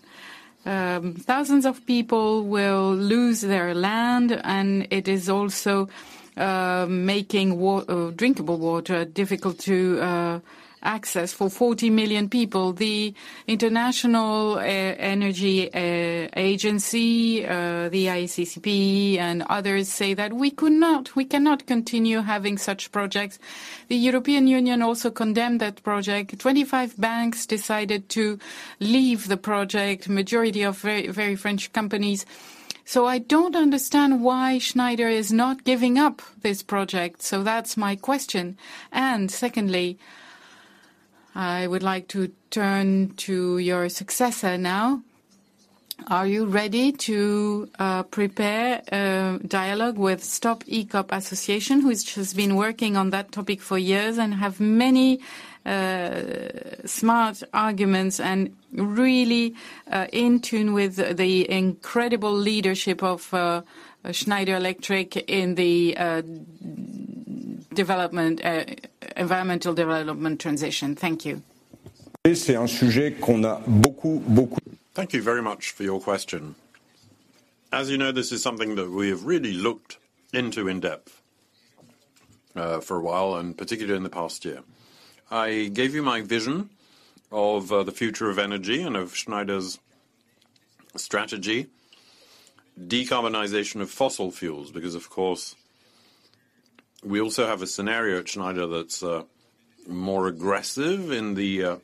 Thousands of people will lose their land, and it is also making drinkable water difficult to access for 40 million people. The International Energy Agency, the IPCC and others say that we could not, we cannot continue having such projects. The European Union also condemned that project. 25 banks decided to leave the project, majority of very, very French companies. I don't understand why Schneider is not giving up this project. That's my question. Secondly, I would like to turn to your successor now. Are you ready to prepare a dialogue with StopEACOP Association, which has been working on that topic for years and have many smart arguments and really in tune with the incredible leadership of Schneider Electric in the development, environmental development transition? Thank you. Thank you very much for your question. As you know, this is something that we have really looked into in depth for a while, and particularly in the past year. I gave you my vision of the future of energy and of Schneider's strategy, decarbonization of fossil fuels, because, of course, we also have a scenario at Schneider that's more aggressive in the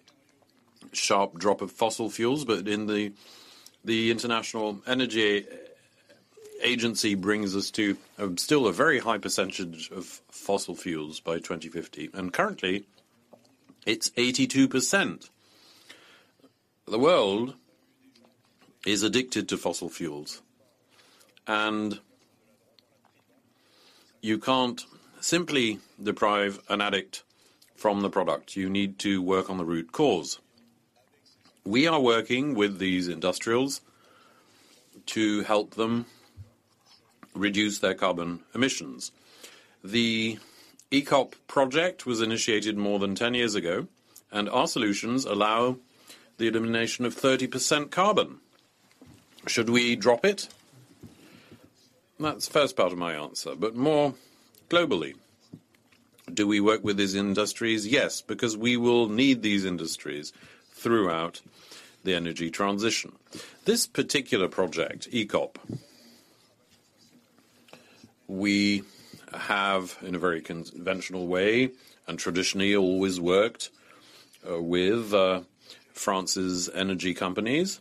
sharp drop of fossil fuels. In the International Energy Agency brings us to still a very high percentage of fossil fuels by 2050, and currently, it's 82%. The world is addicted to fossil fuels, and you can't simply deprive an addict from the product. You need to work on the root cause. We are working with these industrials to help them reduce their carbon emissions. The EACOP project was initiated more than 10 years ago. Our solutions allow the elimination of 30% carbon. Should we drop it? That's first part of my answer. More globally, do we work with these industries? Yes, because we will need these industries throughout the energy transition. This particular project, EACOP, we have, in a very conventional way and traditionally, always worked with France's energy companies.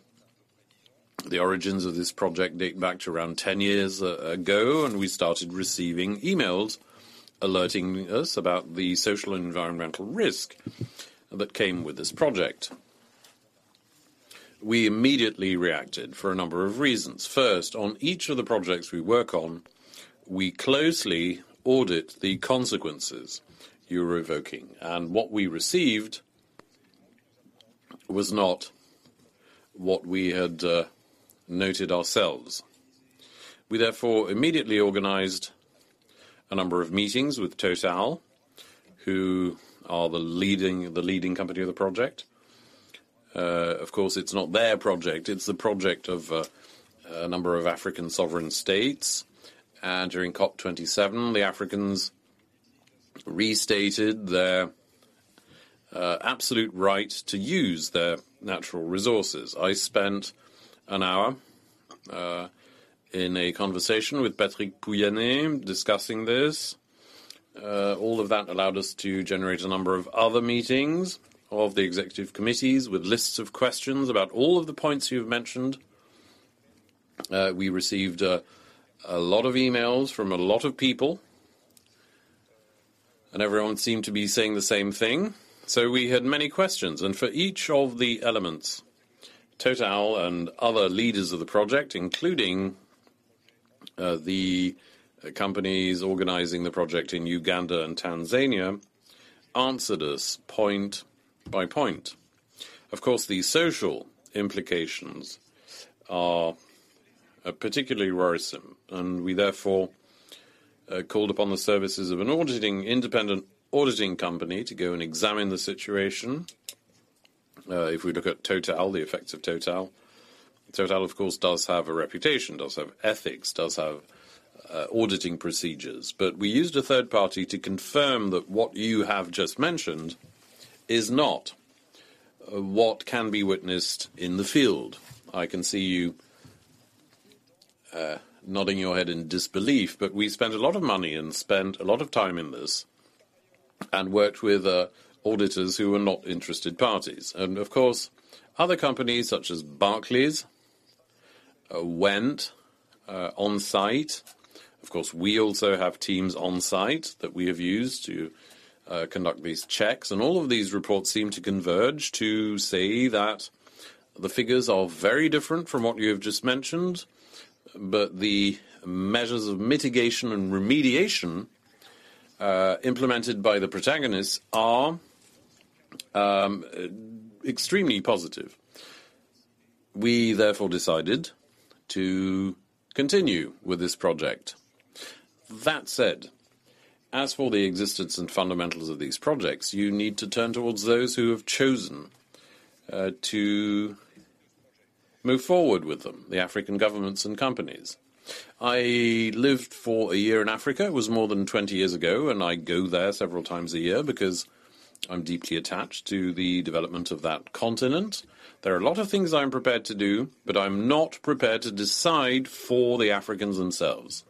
The origins of this project date back to around 10 years ago. We started receiving emails alerting us about the social and environmental risk that came with this project. We immediately reacted for a number of reasons. First, on each of the projects we work on, we closely audit the consequences you're revoking, and what we received was not what we had noted ourselves. We therefore immediately organized a number of meetings with Total, who are the leading company of the project. Of course, it's not their project, it's the project of a number of African sovereign states. During COP27, the Africans restated their absolute right to use their natural resources. I spent an hour in a conversation with Patrick Pouyanné discussing this. All of that allowed us to generate a number of other meetings of the executive committees with lists of questions about all of the points you've mentioned. We received a lot of emails from a lot of people, and everyone seemed to be saying the same thing, so we had many questions. For each of the elements, Total and other leaders of the project, including the companies organizing the project in Uganda and Tanzania, answered us point by point. Of course, the social implications are particularly worrisome, and we therefore called upon the services of an independent auditing company to go and examine the situation. If we look at Total, the effects of Total, of course, does have a reputation, does have ethics, does have auditing procedures. We used a third party to confirm that what you have just mentioned is not what can be witnessed in the field. I can see you nodding your head in disbelief, but we spent a lot of money and spent a lot of time in this and worked with auditors who were not interested parties. Of course, other companies, such as Barclays, went on-site. Of course, we also have teams on-site that we have used to conduct these checks. All of these reports seem to converge to say that the figures are very different from what you have just mentioned, but the measures of mitigation and remediation implemented by the protagonists are extremely positive. We therefore decided to continue with this project. That said, as for the existence and fundamentals of these projects, you need to turn towards those who have chosen to move forward with them, the African governments and companies. I lived for a year in Africa. It was more than 20 years ago. I go there several times a year because I'm deeply attached to the development of that continent. There are a lot of things I'm prepared to do, but I'm not prepared to decide for the Africans themselves.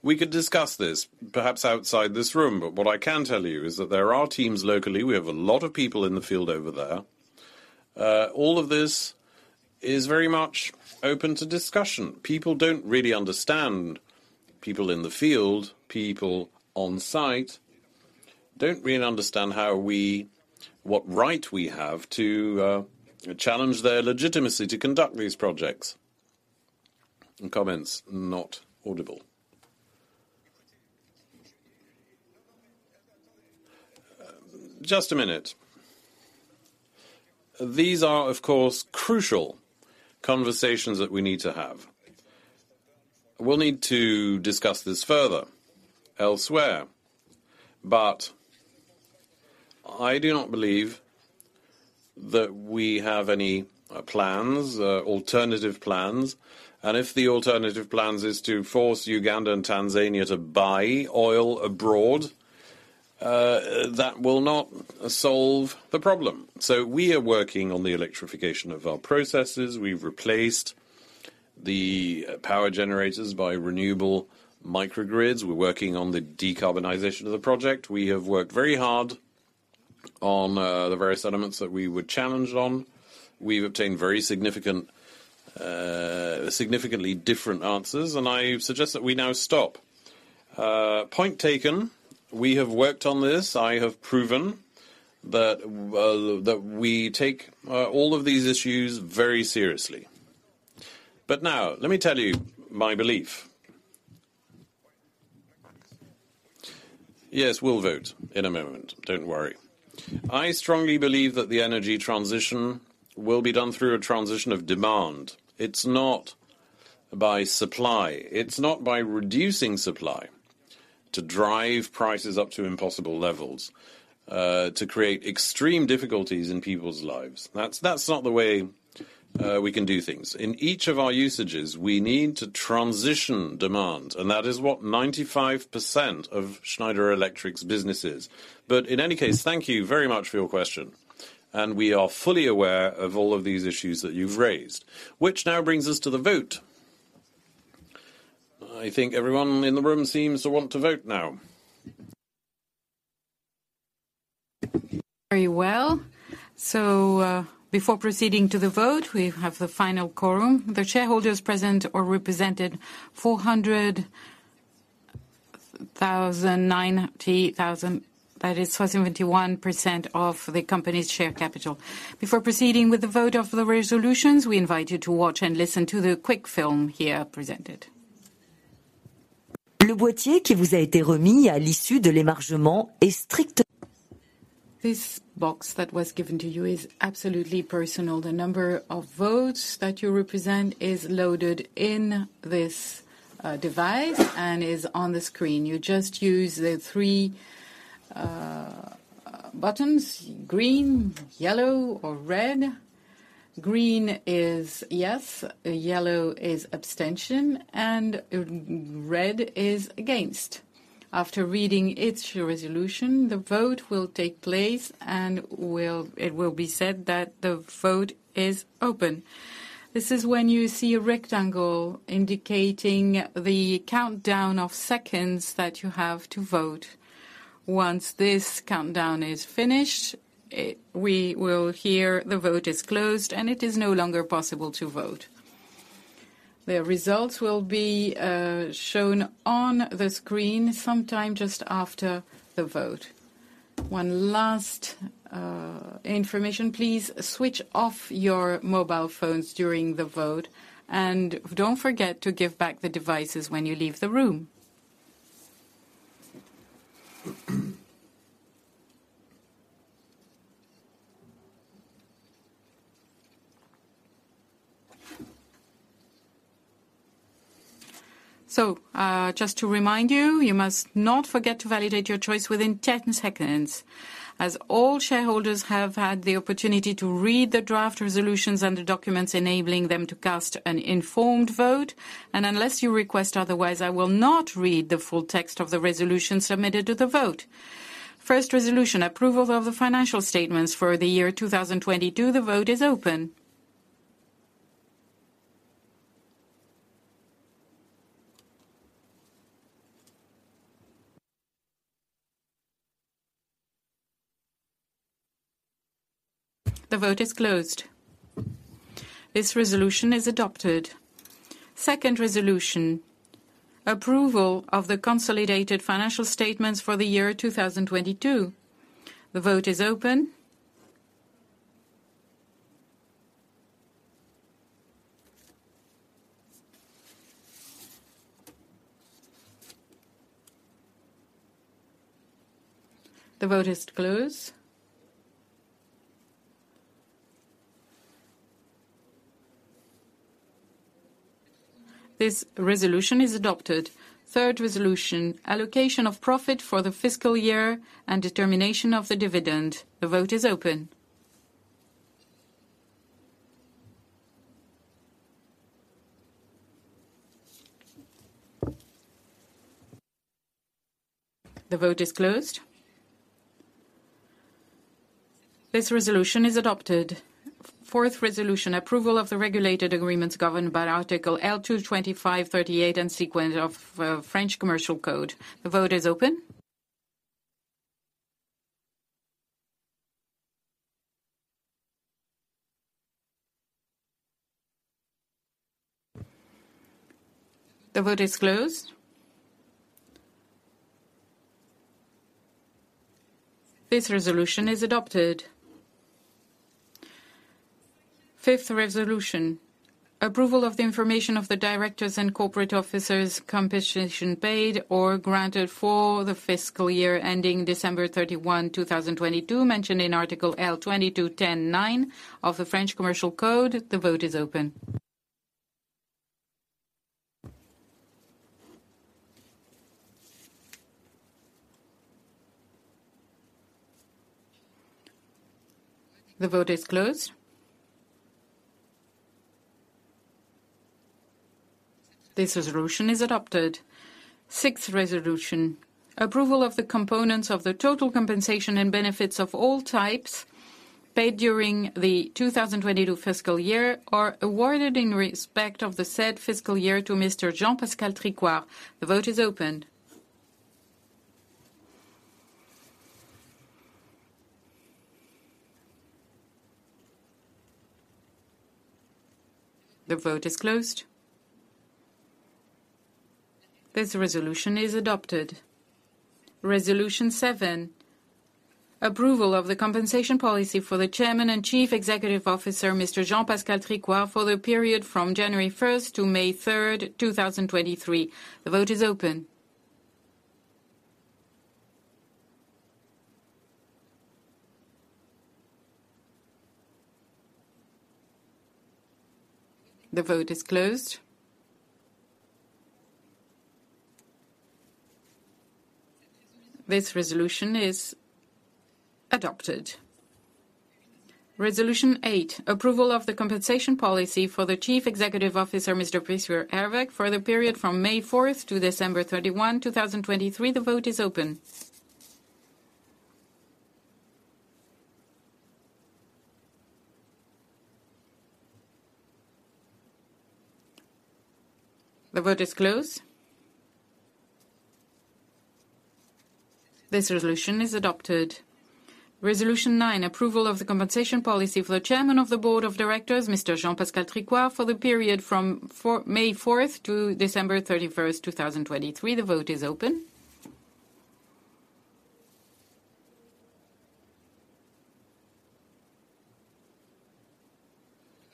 We could discuss this perhaps outside this room, but what I can tell you is that there are teams locally. We have a lot of people in the field over there. All of this is very much open to discussion. People don't really understand people in the field. People on-site don't really understand what right we have to challenge their legitimacy to conduct these projects. Just a minute. These are, of course, crucial conversations that we need to have. We'll need to discuss this further elsewhere, but I do not believe that we have any plans, alternative plans. If the alternative plans is to force Uganda and Tanzania to buy oil abroad, that will not solve the problem. We are working on the electrification of our processes. We've replaced the power generators by renewable microgrids. We're working on the decarbonization of the project. We have worked very hard on the various elements that we were challenged on. We've obtained very significant, significantly different answers, and I suggest that we now stop. Point taken, we have worked on this. I have proven that we take all of these issues very seriously. Now let me tell you my belief. Yes, we'll vote in a moment. Don't worry. I strongly believe that the energy transition will be done through a transition of demand. It's not by supply. It's not by reducing supply to drive prices up to impossible levels to create extreme difficulties in people's lives. That's not the way we can do things. In each of our usages, we need to transition demand, and that is what 95% of Schneider Electric's business is. In any case, thank you very much for your question, and we are fully aware of all of these issues that you've raised. Now brings us to the vote. I think everyone in the room seems to want to vote now. Very well. Before proceeding to the vote, we have the final quorum. The shareholders present or represented 490,000. That is 41% of the company's share capital. Before proceeding with the vote of the resolutions, we invite you to watch and listen to the quick film here presented. This box that was given to you is absolutely personal. The number of votes that you represent is loaded in this device and is on the screen. You just use the three buttons: green, yellow, or red. Green is yes, yellow is abstention, and red is against. After reading each resolution, the vote will take place and it will be said that the vote is open. This is when you see a rectangle indicating the countdown of seconds that you have to vote. Once this countdown is finished, we will hear the vote is closed, and it is no longer possible to vote. The results will be shown on the screen some time just after the vote. One last information. Please switch off your mobile phones during the vote, and don't forget to give back the devices when you leave the room. Just to remind you must not forget to validate your choice within 10 seconds, as all shareholders have had the opportunity to read the draft resolutions and the documents enabling them to cast an informed vote. Unless you request otherwise, I will not read the full text of the resolution submitted to the vote. Resolution 1: approval of the financial statements for the year 2022. The vote is open. The vote is closed. This resolution is adopted. Resolution 2: approval of the consolidated financial statements for the year 2022. The vote is open. The vote is closed. This resolution is adopted. Resolution 3: allocation of profit for the fiscal year and determination of the dividend. The vote is open. The vote is closed. This resolution is adopted. Resolution 4: approval of the regulated agreements governed by Article L.225-38 and sequence of French Commercial Code. The vote is open. The vote is closed. This resolution is adopted. Resolution 5: approval of the information of the directors and corporate officers compensation paid or granted for the fiscal year ending December 31st, 2022, mentioned in Article L.22-10-9 of the French Commercial Code. The vote is open. The vote is closed. This resolution is adopted. Resolution 6: approval of the components of the total compensation and benefits of all types paid during the 2022 fiscal year are awarded in respect of the said fiscal year to Mr. Jean-Pascal Tricoire. The vote is opened. The vote is closed. This resolution is adopted. Resolution 7: approval of the compensation policy for the Chairman and Chief Executive Officer, Mr. Jean-Pascal Tricoire, for the period from January 1st-May 3rd, 2023. The vote is open. The vote is closed. This resolution is adopted. Resolution 8: approval of the compensation policy for the Chief Executive Officer, Mr. Luc Erweg, for the period from May 4th-December 31st, 2023. The vote is open. The vote is closed. This resolution is adopted. Resolution 9: approval of the compensation policy for the Chairman of the Board of Directors, Mr. Jean-Pascal Tricoire, for the period from May fourth to December thirty-first, 2023. The vote is open.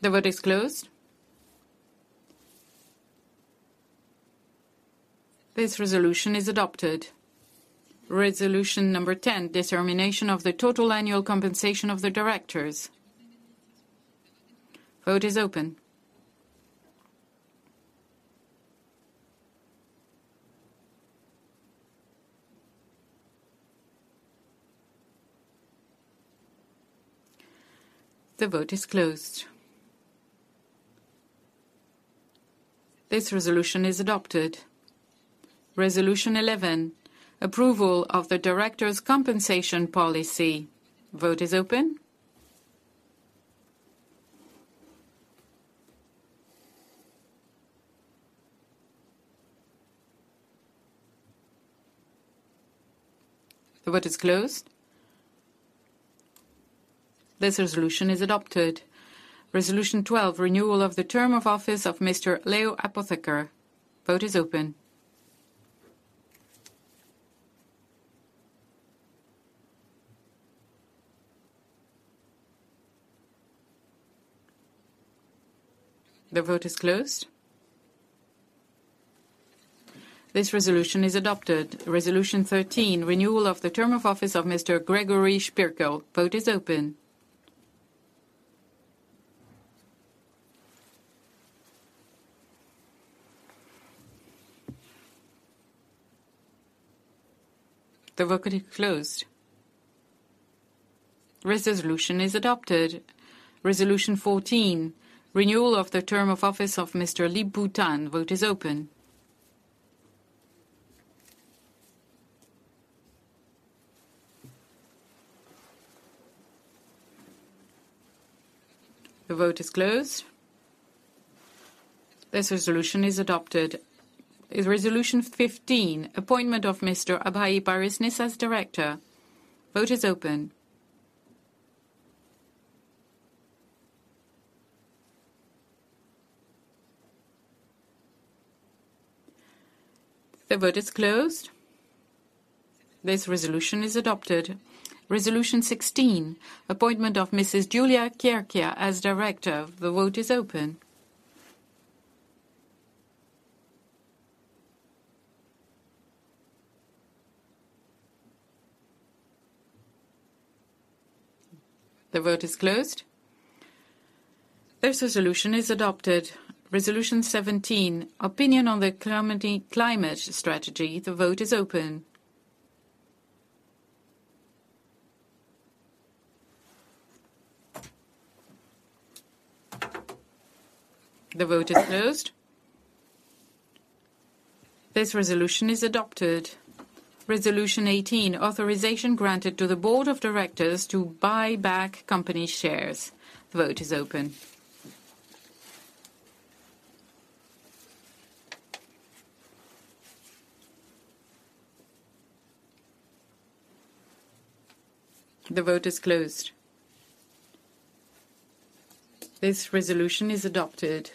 The vote is closed. This resolution is adopted. Resolution10: determination of the total annual compensation of the directors. Vote is open. The vote is closed. This resolution is adopted. Resolution 11: approval of the director's compensation policy. Vote is open. The vote is closed. This resolution is adopted. Resolution 12: renewal of the term of office of Mr. Léo Apotheker. Vote is open. The vote is closed. This resolution is adopted. Resolution 13: renewal of the term of office of Mr. Gregory Spierkel. Vote is open. The vote is closed. Resolution is adopted. Resolution 14: renewal of the term of office of Mr. Lip-Bu Tan. Vote is open. The vote is closed. This resolution is adopted. Resolution 15: appointment of Mr. Abhay Parasnis as director. Vote is open. The vote is closed. This resolution is adopted. Resolution 16: appointment of Mrs. Giulia Chierchia as director. The vote is open. The vote is closed. This resolution is adopted. Resolution 17: opinion on the climate strategy. The vote is open. The vote is closed. This resolution is adopted. Resolution 18: authorization granted to the Board of Directors to buy back company shares. Vote is open. The vote is closed. This resolution is adopted.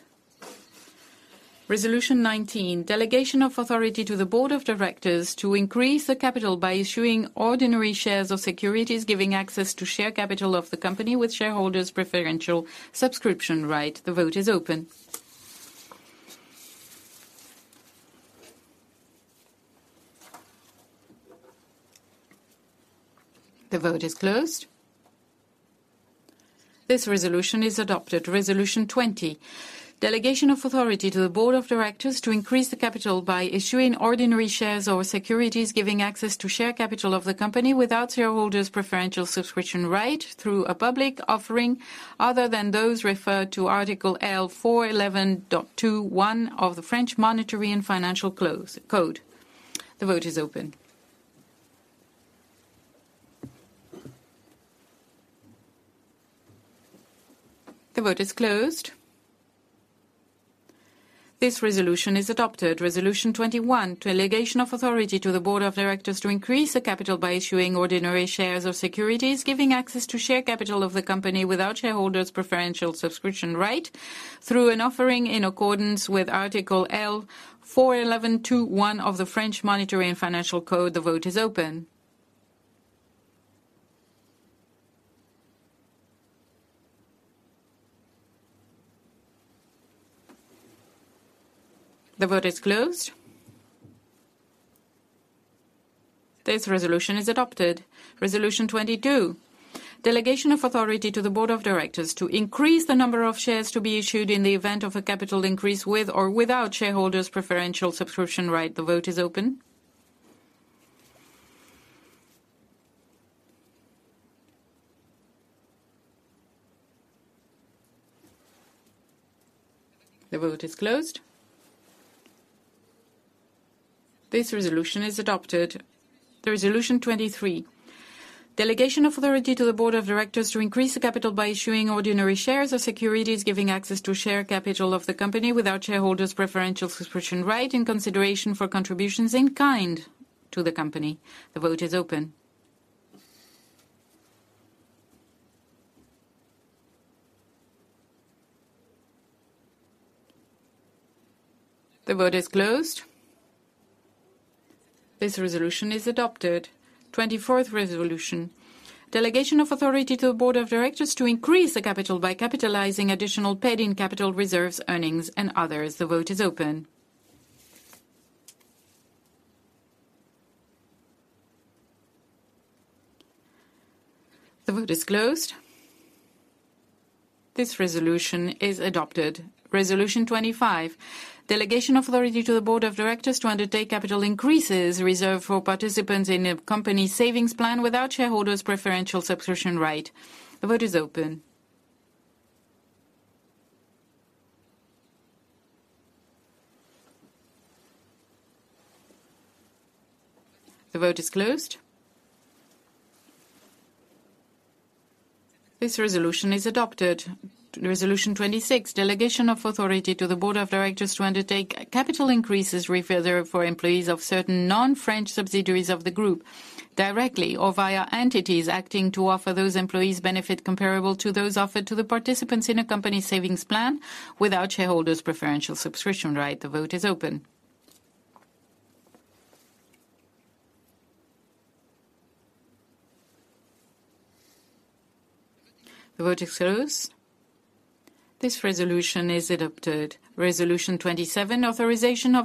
Resolution 19: delegation of authority to the Board of Directors to increase the capital by issuing ordinary shares of securities giving access to share capital of the company with shareholders preferential subscription right. The vote is open. The vote is closed. This resolution is adopted. Resolution 20: delegation of authority to the Board of Directors to increase the capital by issuing ordinary shares or securities giving access to share capital of the company without shareholders' preferential subscription right through a public offering other than those referred to Article L.411-21 of the French Monetary and Financial Code. The vote is open. The vote is closed. This resolution is adopted. Resolution 21: delegation of authority to the Board of Directors to increase the capital by issuing ordinary shares of securities, giving access to share capital of the company without shareholders' preferential subscription right through an offering in accordance with Article L.411-21 of the French Monetary and Financial Code. The vote is open. The vote is closed. This resolution is adopted. Resolution 22: delegation of authority to the Board of Directors to increase the number of shares to be issued in the event of a capital increase with or without shareholders preferential subscription right. The vote is open. The vote is closed. This resolution is adopted. Resolution 23: delegation of authority to the Board of Directors to increase the capital by issuing ordinary shares or securities giving access to share capital of the company without shareholders preferential subscription right and consideration for contributions in kind to the company. The vote is open. The vote is closed. This resolution is adopted. Resolution 24: delegation of authority to the Board of Directors to increase the capital by capitalizing additional paid in capital reserves, earnings, and others. The vote is open. The vote is closed. This resolution is adopted. Resolution 25: delegation of authority to the Board of Directors to undertake capital increases reserved for participants in a company savings plan without shareholders preferential subscription right. The vote is open. The vote is closed. This resolution is adopted. Resolution 26: delegation of authority to the Board of Directors to undertake capital increases reserved for employees of certain non-French subsidiaries of the group, directly or via entities acting to offer those employees benefit comparable to those offered to the participants in a company savings plan without shareholders preferential subscription right. The vote is open. The vote is closed. This resolution is adopted. Resolution 27: To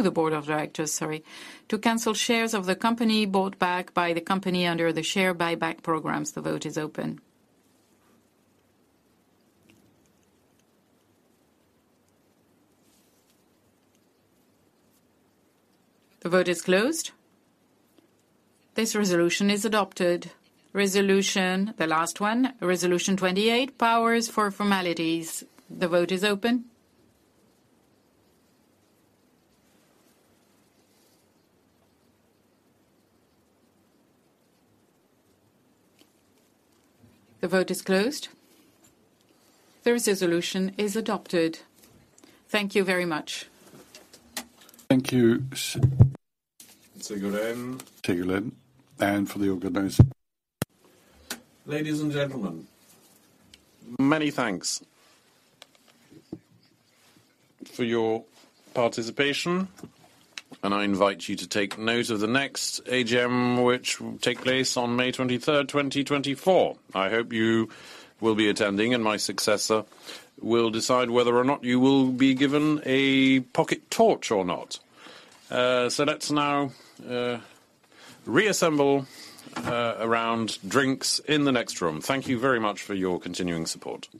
the Board of Directors, sorry, to cancel shares of the company bought back by the company under the share buyback programs. The vote is open. The vote is closed. This resolution is adopted. Resolution 28: powers for formalities. The vote is open. The vote is closed. This resolution is adopted. Thank you very much. Thank you, Ségolène, for the organization. Ladies and gentlemen, many thanks for your participation. I invite you to take note of the next AGM, which will take place on May 23rd, 2024. I hope you will be attending. My successor will decide whether or not you will be given a pocket torch or not. Let's now reassemble around drinks in the next room. Thank you very much for your continuing support.